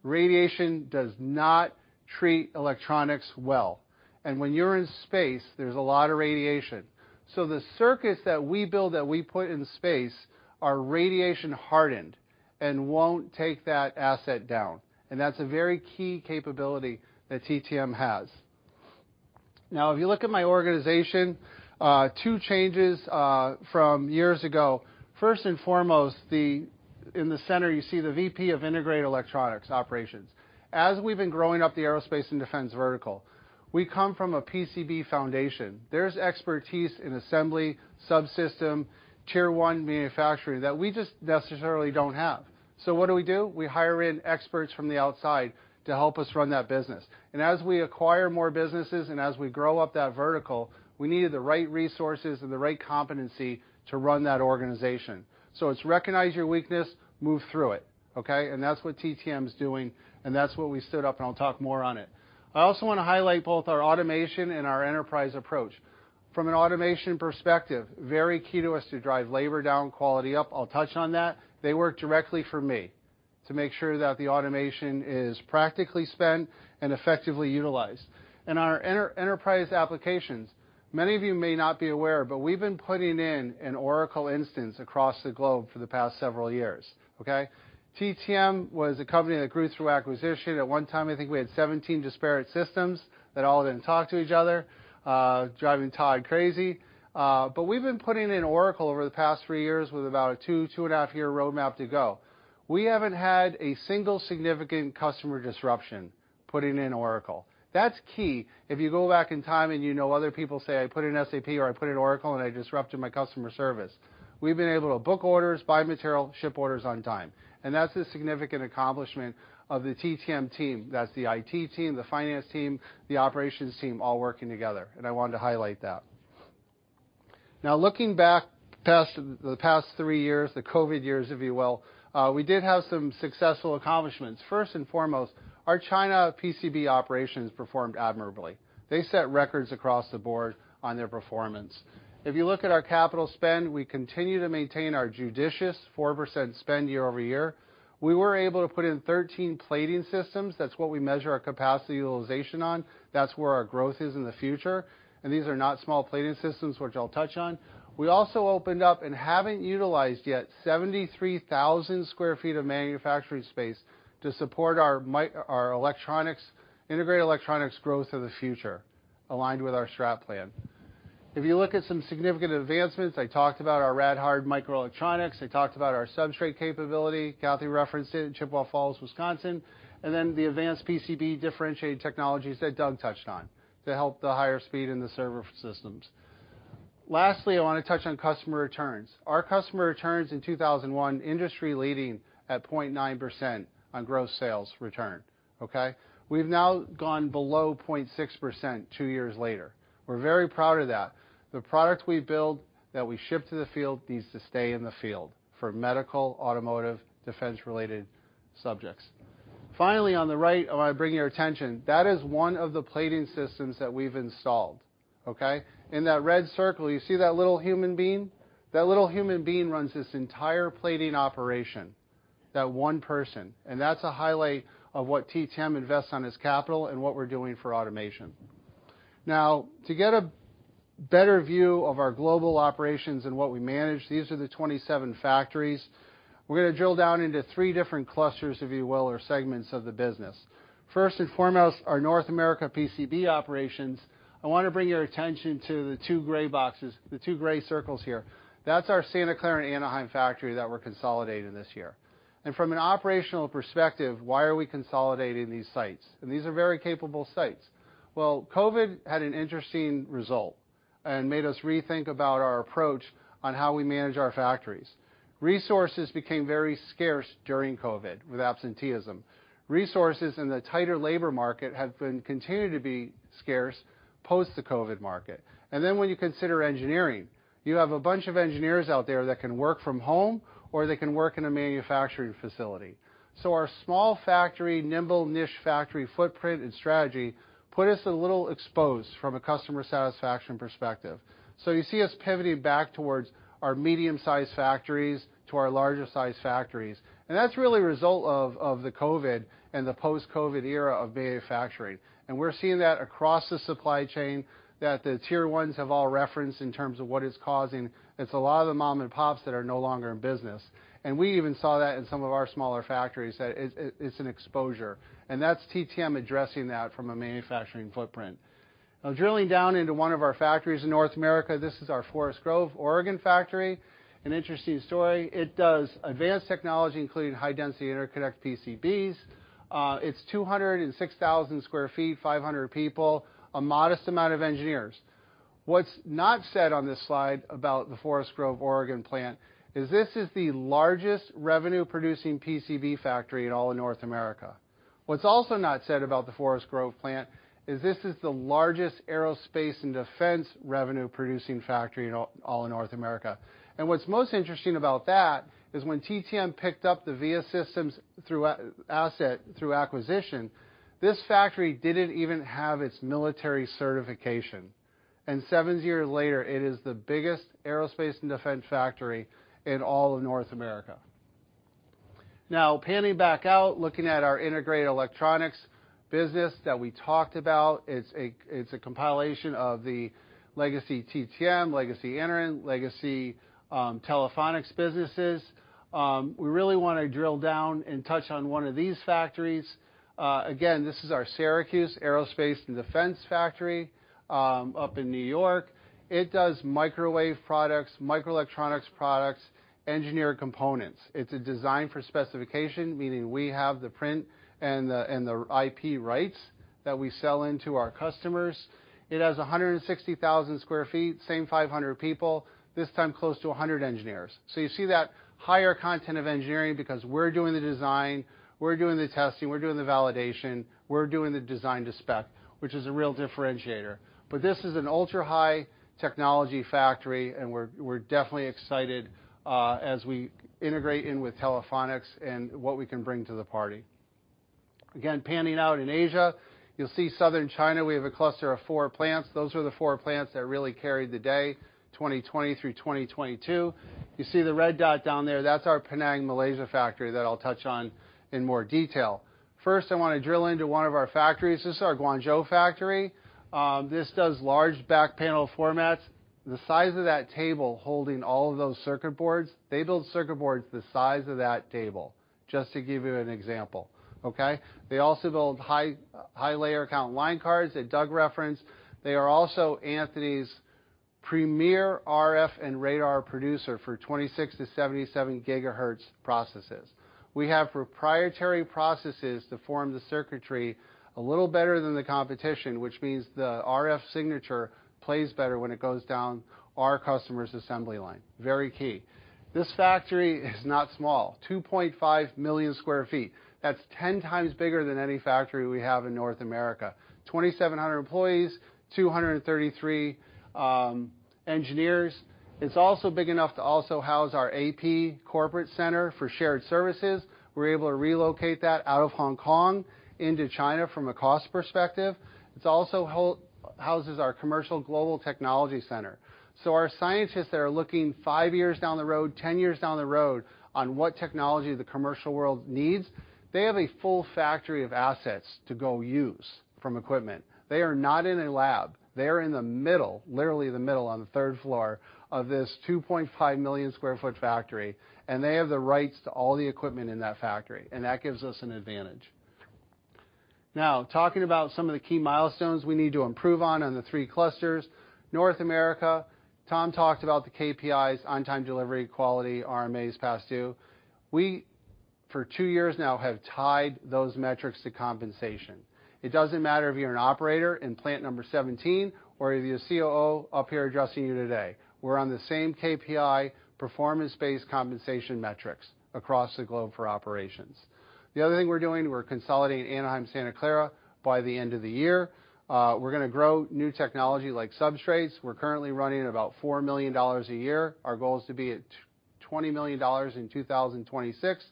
Radiation does not treat electronics well, and when you're in space, there's a lot of radiation. The circuits that we build, that we put in space, are radiation-hardened and won't take that asset down. That's a very key capability that TTM has. If you look at my organization, two changes from years ago. First and foremost, in the center, you see the VP of Integrated Electronics Operations. As we've been growing up the aerospace and defense vertical, we come from a PCB foundation. There's expertise in assembly, subsystem, tier-one manufacturing that we just necessarily don't have. What do we do? We hire in experts from the outside to help us run that business. As we acquire more businesses and as we grow up that vertical, we needed the right resources and the right competency to run that organization. It's recognize your weakness, move through it, okay. That's what TTM is doing, and that's what we stood up, and I'll talk more on it. I also want to highlight both our automation and our enterprise approach. From an automation perspective, very key to us to drive labor down, quality up. I'll touch on that. They work directly for me to make sure that the automation is practically spent and effectively utilized. Our enterprise applications, many of you may not be aware, but we've been putting in an Oracle instance across the globe for the past several years, okay. TTM was a company that grew through acquisition. At one time, I think we had 17 disparate systems that all didn't talk to each other, driving Todd crazy. We've been putting in Oracle over the past 3 years with about a 2.5 year roadmap to go. We haven't had a single significant customer disruption putting in Oracle. That's key. If you go back in time, and you know other people say, "I put in SAP or I put in Oracle, and I disrupted my customer service." We've been able to book orders, buy material, ship orders on time, and that's a significant accomplishment of the TTM team. That's the IT team, the finance team, the operations team, all working together, and I wanted to highlight that. Looking back past, the past 3 years, the COVID years, if you will, we did have some successful accomplishments. First and foremost, our China PCB operations performed admirably. They set records across the board on their performance. If you look at our capital spend, we continue to maintain our judicious 4% spend year-over-year. We were able to put in 13 plating systems. That's what we measure our capacity utilization on. That's where our growth is in the future, and these are not small plating systems, which I'll touch on. We also opened up and haven't utilized yet 73,000 sq ft of manufacturing space to support our electronics, integrated electronics growth of the future, aligned with our strat plan. If you look at some significant advancements, I talked about our rad-hard microelectronics, I talked about our substrate capability, Cathy referenced it in Chippewa Falls, Wisconsin, and then the advanced PCB differentiated technologies that Doug touched on to help the higher speed in the server systems. Lastly, I want to touch on customer returns. Our customer returns in 2001, industry-leading at 0.9% on gross sales return, okay. We've now gone below 0.6% two years later. We're very proud of that. The product we build, that we ship to the field, needs to stay in the field for medical, automotive, defense-related subjects. Finally, on the right, I want to bring your attention. That is one of the plating systems that we've installed, okay. In that red circle, you see that little human being? That little human being runs this entire plating operation, that one person, and that's a highlight of what TTM invests on its capital and what we're doing for automation. To get a better view of our global operations and what we manage, these are the 27 factories. We're gonna drill down into three different clusters, if you will, or segments of the business. First and foremost, our North America PCB operations. I want to bring your attention to the two gray boxes, the two gray circles here. That's our Santa Clara and Anaheim factory that we're consolidating this year. From an operational perspective, why are we consolidating these sites? These are very capable sites. Well, COVID had an interesting result and made us rethink about our approach on how we manage our factories. Resources became very scarce during COVID with absenteeism. Resources in the tighter labor market continue to be scarce post the COVID market. When you consider engineering, you have a bunch of engineers out there that can work from home or they can work in a manufacturing facility. Our small factory, nimble, niche factory footprint and strategy, put us a little exposed from a customer satisfaction perspective. You see us pivoting back towards our medium-sized factories, to our larger-sized factories, and that's really a result of the COVID and the post-COVID era of manufacturing. We're seeing that across the supply chain, that the tier ones have all referenced in terms of what it's causing. It's a lot of the mom and pops that are no longer in business. We even saw that in some of our smaller factories, that it's an exposure, and that's TTM addressing that from a manufacturing footprint. Drilling down into one of our factories in North America, this is our Forest Grove, Oregon, factory. An interesting story, it does advanced technology, including high-density interconnect PCBs. It's 206,000 sq ft, 500 people, a modest amount of engineers. What's not said on this slide about the Forest Grove, Oregon, plant, is this is the largest revenue-producing PCB factory in all of North America. What's also not said about the Forest Grove plant, is this is the largest aerospace and defense revenue-producing factory in all of North America. What's most interesting about that, is when TTM picked up the Viasystems through acquisition, this factory didn't even have its military certification, and 7 years later, it is the biggest aerospace and defense factory in all of North America. Panning back out, looking at our integrated electronics business that we talked about, it's a, it's a compilation of the legacy TTM, legacy Anaren, legacy Telephonics businesses. We really want to drill down and touch on one of these factories. Again, this is our Syracuse Aerospace and Defense Factory up in New York. It does microwave products, microelectronics products, engineered components. It's a design for specification, meaning we have the print and the IP rights that we sell into our customers. It has 160,000 sq ft, same 500 people, this time close to 100 engineers. You see that higher content of engineering because we're doing the design, we're doing the testing, we're doing the validation, we're doing the design to spec, which is a real differentiator. This is an ultra-high technology factory, and we're definitely excited as we integrate in with Telephonics and what we can bring to the party. Panning out in Asia, you'll see Southern China, we have a cluster of four plants. Those are the four plants that really carried the day, 2020 through 2022. You see the red dot down there, that's our Penang, Malaysia, factory that I'll touch on in more detail. I want to drill into one of our factories. This is our Guangzhou factory. This does large back panel formats. The size of that table holding all of those circuit boards, they build circuit boards the size of that table, just to give you an example, okay? They also build high-layer count line cards that Doug referenced. They are also Anthony's premier RF and radar producer for 26 to 77 gigahertz processes. We have proprietary processes to form the circuitry a little better than the competition, which means the RF signature plays better when it goes down our customer's assembly line. Very key. This factory is not small, 2.5 million sq ft. That's 10 times bigger than any factory we have in North America. 2,700 employees, 233 engineers. It's also big enough to also house our AP corporate center for shared services. We're able to relocate that out of Hong Kong into China from a cost perspective. It's also houses our commercial global technology center. Our scientists that are looking 5 years down the road, 10 years down the road, on what technology the commercial world needs, they have a full factory of assets to go use from equipment. They are not in a lab. They are in the middle, literally the middle, on the third floor of this 2.5 million sq ft factory, and they have the rights to all the equipment in that factory, and that gives us an advantage. Talking about some of the key milestones we need to improve on the three clusters, North America, Tom talked about the KPIs, on-time delivery, quality, RMAs past due. We, for two years now, have tied those metrics to compensation. It doesn't matter if you're an operator in plant number 17 or if you're a COO up here addressing you today. We're on the same KPI, performance-based compensation metrics across the globe for operations. The other thing we're doing, we're consolidating Anaheim, Santa Clara, by the end of the year. We're gonna grow new technology like substrates. We're currently running about $4 million a year. Our goal is to be at $20 million in 2026.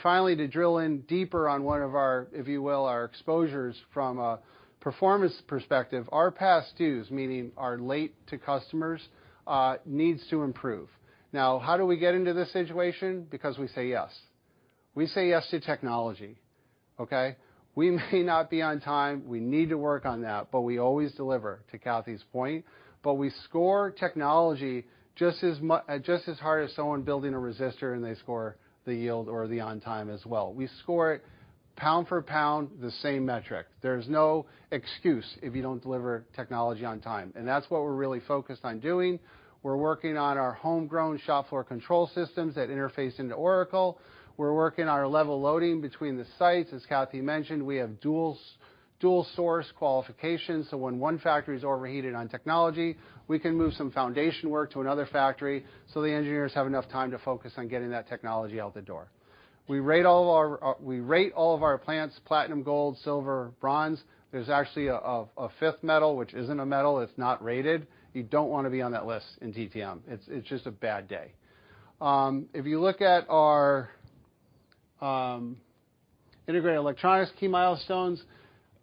Finally, to drill in deeper on one of our, if you will, our exposures from a performance perspective, our past dues, meaning our late to customers, needs to improve. Now, how do we get into this situation? Because we say yes. We say yes to technology, okay? We may not be on time, we need to work on that, but we always deliver, to Cathy's point. We score technology just as hard as someone building a resistor, and they score the yield or the on time as well. We score it pound for pound, the same metric. There's no excuse if you don't deliver technology on time, and that's what we're really focused on doing. We're working on our homegrown shop floor control systems that interface into Oracle. We're working on our level loading between the sites. As Cathy mentioned, we have dual source qualifications, so when one factory is overheated on technology, we can move some foundation work to another factory, so the engineers have enough time to focus on getting that technology out the door. We rate all of our plants platinum, gold, silver, bronze. There's actually a fifth metal, which isn't a metal, it's not rated. You don't wanna be on that list in TTM. It's just a bad day. If you look at our integrated electronics key milestones,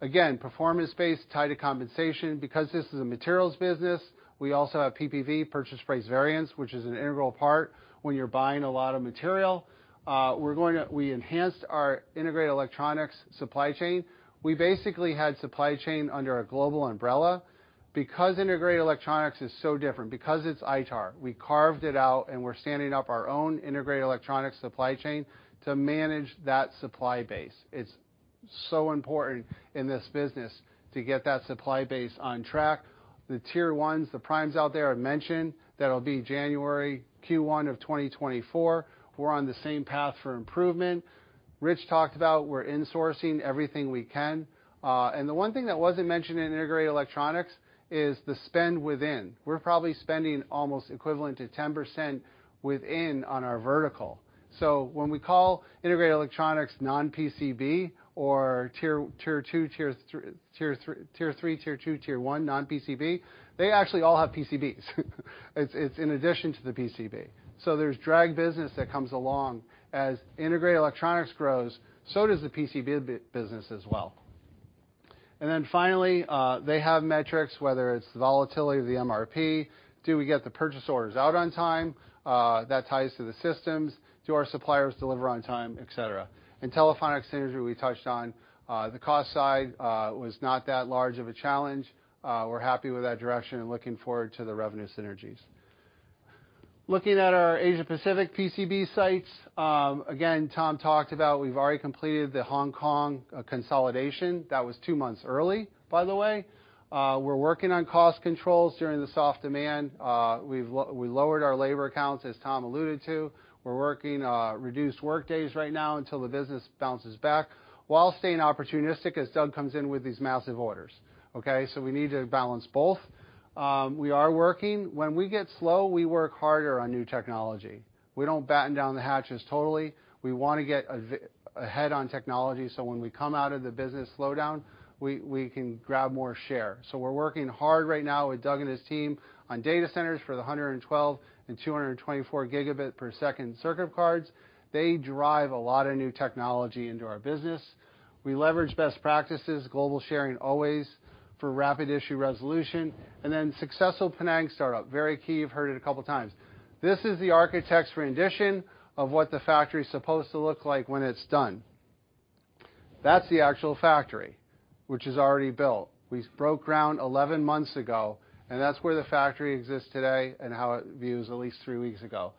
again, performance-based, tied to compensation. Because this is a materials business, we also have PPV, purchase price variance, which is an integral part when you're buying a lot of material. We enhanced our integrated electronics supply chain. We basically had supply chain under a global umbrella. Because integrated electronics is so different, because it's ITAR, we carved it out, and we're standing up our own integrated electronics supply chain to manage that supply base. It's so important in this business to get that supply base on track. The tier ones, the primes out there, I mentioned, that'll be January, Q1 of 2024. We're on the same path for improvement. Rich talked about we're insourcing everything we can. The one thing that wasn't mentioned in integrated electronics is the spend within. We're probably spending almost equivalent to 10% within on our vertical. So when we call integrated electronics non-PCB or tier two, tier three, tier two, tier one, non-PCB, they actually all have PCBs. It's in addition to the PCB. So there's drag business that comes along. As integrated electronics grows, so does the PCB business as well. Finally, they have metrics, whether it's the volatility of the MRP, do we get the purchase orders out on time? That ties to the systems. Do our suppliers deliver on time, et cetera. In Telephonics synergy, we touched on the cost side was not that large of a challenge. We're happy with that direction and looking forward to the revenue synergies. Looking at our Asia Pacific PCB sites, again, Tom talked about we've already completed the Hong Kong consolidation. That was two months early, by the way. We're working on cost controls during the soft demand. We lowered our labor counts, as Tom alluded to. We're working reduced workdays right now until the business bounces back, while staying opportunistic as Doug comes in with these massive orders, okay? We need to balance both. We are working. When we get slow, we work harder on new technology. We don't batten down the hatches totally. We want to get ahead on technology, when we come out of the business slowdown, we can grab more share. We're working hard right now with Doug and his team on data centers for the 112 and 224 gigabit per second circuit cards. They drive a lot of new technology into our business. We leverage best practices, global sharing always, for rapid issue resolution, successful Penang startup. Very key, you've heard it a couple times. This is the architect's rendition of what the factory is supposed to look like when it's done. That's the actual factory, which is already built. We broke ground 11 months ago. That's where the factory exists today and how it views at least three weeks ago.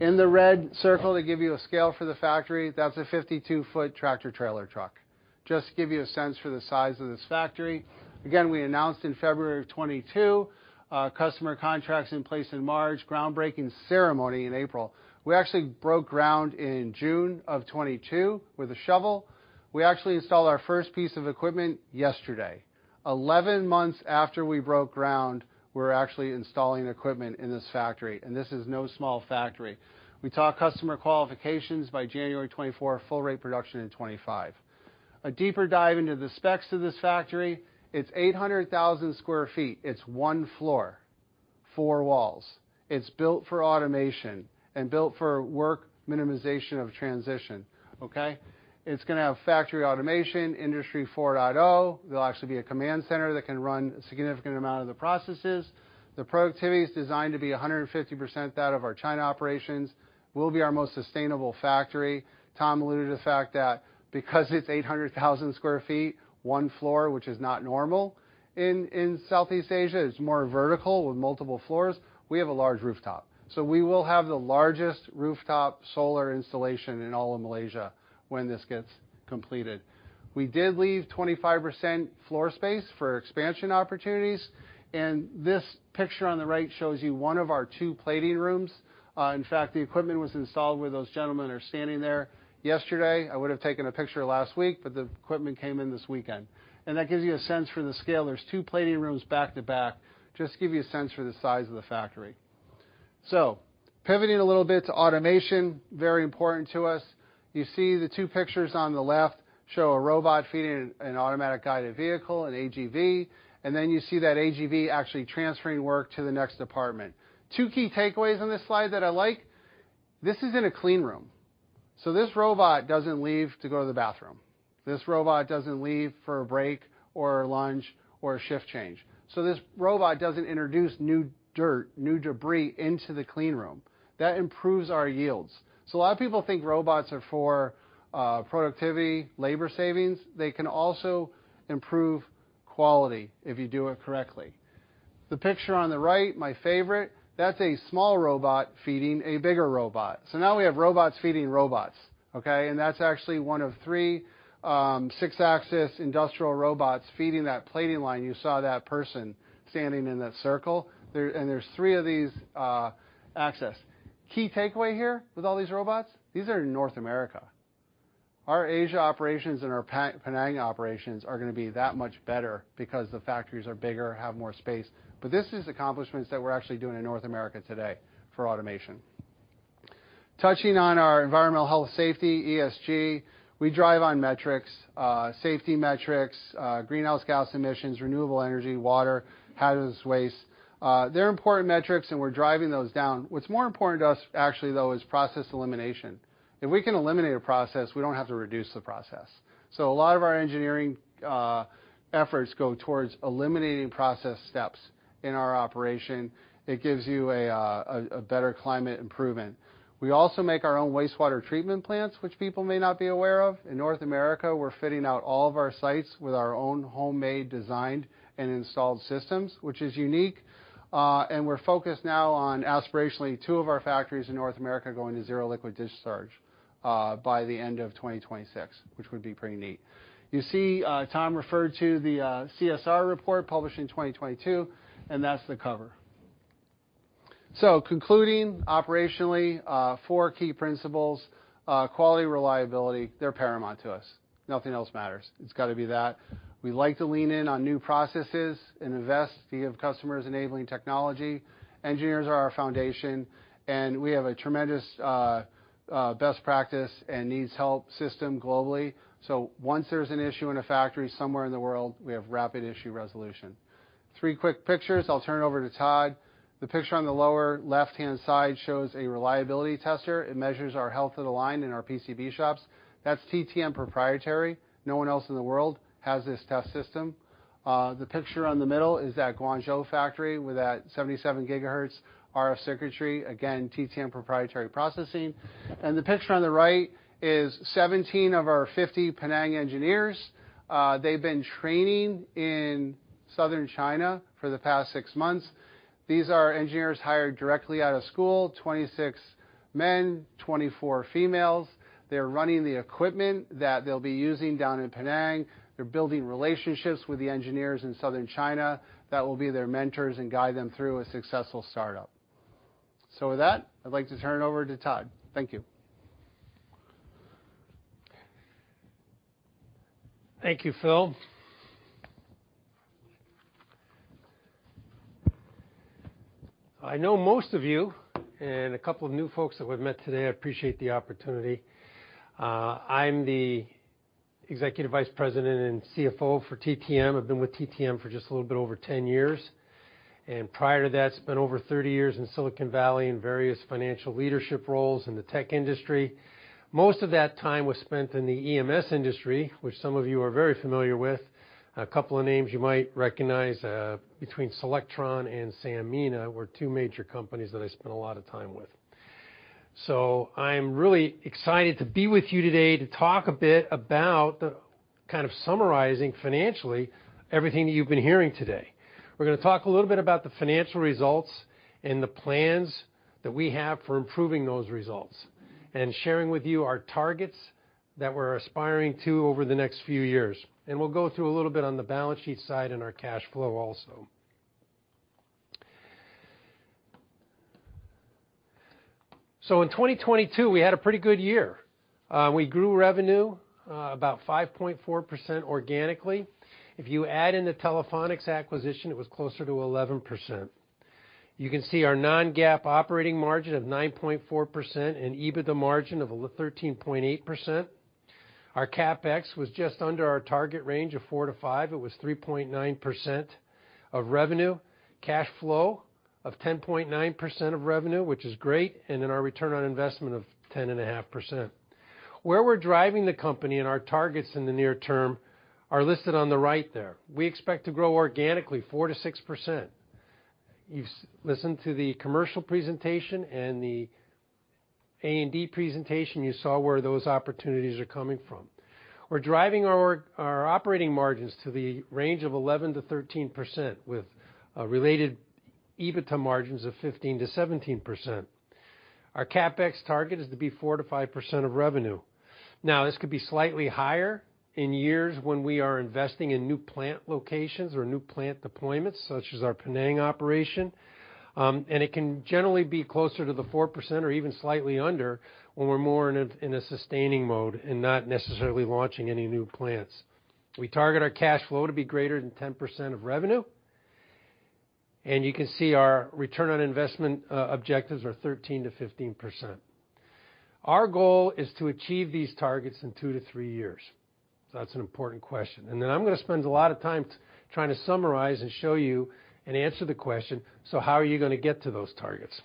In the red circle, to give you a scale for the factory, that's a 52-foot tractor-trailer truck. Just to give you a sense for the size of this factory. Again, we announced in February of 2022, customer contracts in place in March, groundbreaking ceremony in April. We actually broke ground in June of 2022 with a shovel. We actually installed our first piece of equipment yesterday. 11 months after we broke ground, we're actually installing equipment in this factory. This is no small factory. We talk customer qualifications by January 2024, full rate production in 2025. A deeper dive into the specs of this factory. It's 800,000 sq ft. It's one floor, four walls. It's built for automation and built for work minimization of transition, okay? It's gonna have factory automation, Industry 4.0. There'll actually be a command center that can run a significant amount of the processes. The productivity is designed to be 150% that of our China operations, will be our most sustainable factory. Tom alluded to the fact that because it's 800,000 sq ft, one floor, which is not normal in Southeast Asia, it's more vertical with multiple floors, we have a large rooftop. We will have the largest rooftop solar installation in all of Malaysia when this gets completed. We did leave 25% floor space for expansion opportunities. This picture on the right shows you one of our two plating rooms. In fact, the equipment was installed where those gentlemen are standing there yesterday. I would have taken a picture last week, but the equipment came in this weekend. That gives you a sense for the scale. There's two plating rooms back-to-back, just to give you a sense for the size of the factory. Pivoting a little bit to automation, very important to us. You see the two pictures on the left show a robot feeding an automatic guided vehicle, an AGV, and then you see that AGV actually transferring work to the next department. Two key takeaways on this slide that I like: This is in a clean room, so this robot doesn't leave to go to the bathroom. This robot doesn't leave for a break or lunch or a shift change. This robot doesn't introduce new dirt, new debris into the clean room. That improves our yields. A lot of people think robots are for productivity, labor savings. They can also improve quality if you do it correctly. The picture on the right, my favorite, that's a small robot feeding a bigger robot. Now we have robots feeding robots, okay? That's actually one of 3, six-axis industrial robots feeding that plating line. You saw that person standing in that circle. There's 3 of these axis. Key takeaway here with all these robots, these are in North America. Our Asia operations and our Penang operations are gonna be that much better because the factories are bigger, have more space, but this is accomplishments that we're actually doing in North America today for automation. Touching on our environmental health safety, ESG, we drive on metrics, safety metrics, greenhouse gas emissions, renewable energy, water, hazardous waste. They're important metrics, and we're driving those down. What's more important to us, actually, though, is process elimination. If we can eliminate a process, we don't have to reduce the process. A lot of our engineering efforts go towards eliminating process steps in our operation. It gives you a better climate improvement. We also make our own wastewater treatment plants, which people may not be aware of. In North America, we're fitting out all of our sites with our own homemade, designed, and installed systems, which is unique, and we're focused now on, aspirationally, two of our factories in North America going to zero liquid discharge by the end of 2026, which would be pretty neat. You see, Tom referred to the CSR report published in 2022, and that's the cover. Concluding operationally, four key principles. Quality, reliability, they're paramount to us. Nothing else matters. It's got to be that. We like to lean in on new processes and invest via customers enabling technology. Engineers are our foundation, and we have a tremendous best practice and needs help system globally. Once there's an issue in a factory somewhere in the world, we have rapid issue resolution. Three quick pictures, I'll turn it over to Todd. The picture on the lower left-hand side shows a reliability tester. It measures our health of the line in our PCB shops. That's TTM proprietary. No one else in the world has this test system. The picture on the middle is that Guangzhou factory with that 77 gigahertz RF circuitry. Again, TTM proprietary processing. The picture on the right is 17 of our 50 Penang engineers. They've been training in southern China for the past six months. These are engineers hired directly out of school, 26 men, 24 females. They're running the equipment that they'll be using down in Penang. They're building relationships with the engineers in southern China that will be their mentors and guide them through a successful startup. With that, I'd like to turn it over to Todd. Thank you. Thank you, Phil. I know most of you and a couple of new folks that we've met today. I appreciate the opportunity. I'm the Executive Vice President and CFO for TTM. I've been with TTM for just a little bit over 10 years, and prior to that, spent over 30 years in Silicon Valley in various financial leadership roles in the tech industry. Most of that time was spent in the EMS industry, which some of you are very familiar with. A couple of names you might recognize, between Solectron and Sanmina, were two major companies that I spent a lot of time with. I'm really excited to be with you today to talk a bit about kind of summarizing financially everything that you've been hearing today. We're gonna talk a little bit about the financial results and the plans-... that we have for improving those results, sharing with you our targets that we're aspiring to over the next few years. We'll go through a little bit on the balance sheet side and our cash flow also. In 2022, we had a pretty good year. We grew revenue about 5.4% organically. If you add in the Telephonics acquisition, it was closer to 11%. You can see our non-GAAP operating margin of 9.4% and EBITDA margin of 13.8%. Our CapEx was just under our target range of 4%-5%. It was 3.9% of revenue. Cash flow of 10.9% of revenue, which is great, and then our return on investment of 10.5%. Where we're driving the company and our targets in the near term are listed on the right there. We expect to grow organically 4%-6%. You've listened to the commercial presentation and the A&D presentation, you saw where those opportunities are coming from. We're driving our operating margins to the range of 11%-13% with related EBITDA margins of 15%-17%. Our CapEx target is to be 4%-5% of revenue. Now, this could be slightly higher in years when we are investing in new plant locations or new plant deployments, such as our Penang operation. It can generally be closer to the 4% or even slightly under when we're more in a sustaining mode and not necessarily launching any new plants. We target our cash flow to be greater than 10% of revenue. You can see our return on investment objectives are 13%-15%. Our goal is to achieve these targets in two to three years. That's an important question. I'm gonna spend a lot of time trying to summarize and show you and answer the question: so how are you gonna get to those targets?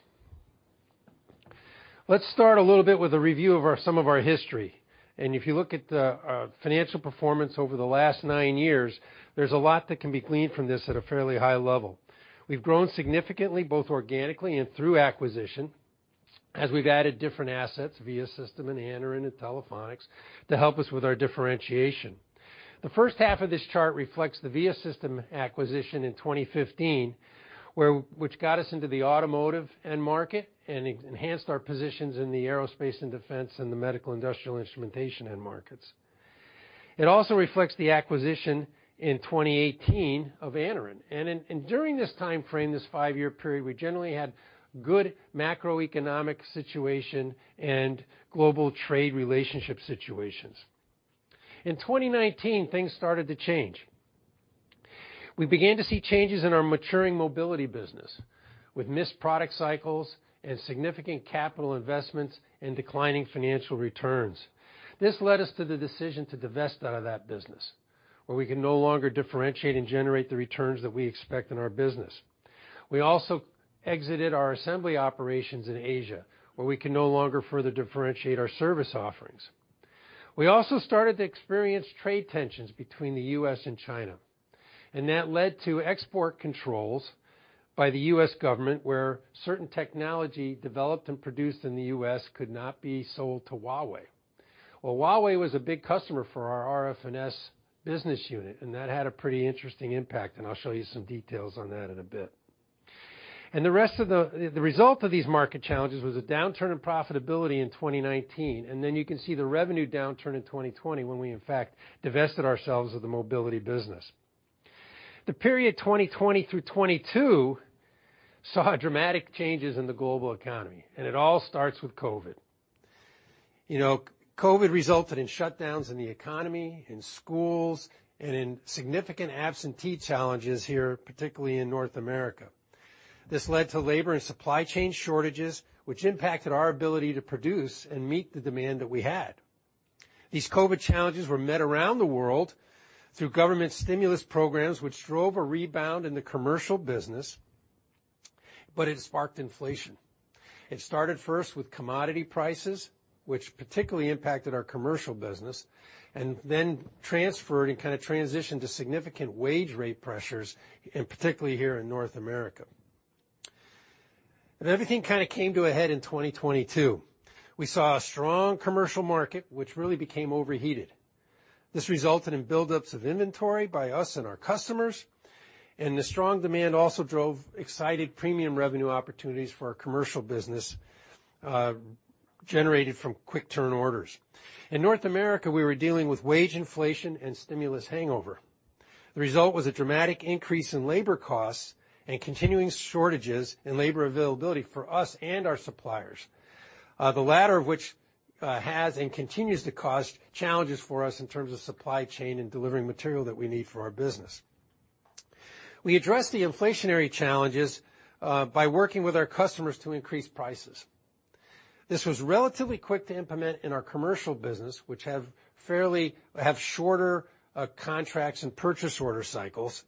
Let's start a little bit with a review of our, some of our history. If you look at the financial performance over the last nine years, there's a lot that can be gleaned from this at a fairly high level. We've grown significantly, both organically and through acquisition, as we've added different assets, Viasystems and Anaren, and Telephonics, to help us with our differentiation. The first half of this chart reflects the Viasystems acquisition in 2015, which got us into the automotive end market and enhanced our positions in the Aerospace and Defense, and the medical industrial instrumentation end markets. It also reflects the acquisition in 2018 of Anaren. During this time frame, this five-year period, we generally had good macroeconomic situation and global trade relationship situations. In 2019, things started to change. We began to see changes in our maturing mobility business, with missed product cycles and significant capital investments and declining financial returns. This led us to the decision to divest out of that business, where we could no longer differentiate and generate the returns that we expect in our business. We also exited our assembly operations in Asia, where we could no longer further differentiate our service offerings. We also started to experience trade tensions between the U.S. and China, that led to export controls by the U.S. government, where certain technology developed and produced in the U.S. could not be sold to Huawei. Well, Huawei was a big customer for our RF&S business unit, that had a pretty interesting impact, I'll show you some details on that in a bit. The result of these market challenges was a downturn in profitability in 2019, you can see the revenue downturn in 2020, when we, in fact, divested ourselves of the mobility business. The period 2020 through 2022 saw dramatic changes in the global economy, it all starts with COVID. You know, COVID resulted in shutdowns in the economy, in schools, and in significant absentee challenges here, particularly in North America. This led to labor and supply chain shortages, which impacted our ability to produce and meet the demand that we had. These COVID challenges were met around the world through government stimulus programs, which drove a rebound in the commercial business, but it sparked inflation. It started first with commodity prices, which particularly impacted our commercial business, and then transferred and kinda transitioned to significant wage rate pressures, and particularly here in North America. Everything kind of came to a head in 2022. We saw a strong commercial market, which really became overheated. This resulted in buildups of inventory by us and our customers, and the strong demand also drove excited premium revenue opportunities for our commercial business, generated from quick turn orders. In North America, we were dealing with wage inflation and stimulus hangover. The result was a dramatic increase in labor costs and continuing shortages in labor availability for us and our suppliers, the latter of which has and continues to cause challenges for us in terms of supply chain and delivering material that we need for our business. We addressed the inflationary challenges by working with our customers to increase prices. This was relatively quick to implement in our commercial business, which have shorter contracts and purchase order cycles,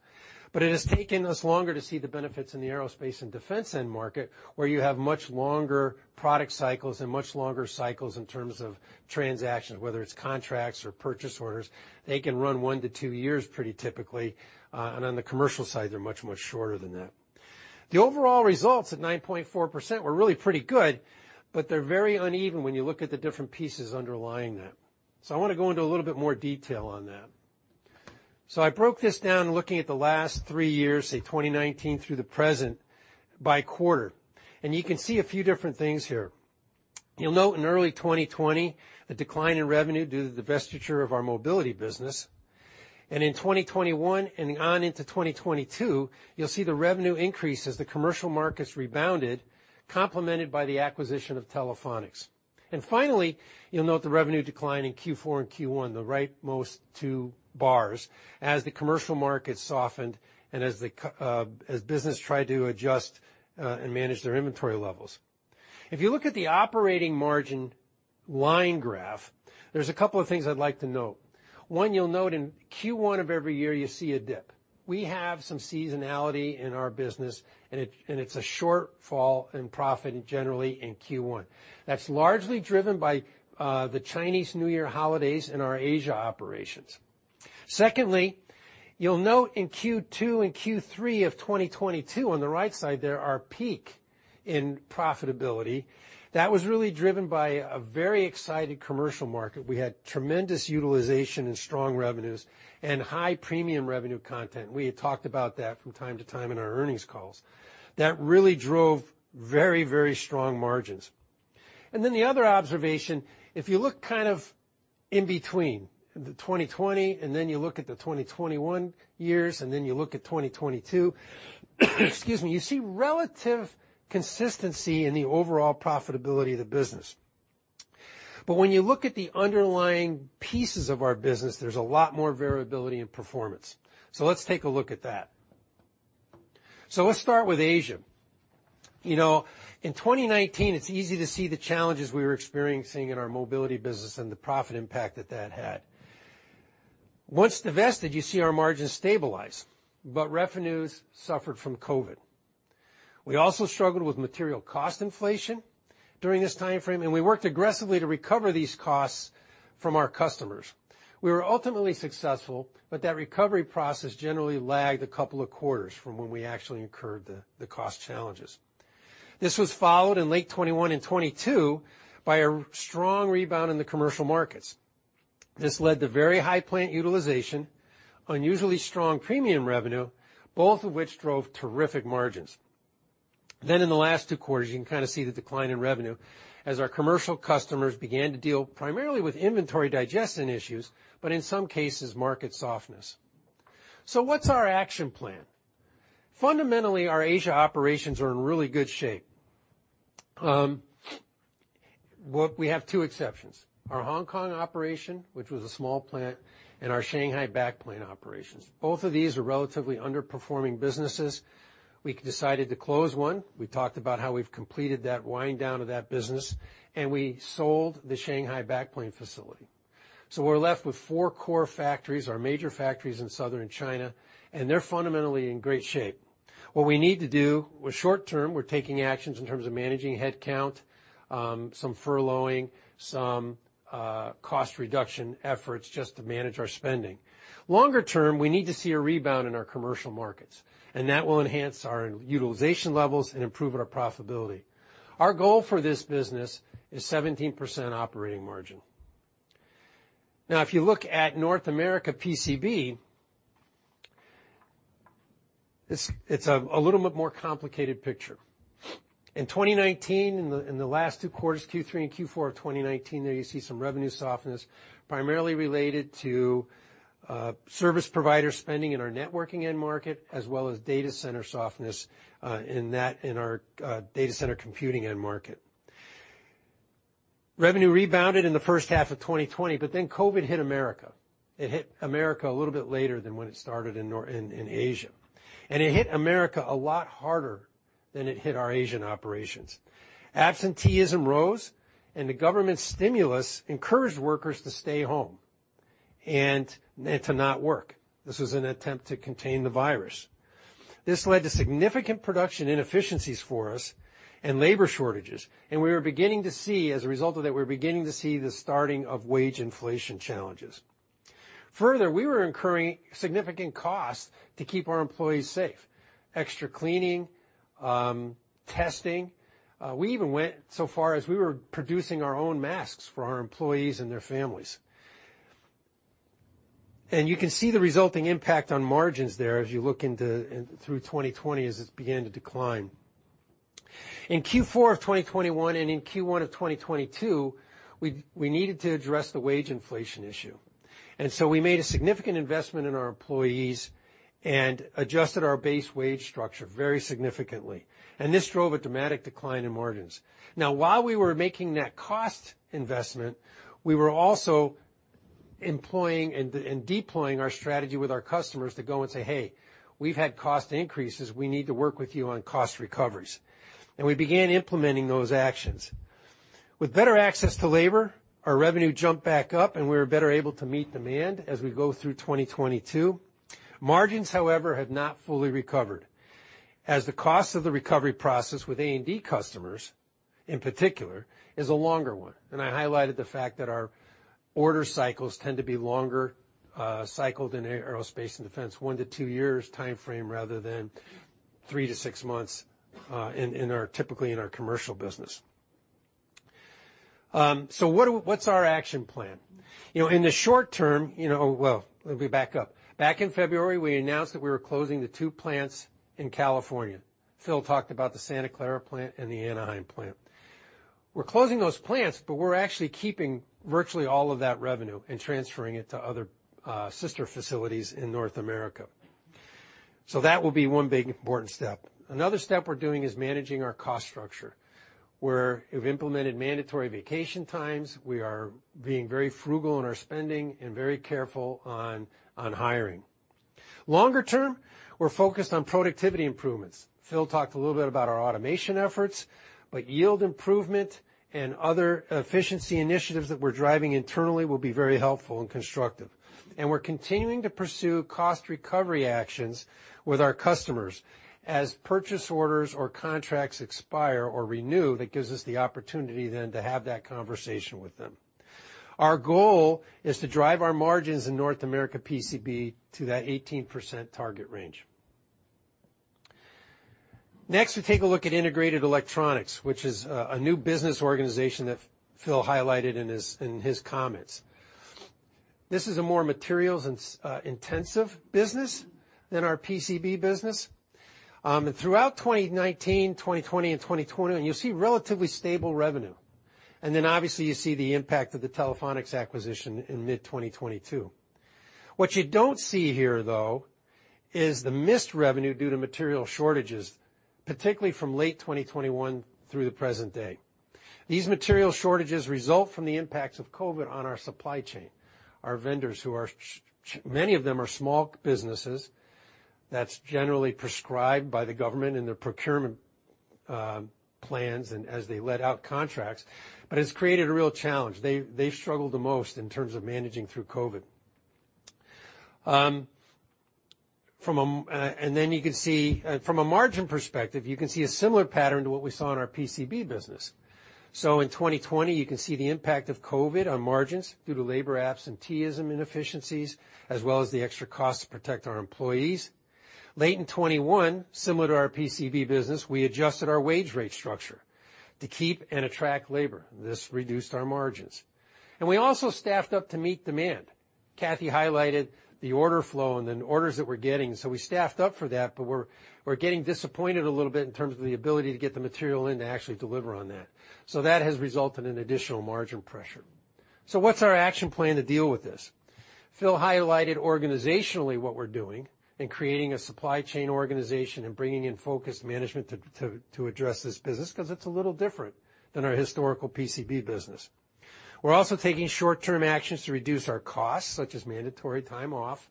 but it has taken us longer to see the benefits in the aerospace and defense end market, where you have much longer product cycles and much longer cycles in terms of transactions. Whether it's contracts or purchase orders, they can run one to two years, pretty typically, and on the commercial side, they're much, much shorter than that. The overall results at 9.4% were really pretty good, but they're very uneven when you look at the different pieces underlying that. I want to go into a little bit more detail on that. I broke this down, looking at the last three years, say, 2019 through the present, by quarter, and you can see a few different things here. You'll note in early 2020, a decline in revenue due to the divestiture of our mobility business, and in 2021 and on into 2022, you'll see the revenue increase as the commercial markets rebounded, complemented by the acquisition of Telephonics. Finally, you'll note the revenue decline in Q4 and Q1, the rightmost two bars, as the commercial market softened and as business tried to adjust and manage their inventory levels. If you look at the operating margin line graph, there's a couple of things I'd like to note. One, you'll note in Q1 of every year, you see a dip. We have some seasonality in our business, and it's a shortfall in profit generally in Q1. That's largely driven by the Chinese New Year holidays and our Asia operations. Secondly, you'll note in Q2 and Q3 of 2022, on the right side there, our peak in profitability. That was really driven by a very excited commercial market. We had tremendous utilization and strong revenues and high premium revenue content. We had talked about that from time to time in our earnings calls. That really drove very, very strong margins. The other observation, if you look kind of in between the 2020, and then you look at the 2021 years, and then you look at 2022, excuse me, you see relative consistency in the overall profitability of the business. When you look at the underlying pieces of our business, there's a lot more variability in performance. Let's take a look at that. Let's start with Asia. You know, in 2019, it's easy to see the challenges we were experiencing in our mobility business and the profit impact that that had. Once divested, you see our margins stabilize, but revenues suffered from COVID. We also struggled with material cost inflation during this time frame, and we worked aggressively to recover these costs from our customers. We were ultimately successful, but that recovery process generally lagged a couple of quarters from when we actually incurred the cost challenges. This was followed in late 2021 and 2022 by a strong rebound in the commercial markets. This led to very high plant utilization, unusually strong premium revenue, both of which drove terrific margins. In the last two quarters, you can kind of see the decline in revenue as our commercial customers began to deal primarily with inventory digestion issues, but in some cases, market softness. What's our action plan? Fundamentally, our Asia operations are in really good shape. We have two exceptions, our Hong Kong operation, which was a small plant, and our Shanghai backplane operations. Both of these are relatively underperforming businesses. We decided to close one. We talked about how we've completed that wind down of that business, and we sold the Shanghai backplane facility. We're left with four core factories, our major factories in southern China, and they're fundamentally in great shape. What we need to do, well, short term, we're taking actions in terms of managing headcount, some furloughing, some cost reduction efforts just to manage our spending. Longer term, we need to see a rebound in our commercial markets, and that will enhance our utilization levels and improve our profitability. Our goal for this business is 17% operating margin. If you look at North America PCB, it's a little bit more complicated picture. In 2019, in the last two quarters, Q3 and Q4 of 2019, there you see some revenue softness, primarily related to service provider spending in our networking end market, as well as data center softness, in that, in our data center computing end market. Revenue rebounded in the first half of 2020. COVID hit America. It hit America a little bit later than when it started in Asia, and it hit America a lot harder than it hit our Asian operations. Absenteeism rose, and the government stimulus encouraged workers to stay home and to not work. This was an attempt to contain the virus. This led to significant production inefficiencies for us and labor shortages, and we were beginning to see, as a result of that, the starting of wage inflation challenges. Further, we were incurring significant costs to keep our employees safe, extra cleaning, testing. We even went so far as we were producing our own masks for our employees and their families. You can see the resulting impact on margins there as you look into, through 2020, as it began to decline. In Q4 of 2021 and in Q1 of 2022, we needed to address the wage inflation issue, and so we made a significant investment in our employees and adjusted our base wage structure very significantly, and this drove a dramatic decline in margins. Now, while we were making that cost investment, we were also employing and deploying our strategy with our customers to go and say, "Hey, we've had cost increases. We need to work with you on cost recoveries." We began implementing those actions. With better access to labor, our revenue jumped back up, and we were better able to meet demand as we go through 2022. Margins, however, have not fully recovered, as the cost of the recovery process with A&D customers, in particular, is a longer one. I highlighted the fact that our order cycles tend to be longer, cycles in Aerospace and Defense, one to two years timeframe, rather than three to six months, in our typically in our commercial business. What's our action plan? You know, in the short term, you know, well, let me back up. Back in February, we announced that we were closing the two plants in California. Phil talked about the Santa Clara plant and the Anaheim plant. We're closing those plants, but we're actually keeping virtually all of that revenue and transferring it to other sister facilities in North America. That will be one big important step. Another step we're doing is managing our cost structure, where we've implemented mandatory vacation times. We are being very frugal in our spending and very careful on hiring. Longer term, we're focused on productivity improvements. Phil talked a little bit about our automation efforts, but yield improvement and other efficiency initiatives that we're driving internally will be very helpful and constructive. We're continuing to pursue cost recovery actions with our customers. As purchase orders or contracts expire or renew, that gives us the opportunity then to have that conversation with them. Our goal is to drive our margins in North America PCB to that 18% target range. Next, we take a look at integrated electronics, which is a new business organization that Phil highlighted in his comments. This is a more materials and intensive business than our PCB business. Throughout 2019, 2020 and 2021, you'll see relatively stable revenue, then obviously, you see the impact of the Telephonics acquisition in mid-2022. What you don't see here, though, is the missed revenue due to material shortages, particularly from late 2021 through the present day. These material shortages result from the impacts of COVID on our supply chain. Our vendors, who are many of them, are small businesses. That's generally prescribed by the government and their procurement plans and as they let out contracts, but it's created a real challenge. They struggled the most in terms of managing through COVID. From a margin perspective, you can see a similar pattern to what we saw in our PCB business. In 2020, you can see the impact of COVID on margins due to labor absenteeism inefficiencies, as well as the extra cost to protect our employees. Late in 2021, similar to our PCB business, we adjusted our wage rate structure to keep and attract labor. This reduced our margins, and we also staffed up to meet demand. Cathy highlighted the order flow and orders that we're getting, so we staffed up for that, but we're getting disappointed a little bit in terms of the ability to get the material in to actually deliver on that. That has resulted in additional margin pressure. What's our action plan to deal with this? Phil highlighted organizationally what we're doing in creating a supply chain organization and bringing in focused management to address this business, because it's a little different than our historical PCB business. We're also taking short-term actions to reduce our costs, such as mandatory time off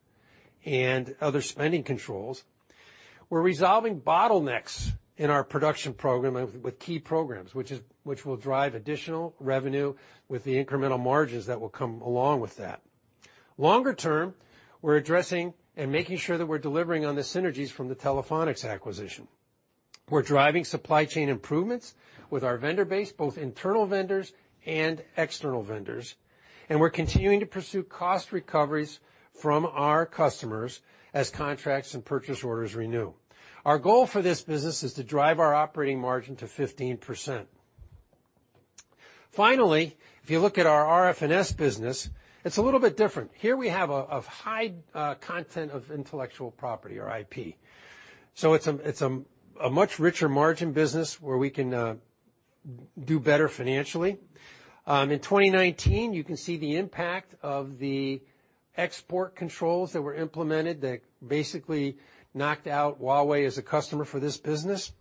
and other spending controls. We're resolving bottlenecks in our production program with key programs, which will drive additional revenue with the incremental margins that will come along with that. Longer term, we're addressing and making sure that we're delivering on the synergies from the Telephonics acquisition. We're driving supply chain improvements with our vendor base, both internal vendors and external vendors, and we're continuing to pursue cost recoveries from our customers as contracts and purchase orders renew. Our goal for this business is to drive our operating margin to 15%. Finally, if you look at our RF&S business, it's a little bit different. Here we have a high content of intellectual property or IP. it's a much richer margin business where we can do better financially. In 2019, you can see the impact of the export controls that were implemented that basically knocked out Huawei as a customer for this business.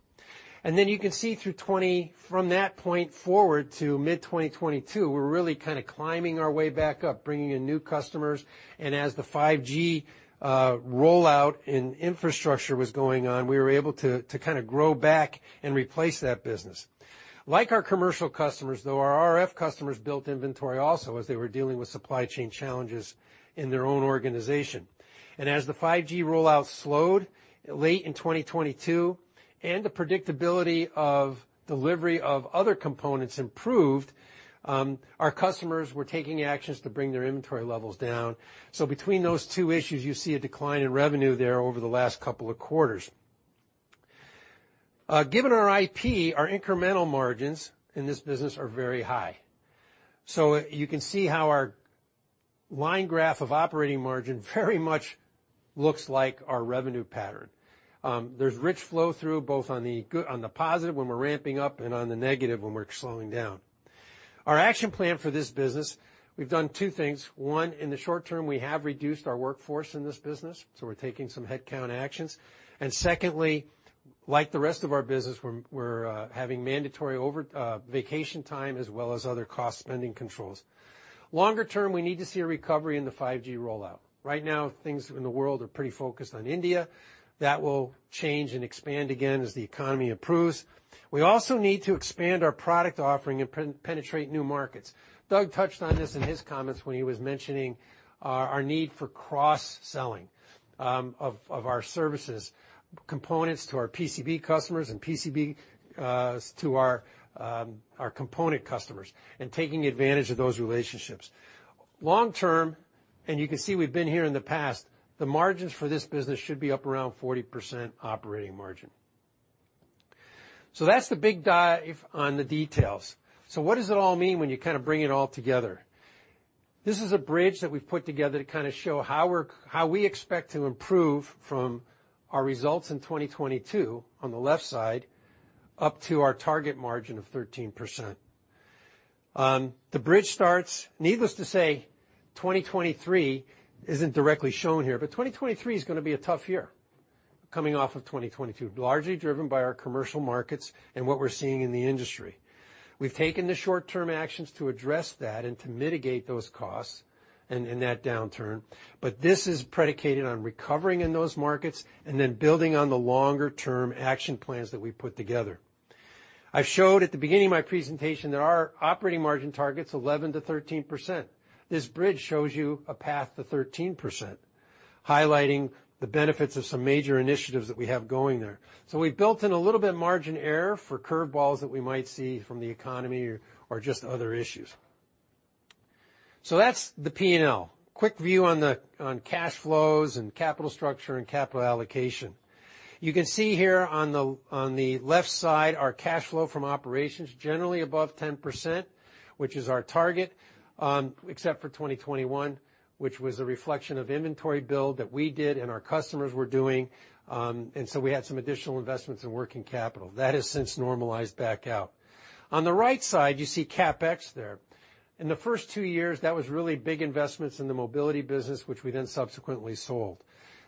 you can see through 20, from that point forward to mid-2022, we're really kind of climbing our way back up, bringing in new customers, and as the 5G rollout and infrastructure was going on, we were able to kind of grow back and replace that business. Like our commercial customers, though, our RF customers built inventory also as they were dealing with supply chain challenges in their own organization. As the 5G rollout slowed late in 2022 and the predictability of delivery of other components improved, our customers were taking actions to bring their inventory levels down. Between those two issues, you see a decline in revenue there over the last couple of quarters. Given our IP, our incremental margins in this business are very high. You can see how our line graph of operating margin very much looks like our revenue pattern. There's rich flow-through, both on the good, on the positive, when we're ramping up, and on the negative, when we're slowing down. Our action plan for this business, we've done two things. One, in the short term, we have reduced our workforce in this business, so we're taking some headcount actions. Secondly, like the rest of our business, we're having mandatory over vacation time, as well as other cost-spending controls. Longer term, we need to see a recovery in the 5G rollout. Right now, things in the world are pretty focused on India. That will change and expand again as the economy improves. We also need to expand our product offering and penetrate new markets. Doug Soder touched on this in his comments when he was mentioning our need for cross-selling of our services, components to our PCB customers and PCB to our component customers, and taking advantage of those relationships. Long term, and you can see we've been here in the past, the margins for this business should be up around 40% operating margin. That's the big dive on the details. What does it all mean when you kind of bring it all together? This is a bridge that we've put together to kind of show how we expect to improve from our results in 2022, on the left side, up to our target margin of 13%. The bridge starts, needless to say, 2023 isn't directly shown here, but 2023 is gonna be a tough year, coming off of 2022, largely driven by our commercial markets and what we're seeing in the industry. We've taken the short-term actions to address that and to mitigate those costs and that downturn, but this is predicated on recovering in those markets and then building on the longer-term action plans that we put together. I showed at the beginning of my presentation that our operating margin target's 11%-13%. This bridge shows you a path to 13%, highlighting the benefits of some major initiatives that we have going there. We've built in a little bit of margin error for curve balls that we might see from the economy or just other issues. That's the P&L. Quick view on cash flows and capital structure and capital allocation. You can see here on the left side, our cash flow from operations, generally above 10%, which is our target, except for 2021, which was a reflection of inventory build that we did and our customers were doing, and so we had some additional investments in working capital. That has since normalized back out. On the right side, you see CapEx there. In the first two years, that was really big investments in the mobility business, which we then subsequently sold.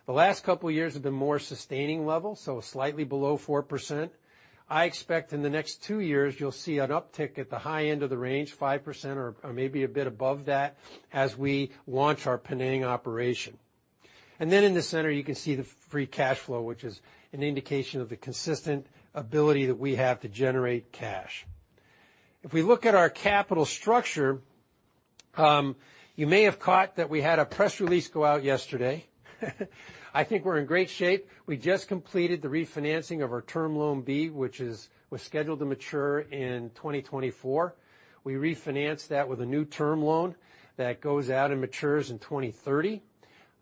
The last couple of years have been more sustaining level, so slightly below 4%. I expect in the next two years, you'll see an uptick at the high end of the range, 5% or maybe a bit above that, as we launch our Penang operation. In the center, you can see the free cash flow, which is an indication of the consistent ability that we have to generate cash. If we look at our capital structure, you may have caught that we had a press release go out yesterday. I think we're in great shape. We just completed the refinancing of our Term Loan B, which was scheduled to mature in 2024. We refinanced that with a new term loan that goes out and matures in 2030.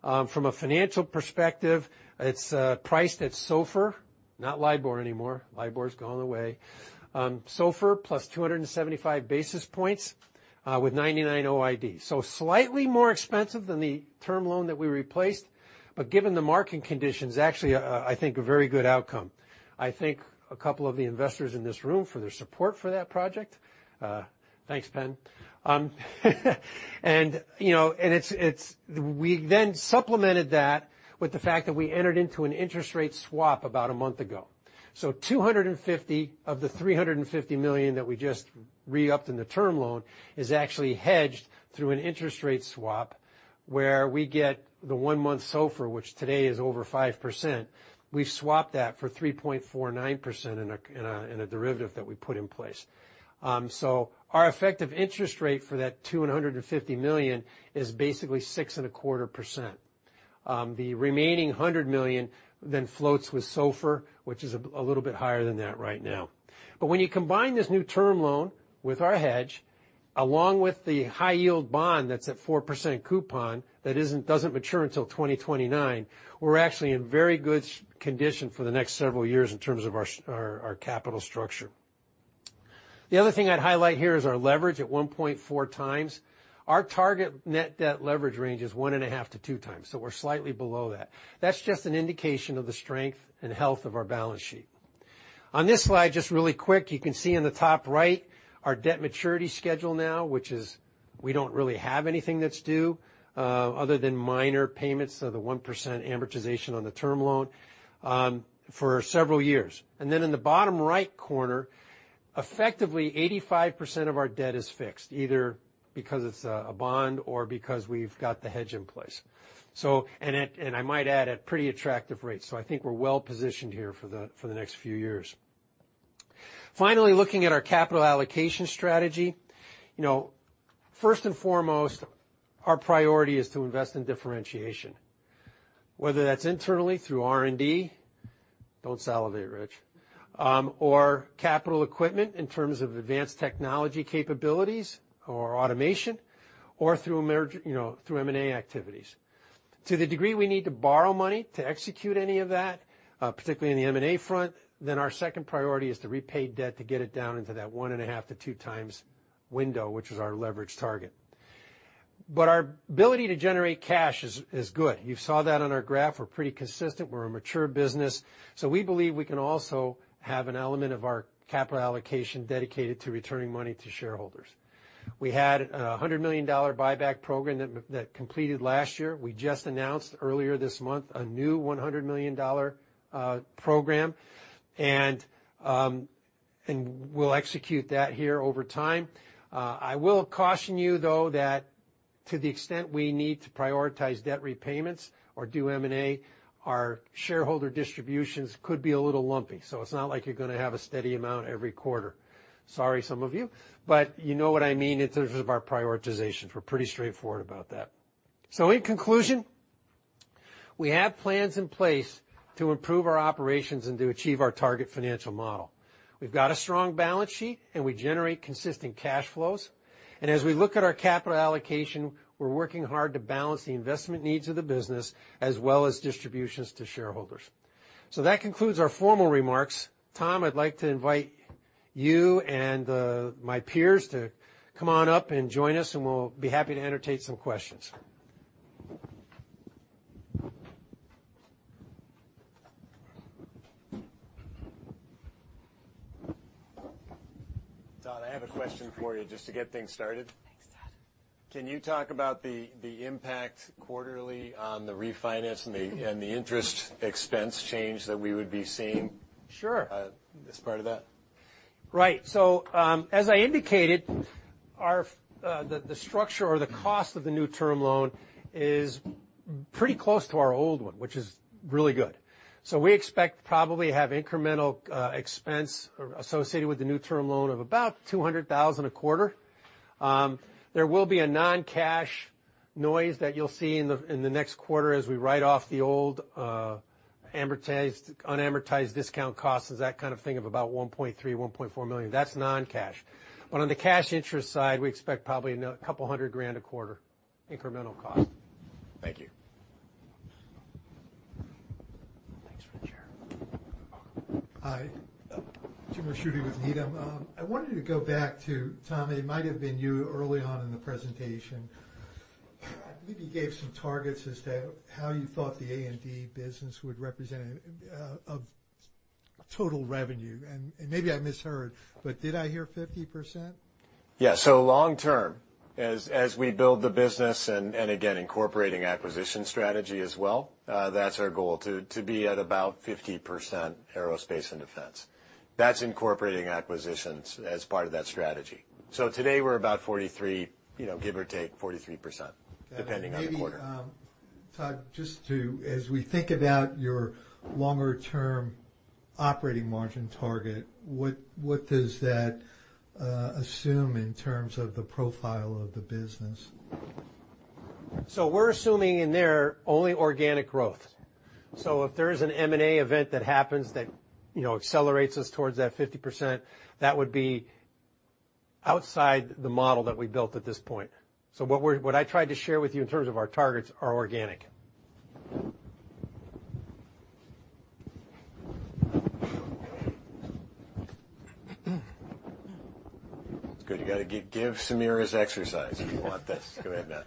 From a financial perspective, it's priced at SOFR, not LIBOR anymore. LIBOR's gone away. SOFR plus 275 basis points, with 99 OID. Slightly more expensive than the term loan that we replaced, but given the market conditions, actually, I think a very good outcome. I thank a couple of the investors in this room for their support for that project. Thanks, Pen. You know, we then supplemented that with the fact that we entered into an interest rate swap about a month ago. $250 of the $350 million that we just re-upped in the term loan is actually hedged through an interest rate swap, where we get the 1-month SOFR, which today is over 5%. We've swapped that for 3.49% in a derivative that we put in place. Our effective interest rate for that $250 million is basically 6.25%. The remaining $100 million then floats with SOFR, which is a little bit higher than that right now. When you combine this new term loan with our hedge, along with the high-yield bond that doesn't mature until 2029, we're actually in very good condition for the next several years in terms of our capital structure. The other thing I'd highlight here is our leverage at 1.4 times. Our target net debt leverage range is 1.5 to 2 times, so we're slightly below that. That's just an indication of the strength and health of our balance sheet. On this slide, just really quick, you can see in the top right, our debt maturity schedule now, which is, we don't really have anything that's due, other than minor payments, so the 1% amortization on the term loan for several years. Then in the bottom right corner, effectively, 85% of our debt is fixed, either because it's a bond or because we've got the hedge in place. I might add, at pretty attractive rates. I think we're well positioned here for the next few years. Finally, looking at our capital allocation strategy, you know, first and foremost, our priority is to invest in differentiation. Whether that's internally through R&D, don't salivate, Rich, or capital equipment in terms of advanced technology capabilities or automation or through merger, you know, through M&A activities. To the degree we need to borrow money to execute any of that, particularly in the M&A front, then our second priority is to repay debt to get it down into that 1.5x-2x window, which is our leverage target. Our ability to generate cash is good. You saw that on our graph. We're pretty consistent. We're a mature business, so we believe we can also have an element of our capital allocation dedicated to returning money to shareholders. We had a $100 million buyback program that completed last year. We just announced earlier this month, a new $100 million program, and we'll execute that here over time. I will caution you, though, that to the extent we need to prioritize debt repayments or do M&A, our shareholder distributions could be a little lumpy. It's not like you're gonna have a steady amount every quarter. Sorry, some of you, but you know what I mean in terms of our prioritization. We're pretty straightforward about that. In conclusion, we have plans in place to improve our operations and to achieve our target financial model. We've got a strong balance sheet, and we generate consistent cash flows. As we look at our capital allocation, we're working hard to balance the investment needs of the business, as well as distributions to shareholders. That concludes our formal remarks. Tom, I'd like to invite you and my peers to come on up and join us, and we'll be happy to entertain some questions. Todd, I have a question for you just to get things started. Thanks, Todd. Can you talk about the impact quarterly on the refinance and the interest expense change that we would be seeing? Sure. as part of that? Right. As I indicated, the structure or the cost of the new term loan is pretty close to our old one, which is really good. We expect to probably have incremental expense associated with the new term loan of about $200,000 a quarter. There will be a non-cash noise that you'll see in the next quarter as we write off the old amortized, unamortized discount costs, as that kind of thing, of about $1.3 million-$1.4 million. That's non-cash. On the cash interest side, we expect probably $200,000 a quarter incremental cost. Thank you. Thanks. [inaudible] Hi, Jim Ricchiuti with Needham. I wanted to go back to, Tom, it might have been you early on in the presentation. I think you gave some targets as to how you thought the A&D business would represent of total revenue, and maybe I misheard, but did I hear 50%? Yes. Long term, as we build the business and again, incorporating acquisition strategy as well, that's our goal, to be at about 50% aerospace and defense. That's incorporating acquisitions as part of that strategy. Today we're about 43, you know, give or take, 43%, depending on the quarter. Maybe, Todd, as we think about your longer-term operating margin target, what does that assume in terms of the profile of the business? We're assuming in there only organic growth. If there is an M&A event that happens that, you know, accelerates us towards that 50%, that would be outside the model that we built at this point. What I tried to share with you in terms of our targets are organic. It's good. You got to give Sameer's exercise if you want this. Go ahead, Matt.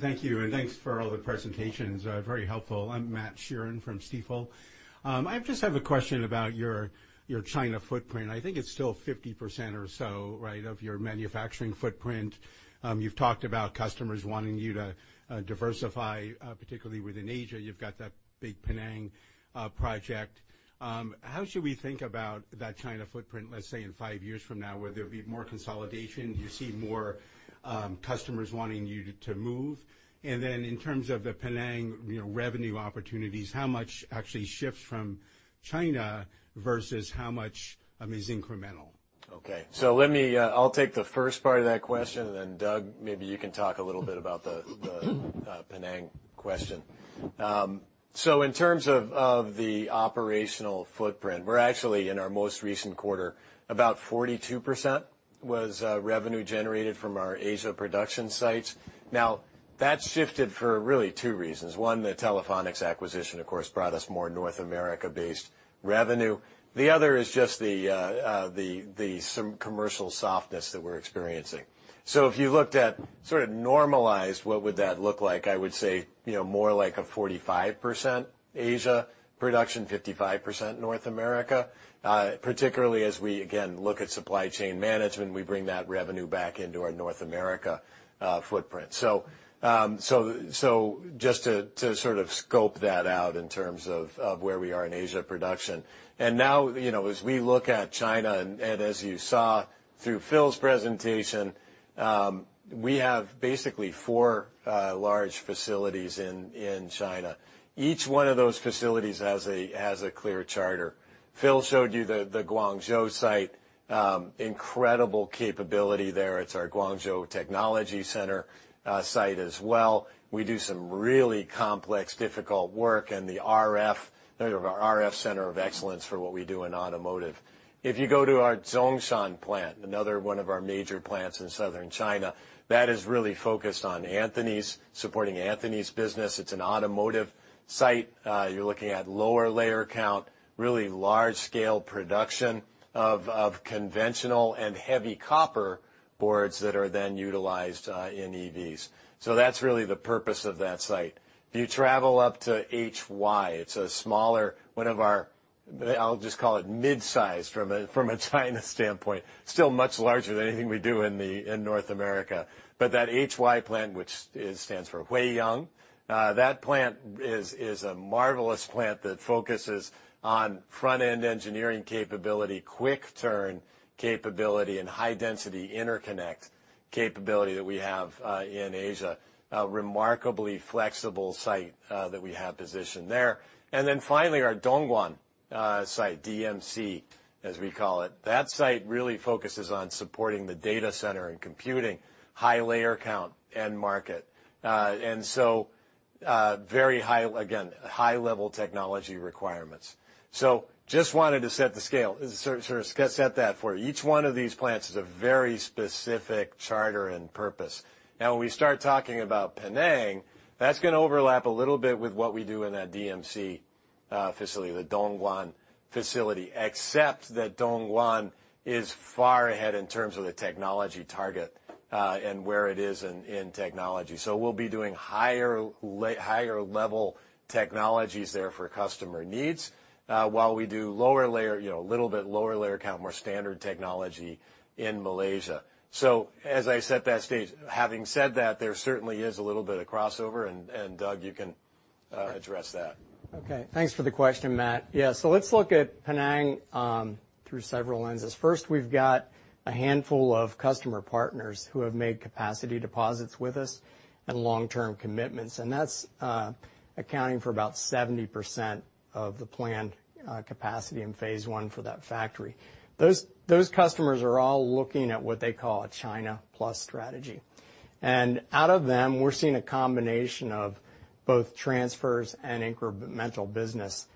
Thank you, and thanks for all the presentations, very helpful. I'm Matt Sheerin from Stifel. I just have a question about your China footprint. I think it's still 50% or so, right, of your manufacturing footprint. You've talked about customers wanting you to diversify, particularly within Asia. You've got that big Penang project. How should we think about that China footprint, let's say, in five years from now, where there'll be more consolidation, do you see more customers wanting you to move? In terms of the Penang, you know, revenue opportunities, how much actually shifts from China versus how much is incremental? Okay. Let me take the first part of that question, and then Doug, maybe you can talk a little bit about the Penang question. In terms of the operational footprint, we're actually, in our most recent quarter, about 42% was revenue generated from our Asia production sites. Now, that's shifted for really two reasons. One, the Telephonics acquisition, of course, brought us more North America-based revenue. The other is just the some commercial softness that we're experiencing. If you looked at sort of normalized, what would that look like? I would say, you know, more like a 45% Asia production, 55% North America. Particularly as we, again, look at supply chain management, we bring that revenue back into our North America footprint. Just to sort of scope that out in terms of where we are in Asia production. Now, you know, as we look at China, as you saw through Phil's presentation, we have basically 4 large facilities in China. Each one of those facilities has a clear charter. Phil showed you the Guangzhou site. Incredible capability there. It's our Guangzhou Technology Center site as well. We do some really complex, difficult work in the RF Center of Excellence for what we do in automotive. If you go to our Zhongshan plant, another one of our major plants in southern China, that is really focused on supporting Anthony's business. It's an automotive site. You're looking at lower layer count, really large-scale production of conventional and heavy copper boards that are then utilized in EVs. That's really the purpose of that site. If you travel up to HY, it's a smaller, one of our, I'll just call it mid-sized from a China standpoint, still much larger than anything we do in North America. That HY plant, which stands for Huiyang, that plant is a marvelous plant that focuses on front-end engineering capability, quick turn capability, and high-density interconnect capability that we have in Asia. A remarkably flexible site that we have positioned there. Finally, our Dongguan site, DMC, as we call it. That site really focuses on supporting the data center and computing, high layer count, end market. very high, again, high-level technology requirements. Just wanted to set the scale, sort of set that for you. Each one of these plants has a very specific charter and purpose. When we start talking about Penang, that's going to overlap a little bit with what we do in that DMC facility, the Dongguan facility, except that Dongguan is far ahead in terms of the technology target and where it is in technology. We'll be doing higher level technologies there for customer needs while we do lower layer, you know, a little bit lower layer count, more standard technology in Malaysia. As I set that stage, having said that, there certainly is a little bit of crossover, and Doug, you can address that. Okay, thanks for the question, Matt. Yeah, let's look at Penang through several lenses. First, we've got a handful of customer partners who have made capacity deposits with us and long-term commitments, and that's accounting for about 70% of the planned capacity in phase 1 for that factory. Those customers are all looking at what they call a China Plus strategy. Out of them, we're seeing a combination of both transfers and incremental business,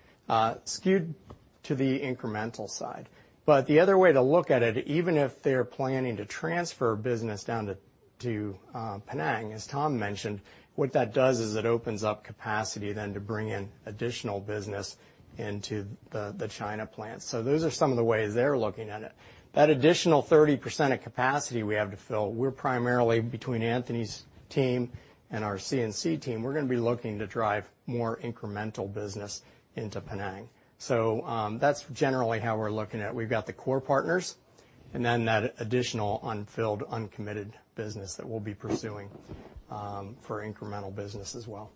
skewed to the incremental side. The other way to look at it, even if they're planning to transfer business down to Penang, as Tom mentioned, what that does is it opens up capacity then to bring in additional business into the China plant. Those are some of the ways they're looking at it. That additional 30% of capacity we have to fill, we're primarily, between Anthony's team and our CNC team, we're going to be looking to drive more incremental business into Penang. That's generally how we're looking at it. We've got the core partners, and then that additional unfilled, uncommitted business that we'll be pursuing for incremental business as well.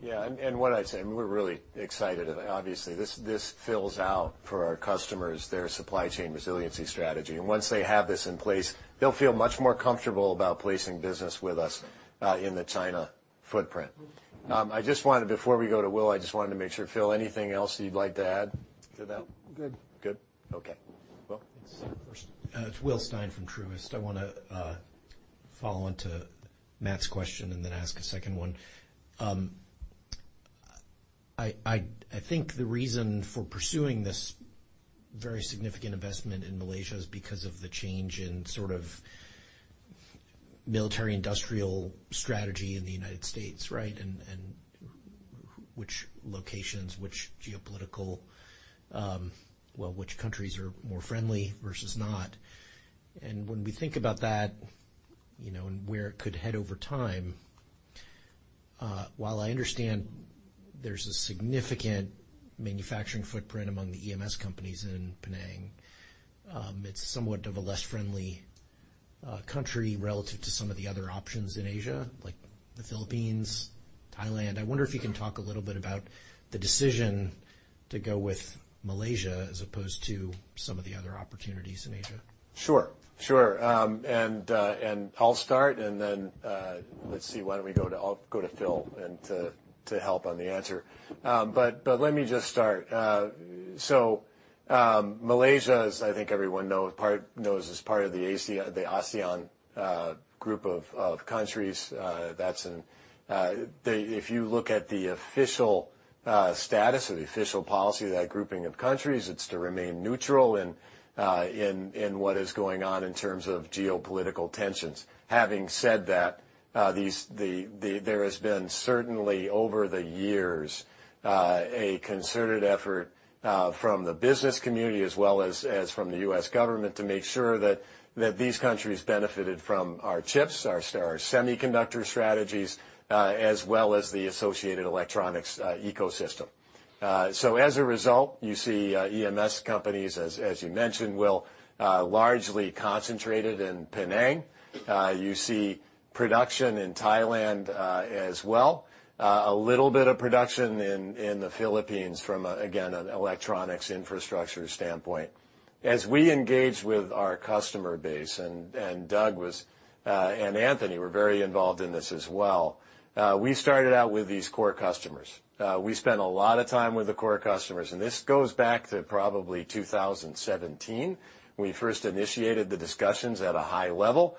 What I'd say, I mean, we're really excited. Obviously, this fills out for our customers, their supply chain resiliency strategy. Once they have this in place, they'll feel much more comfortable about placing business with us in the China footprint. Before we go to Will, I just wanted to make sure, Phil, anything else you'd like to add to that? I'm good. Good. Okay. Will? It's Will Stein from Truist. I want to follow on to Matt's question and then ask a second one. I think the reason for pursuing this very significant investment in Malaysia is because of the change in sort of military industrial strategy in the United States, right? Which locations, which geopolitical, well, which countries are more friendly versus not. When we think about that, you know, and where it could head over time, while I understand there's a significant manufacturing footprint among the EMS companies in Penang, it's somewhat of a less friendly country relative to some of the other options in Asia, like the Philippines, Thailand. I wonder if you can talk a little bit about the decision to go with Malaysia as opposed to some of the other opportunities in Asia. Sure. Sure. I'll start, and then I'll go to Phil and to help on the answer. Let me just start. Malaysia, as I think everyone knows, is part of the ASEAN group of countries. If you look at the official status or the official policy of that grouping of countries, it's to remain neutral in what is going on in terms of geopolitical tensions. Having said that, there has been certainly, over the years, a concerted effort, from the business community as well as from the U.S. government, to make sure that, these countries benefited from our chips, our semiconductor strategies, as well as the associated electronics, ecosystem. As a result, you see, EMS companies, as you mentioned, Will, largely concentrated in Penang. You see production in Thailand, as well, a little bit of production in the Philippines from a, again, an electronics infrastructure standpoint. As we engaged with our customer base, and Doug was, and Anthony were very involved in this as well, we started out with these core customers. We spent a lot of time with the core customers. This goes back to probably 2017, when we first initiated the discussions at a high level.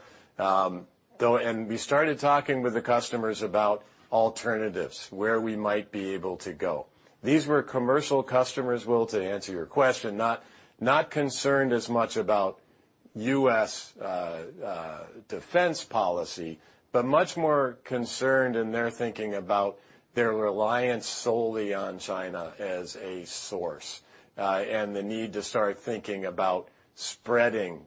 We started talking with the customers about alternatives, where we might be able to go. These were commercial customers, Will, to answer your question, not concerned as much about U.S. defense policy, but much more concerned in their thinking about their reliance solely on China as a source, the need to start thinking about spreading,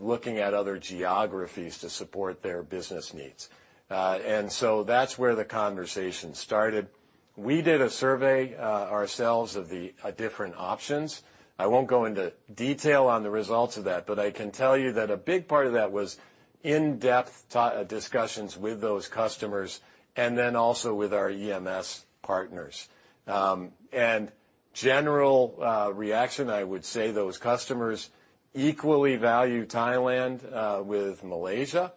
looking at other geographies to support their business needs. That's where the conversation started. We did a survey ourselves of the different options. I won't go into detail on the results of that, but I can tell you that a big part of that was in-depth discussions with those customers and then also with our EMS partners. General reaction, I would say those customers equally value Thailand with Malaysia,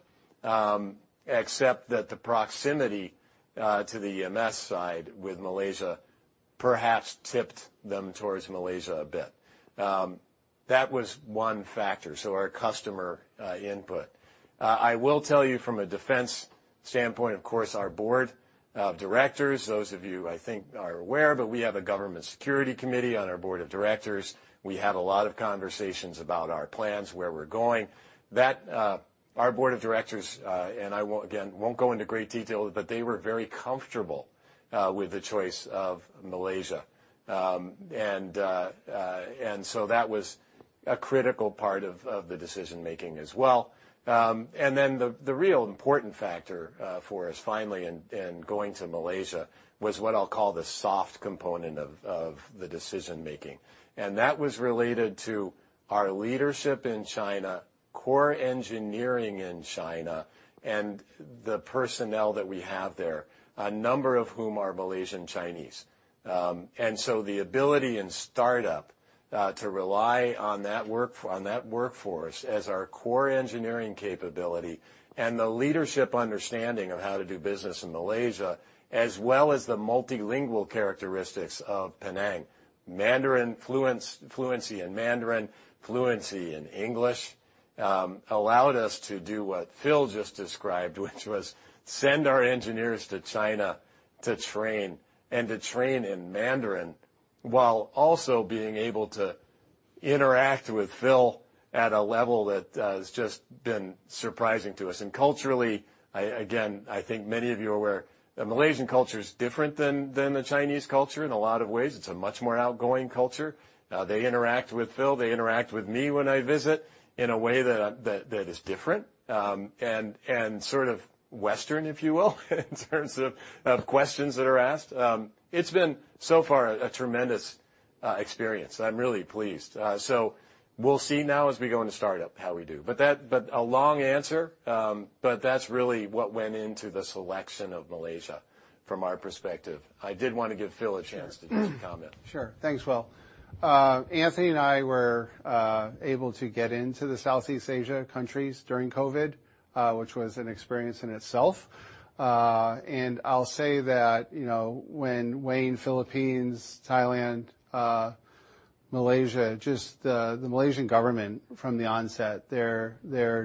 except that the proximity to the EMS side with Malaysia perhaps tipped them towards Malaysia a bit. That was one factor, so our customer input. I will tell you from a defense standpoint, of course, our board of directors, those of you, I think, are aware, but we have a government security committee on our board of directors. We have a lot of conversations about our plans, where we're going. Our board of directors won't go into great detail, but they were very comfortable with the choice of Malaysia. That was a critical part of the decision-making as well. The real important factor for us, finally, in going to Malaysia, was what I'll call the soft component of the decision-making, and that was related to our leadership in China, core engineering in China, and the personnel that we have there, a number of whom are Malaysian Chinese. The ability in startup, to rely on that work, on that workforce as our core engineering capability and the leadership understanding of how to do business in Malaysia, as well as the multilingual characteristics of Penang, Mandarin fluency in Mandarin, fluency in English, allowed us to do what Phil just described, which was send our engineers to China to train and to train in Mandarin, while also being able to interact with Phil at a level that has just been surprising to us. Culturally, I, again, I think many of you are aware, the Malaysian culture is different than the Chinese culture in a lot of ways. It's a much more outgoing culture. They interact with Phil, they interact with me when I visit, in a way that is different, and sort of Western, if you will, in terms of questions that are asked. It's been, so far, a tremendous experience, and I'm really pleased. We'll see now as we go into startup, how we do. A long answer, but that's really what went into the selection of Malaysia from our perspective. I did want to give Phil a chance to comment. Sure. Thanks, Will. Anthony and I were able to get into the Southeast Asia countries during COVID, which was an experience in itself. I'll say that, you know, when weighing Philippines, Thailand, Malaysia, just the Malaysian government from the onset, their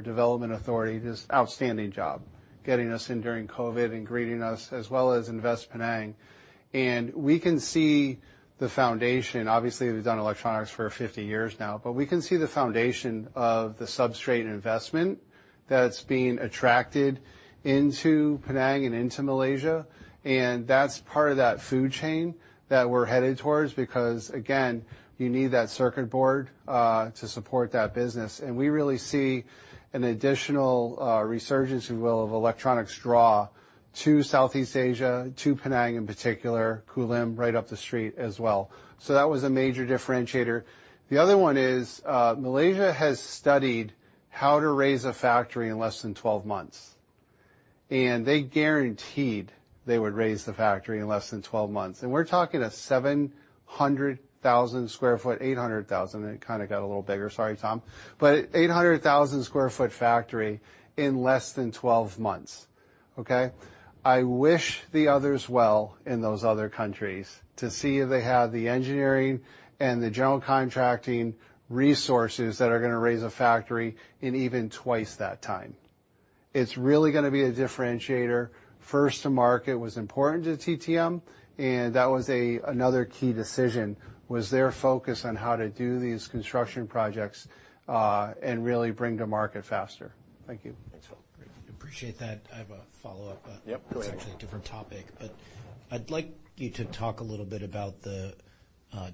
development authority, just outstanding job, getting us in during COVID and greeting us, as well as InvestPenang. We can see the foundation. Obviously, we've done electronics for 50 years now, but we can see the foundation of the substrate investment that's being attracted into Penang and into Malaysia, and that's part of that food chain that we're headed towards, because again, you need that circuit board to support that business. We really see an additional resurgence, if you will, of electronics draw to Southeast Asia, to Penang in particular, Kulim, right up the street as well. That was a major differentiator. The other one is, Malaysia has studied how to raise a factory in less than 12 months, and they guaranteed they would raise the factory in less than 12 months. We're talking a 700,000 sq ft, 800,000, it kind of got a little bigger, sorry, Tom, but 800,000 sq ft factory in less than 12 months, okay? I wish the others well in those other countries to see if they have the engineering and the general contracting resources that are gonna raise a factory in even twice that time. It's really gonna be a differentiator. First to market was important to TTM, That was another key decision, was their focus on how to do these construction projects, and really bring to market faster. Thank you. Thanks, Phil. Appreciate that. I have a follow-up. Yep, go ahead. It's actually a different topic, but I'd like you to talk a little bit about the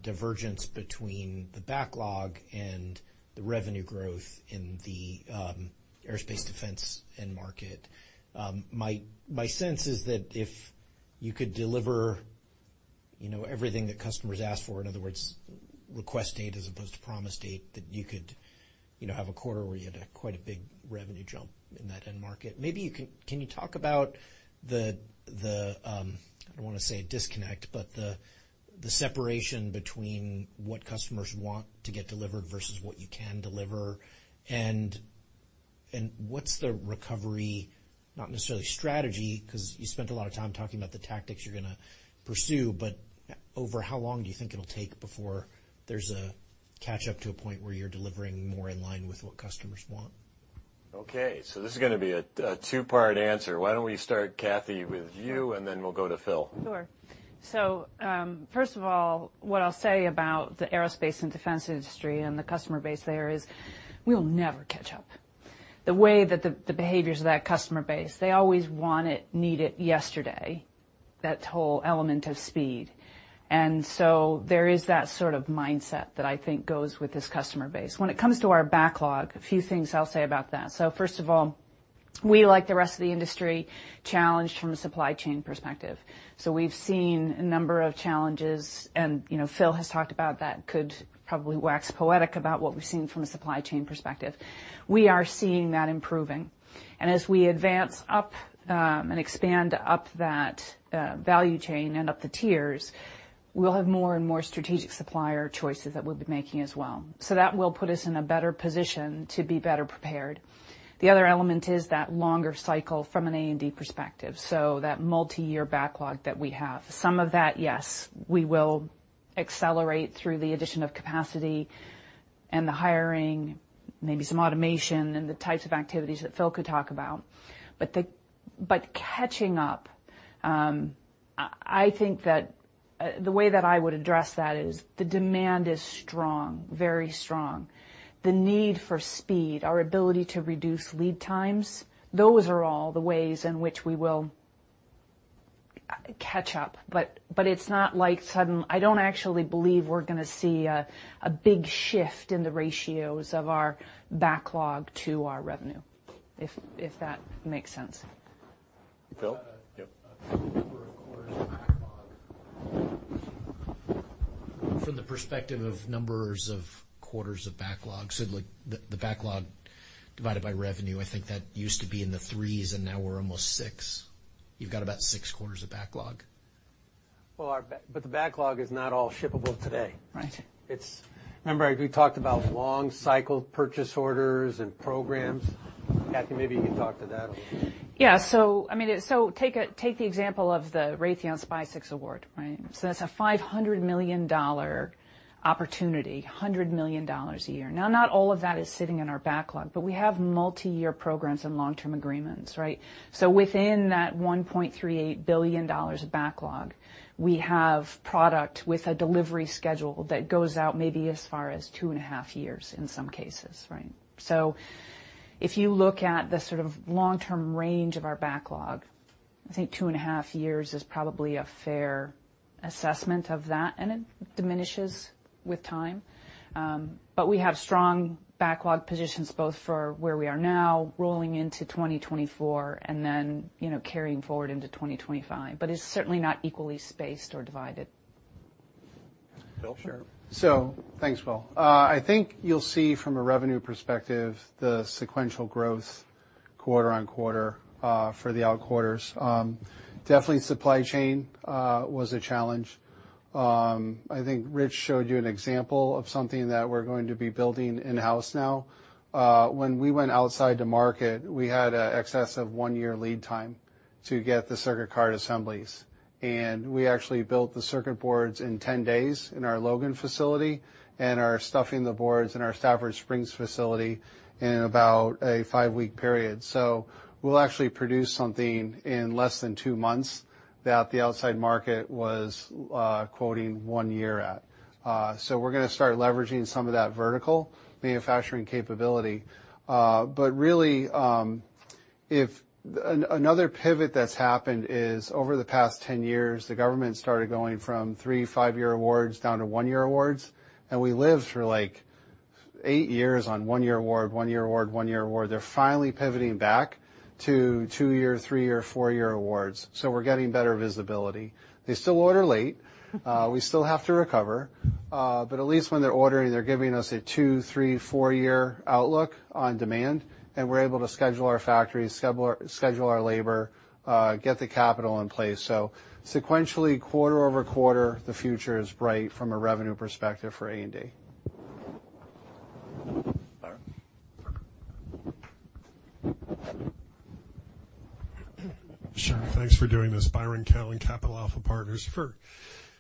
divergence between the backlog and the revenue growth in the Aerospace, Defense, and market. My sense is that if you could deliver, you know, everything that customers ask for, in other words, request date as opposed to promise date, that you could, you know, have a quarter where you had a quite a big revenue jump in that end market. Can you talk about the, I don't wanna say disconnect, but the separation between what customers want to get delivered versus what you can deliver, and what's the recovery, not necessarily strategy, 'cause you spent a lot of time talking about the tactics you're gonna pursue, but over how long do you think it'll take before there's a catch up to a point where you're delivering more in line with what customers want? Okay, this is going to be a two-part answer. Why don't we start, Cathy, with you, then we'll go to Phil. Sure. First of all, what I'll say about the aerospace and defense industry and the customer base there is, we'll never catch up. The way that the behaviors of that customer base, they always want it, need it yesterday, that whole element of speed. There is that sort of mindset that I think goes with this customer base. When it comes to our backlog, a few things I'll say about that. First of all, we, like the rest of the industry, challenged from a supply chain perspective. We've seen a number of challenges, and, you know, Phil has talked about that, could probably wax poetic about what we've seen from a supply chain perspective. We are seeing that improving, and as we advance up, and expand up that value chain and up the tiers, we'll have more and more strategic supplier choices that we'll be making as well. That will put us in a better position to be better prepared. The other element is that longer cycle from an A&D perspective, so that multiyear backlog that we have. Some of that, yes, we will accelerate through the addition of capacity and the hiring, maybe some automation and the types of activities that Phil could talk about. Catching up, I think that the way that I would address that is the demand is strong, very strong. The need for speed, our ability to reduce lead times, those are all the ways in which we will catch up. It's not like sudden. I don't actually believe we're gonna see a big shift in the ratios of our backlog to our revenue, if that makes sense? Phil? Yep. Number of quarters backlog. From the perspective of numbers of quarters of backlog, so like the backlog divided by revenue, I think that used to be in the 3s, and now we're almost 6. You've got about 6 quarters of backlog. Well, the backlog is not all shippable today. Right. Remember, we talked about long cycle purchase orders and programs. Cathy, maybe you can talk to that a little. I mean, take the example of the Raytheon SPY-6 award, right? That's a $500 million opportunity, $100 million a year. Now, not all of that is sitting in our backlog, but we have multi-year programs and long-term agreements, right? Within that $1.38 billion of backlog, we have product with a delivery schedule that goes out maybe as far as 2.5 years in some cases, right? If you look at the sort of long-term range of our backlog, I think 2.5 years is probably a fair assessment of that, and it diminishes with time. We have strong backlog positions, both for where we are now, rolling into 2024, you know, carrying forward into 2025. It's certainly not equally spaced or divided. Phil? Sure. Thanks, Tom. I think you'll see from a revenue perspective, the sequential growth quarter-on-quarter for the out quarters. Definitely, supply chain was a challenge. I think Rich showed you an example of something that we're going to be building in-house now. When we went outside to market, we had an excess of one-year lead time to get the circuit card assemblies, and we actually built the circuit boards in 10 days in our Logan facility and are stuffing the boards in our Stafford Springs facility in about a five-week period. We'll actually produce something in less than two months that the outside market was quoting one year at. We're going to start leveraging some of that vertical manufacturing capability. Really, if... Another pivot that's happened is, over the past 10 years, the government started going from three to five-year awards down to one-year awards, and we lived for, like, eight years on one-year award, one-year award, one-year award. They're finally pivoting back to two-year, three-year, four-year awards, we're getting better visibility. They still order late, we still have to recover, but at least when they're ordering, they're giving us a two, three, four-year outlook on demand, and we're able to schedule our factories, schedule our labor, get the capital in place. Sequentially, quarter-over-quarter, the future is bright from a revenue perspective for A&D. Byron? Sure. Thanks for doing this. Byron Callan, Capital Alpha Partners. For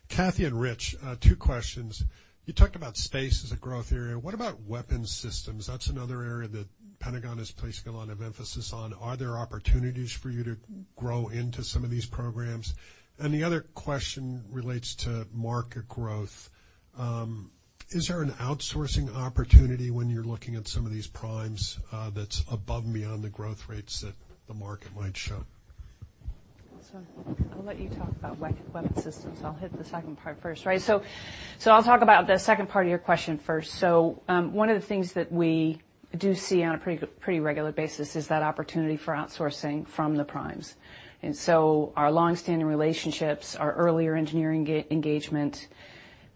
Cathy and Rich, two questions. You talked about space as a growth area. What about weapons systems? That's another area that Pentagon is placing a lot of emphasis on. Are there opportunities for you to grow into some of these programs? The other question relates to market growth. Is there an outsourcing opportunity when you're looking at some of these primes, that's above and beyond the growth rates that the market might show? I'll let you talk about weapon systems. I'll hit the second part first. I'll talk about the second part of your question first. One of the things that we do see on a pretty regular basis is that opportunity for outsourcing from the primes. Our long-standing relationships, our earlier engineering engagement,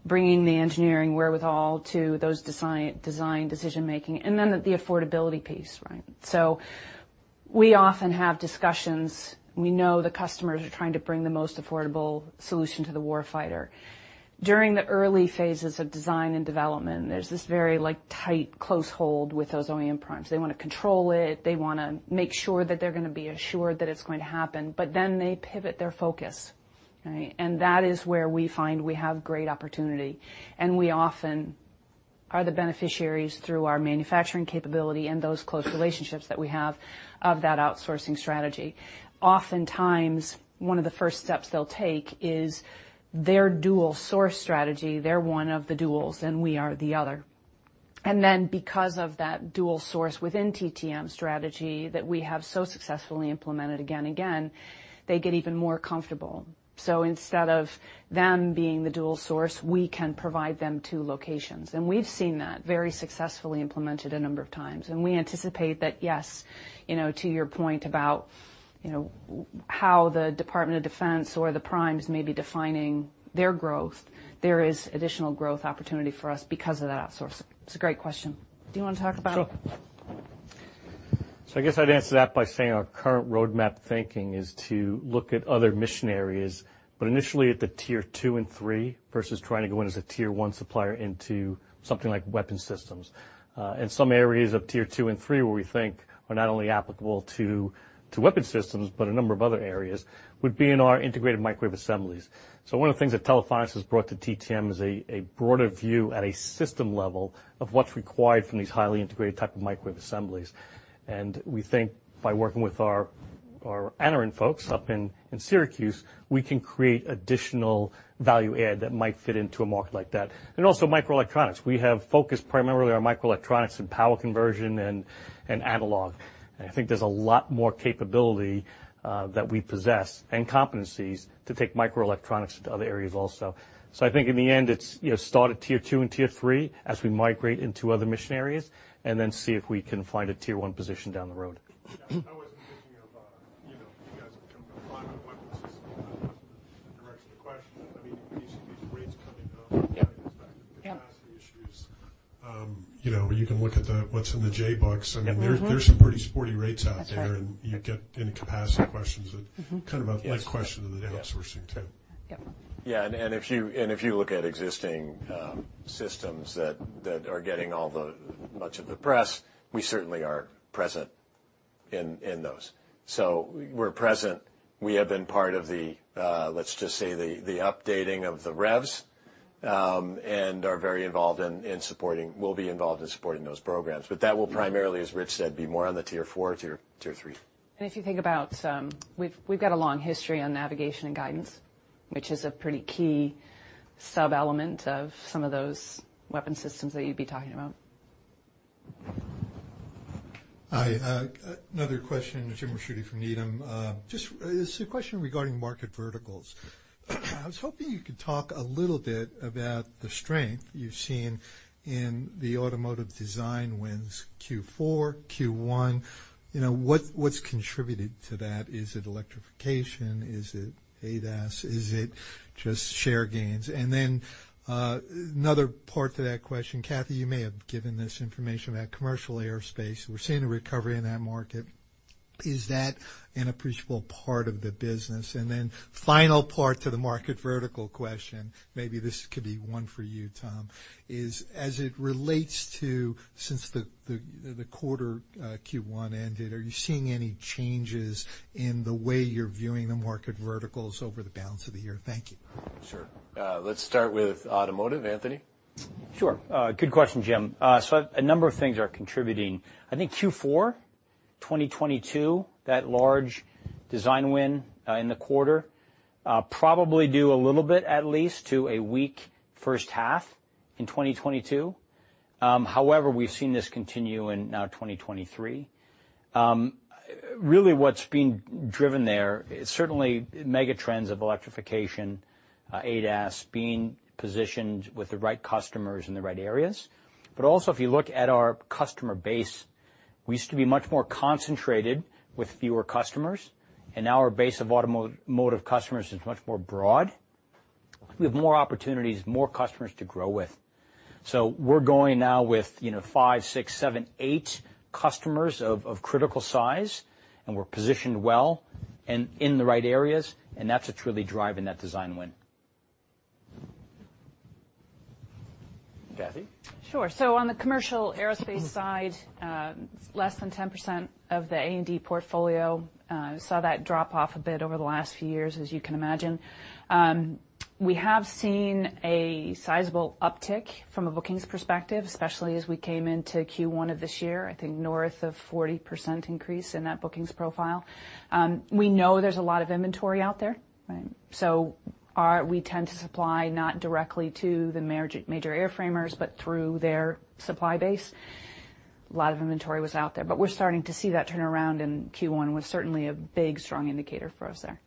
bringing the engineering wherewithal to those design decision making, and then the affordability piece, right? We often have discussions. We know the customers are trying to bring the most affordable solution to the war fighter. During the early phases of design and development, there's this very, like, tight, close hold with those OEM primes. They wanna control it. They wanna make sure that they're gonna be assured that it's going to happen. They pivot their focus, right? That is where we find we have great opportunity, and we often are the beneficiaries through our manufacturing capability and those close relationships that we have of that outsourcing strategy. Oftentimes, one of the first steps they'll take is their dual source strategy. They're one of the duals, and we are the other. Then, because of that dual source within TTM strategy that we have so successfully implemented again and again, they get even more comfortable. Instead of them being the dual source, we can provide them two locations, and we've seen that very successfully implemented a number of times. We anticipate that, yes, you know, to your point about, you know, how the Department of Defense or the primes may be defining their growth, there is additional growth opportunity for us because of that outsource. It's a great question. Do you want to talk about it? Sure. I guess I'd answer that by saying our current roadmap thinking is to look at other mission areas, but initially at the tier two and three, versus trying to go in as a tier one supplier into something like weapons systems. In some areas of tier two and three, where we think are not only applicable to weapon systems, but a number of other areas, would be in our integrated microwave assemblies. One of the things that Telephonics has brought to TTM is a broader view at a system level of what's required from these highly integrated type of microwave assemblies. We think by working with our Anaren folks up in Syracuse, we can create additional value add that might fit into a market like that. Also microelectronics. We have focused primarily on microelectronics and power conversion and analog. I think there's a lot more capability that we possess and competencies to take microelectronics into other areas also. I think in the end, it's, you know, start at tier two and tier three as we migrate into other mission areas, and then see if we can find a tier one position down the road. Yeah. I was thinking of, you know, you guys from a weapon system, direction of the question. I mean, with these rates coming up. Yeah. -capacity issues, you know, you can look at the, what's in the J books. Yeah. Mm-hmm. I mean, there's some pretty sporty rates out there. That's right. You get into capacity questions. Mm-hmm kind of a life question in the data sourcing, too. Yep. If you look at existing systems that are getting all the much of the press, we certainly are present in those. We're present. We have been part of the, let's just say, the updating of the revs, and are very involved in supporting, will be involved in supporting those programs. That will primarily, as Rich said, be more on the tier four, tier three. If you think about, we've got a long history on navigation and guidance, which is a pretty key sub-element of some of those weapon systems that you'd be talking about. Hi, another question, Jim Ricchiuti from Needham. Just this is a question regarding market verticals. I was hoping you could talk a little bit about the strength you've seen in the automotive design wins Q4, Q1. You know, what's contributed to that? Is it electrification? Is it ADAS? Is it just share gains? Then, another part to that question, Cathy, you may have given this information about commercial aerospace. We're seeing a recovery in that market. Is that an appreciable part of the business? Then final part to the market vertical question, maybe this could be one for you, Tom, is as it relates to, since the quarter, Q1 ended, are you seeing any changes in the way you're viewing the market verticals over the balance of the year? Thank you. Sure. Let's start with automotive. Anthony? Sure. Good question, Jim. A number of things are contributing. I think Q4 2022, that large design win in the quarter, probably due a little bit, at least, to a weak first half in 2022. However, we've seen this continue in now 2023. Really, what's being driven there is certainly mega trends of electrification, ADAS being positioned with the right customers in the right areas. Also, if you look at our customer base, we used to be much more concentrated with fewer customers, and now our base of automotive customers is much more broad. We have more opportunities, more customers to grow with. We're going now with, you know, 5, 6, 7, 8 customers of critical size, and we're positioned well and in the right areas, and that's what's really driving that design win. Cathy? Sure. On the commercial aerospace side, less than 10% of the A&D portfolio, saw that drop off a bit over the last few years, as you can imagine. We have seen a sizable uptick from a bookings perspective, especially as we came into Q1 of this year, I think north of 40% increase in that bookings profile. We know there's a lot of inventory out there, right? We tend to supply not directly to the major airframers, but through their supply base. A lot of inventory was out there, but we're starting to see that turn around, and Q1 was certainly a big, strong indicator for us there.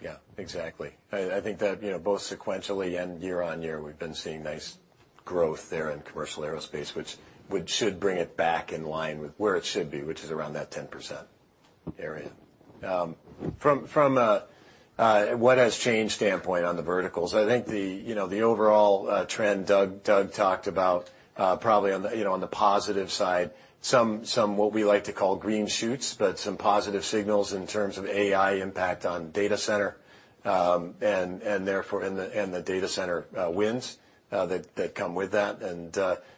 Yeah, exactly. I think that, you know, both sequentially and year-over-year, we've been seeing nice growth there in commercial aerospace, which should bring it back in line with where it should be, which is around that 10% area. From a what has changed standpoint on the verticals, I think the, you know, the overall trend Doug talked about, probably on the, you know, on the positive side, some what we like to call green shoots, but some positive signals in terms of AI impact on data center, and therefore, and the data center wins that come with that.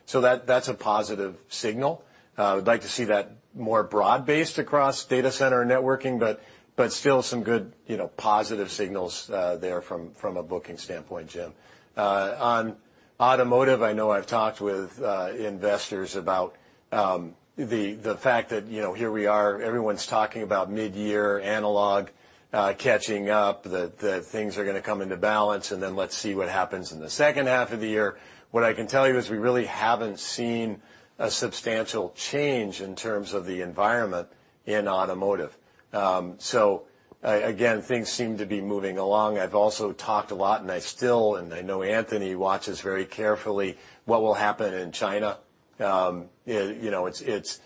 That's a positive signal. We'd like to see that more broad-based across data center and networking, but still some good, you know, positive signals there from a booking standpoint, Jim. On automotive, I know I've talked with investors about the fact that, you know, here we are, everyone's talking about mid-year analog catching up, that things are gonna come into balance, and then let's see what happens in the second half of the year. What I can tell you is we really haven't seen a substantial change in terms of the environment in automotive. So again, things seem to be moving along. I've also talked a lot, and I still, and I know Anthony watches very carefully what will happen in China. You know, it's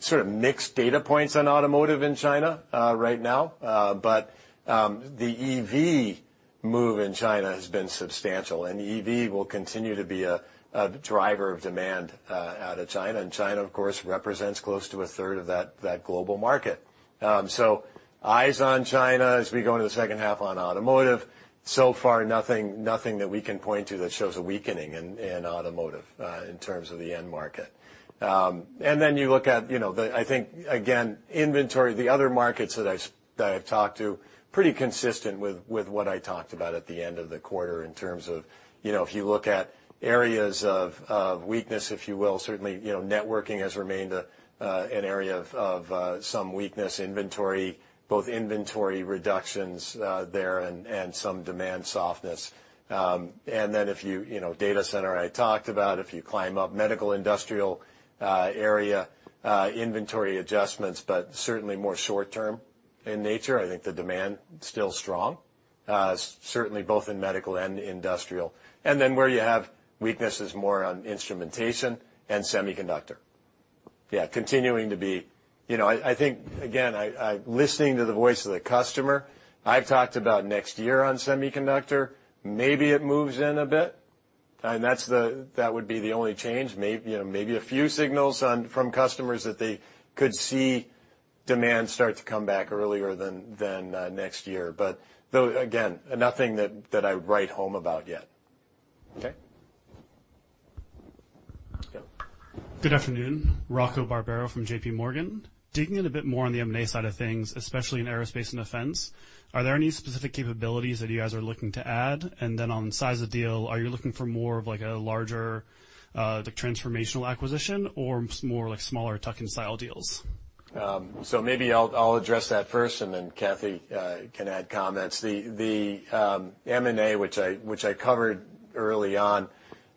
sort of mixed data points on automotive in China right now. The EV move in China has been substantial, and EV will continue to be a driver of demand out of China. China, of course, represents close to a third of that global market. Eyes on China as we go into the second half on automotive. So far, nothing that we can point to that shows a weakening in automotive in terms of the end market. You look at, you know, I think, again, inventory, the other markets that I've talked to, pretty consistent with what I talked about at the end of the quarter in terms of, you know, if you look at areas of weakness, if you will, certainly, you know, networking has remained an area of some weakness. Inventory, both inventory reductions, there and some demand softness. Then if you know, data center, I talked about, if you climb up medical, industrial area, inventory adjustments, but certainly more short term in nature. I think the demand still strong, certainly both in medical and industrial. Then where you have weaknesses more on instrumentation and semiconductor. Yeah, continuing to be. You know, I think, again, I listening to the voice of the customer, I've talked about next year on semiconductor. Maybe it moves in a bit, and that would be the only change. You know, maybe a few signals from customers that they could see demand start to come back earlier than next year. Though, again, nothing that I would write home about yet. Okay? Go. Good afternoon. Rocco Barbero from JPMorgan. Digging in a bit more on the M&A side of things, especially in aerospace and defense, are there any specific capabilities that you guys are looking to add? Then on size of deal, are you looking for more of, like, a larger, like, transformational acquisition or more like smaller tuck-in style deals? Maybe I'll address that first, and then Cathy can add comments. The M&A, which I covered early on,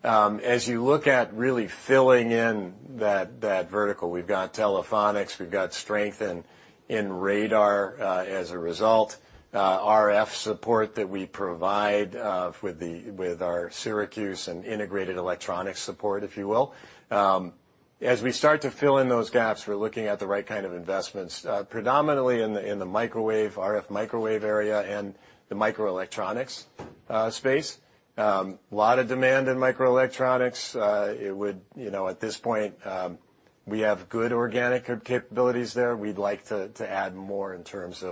as you look at really filling in that vertical, we've got Telephonics, we've got strength in radar, as a result, RF support that we provide with our Syracuse and integrated electronic support, if you will. As we start to fill in those gaps, we're looking at the right kind of investments, predominantly in the microwave, RF microwave area and the microelectronics space. A lot of demand in microelectronics. You know, at this point, we have good organic capabilities there. We'd like to add more in terms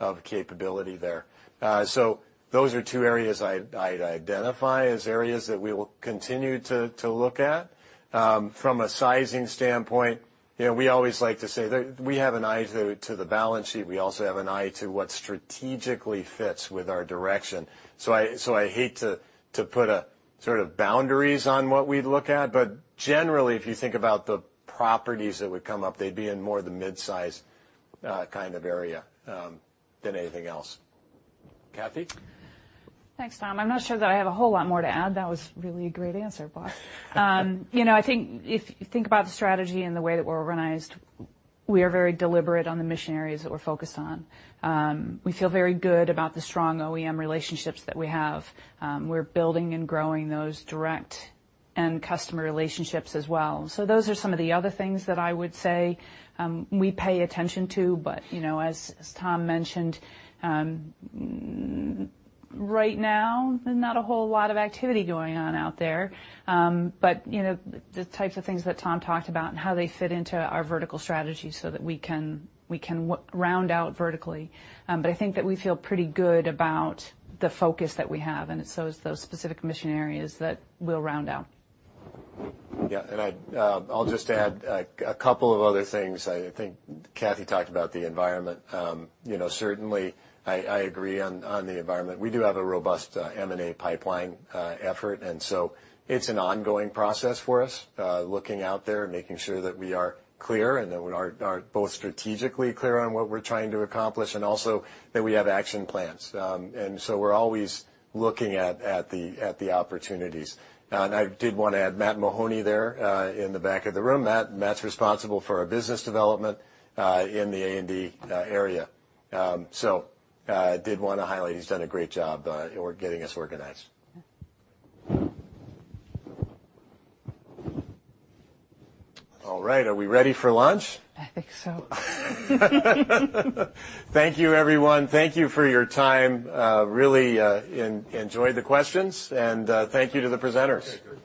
of capability there. Those are two areas I'd identify as areas that we will continue to look at. From a sizing standpoint, you know, we always like to say that we have an eye to the balance sheet. We also have an eye to what strategically fits with our direction. I hate to put a sort of boundaries on what we'd look at, but generally, if you think about the properties that would come up, they'd be in more the mid-size kind of area than anything else. Cathy? Thanks, Tom. I'm not sure that I have a whole lot more to add. That was really a great answer, boss. You know, I think if you think about the strategy and the way that we're organized, we are very deliberate on the mission areas that we're focused on. We feel very good about the strong OEM relationships that we have. We're building and growing those direct and customer relationships as well. Those are some of the other things that I would say, we pay attention to. You know, as Tom mentioned, right now, not a whole lot of activity going on out there. You know, the types of things that Tom talked about and how they fit into our vertical strategy so that we can round out vertically. I think that we feel pretty good about the focus that we have, and it's those specific mission areas that we'll round out. I'll just add a couple of other things. I think Cathy talked about the environment. You know, certainly, I agree on the environment. We do have a robust M&A pipeline effort, it's an ongoing process for us looking out there and making sure that we are clear and that we are both strategically clear on what we're trying to accomplish, and also that we have action plans. We're always looking at the opportunities. I did want to add Matt Mahoney there in the back of the room. Matt's responsible for our business development in the A&D area. Did wanna highlight, he's done a great job getting us organized. Yeah. All right, are we ready for lunch? I think so. Thank you, everyone. Thank you for your time. Really, enjoyed the questions, thank you to the presenters. Thank you.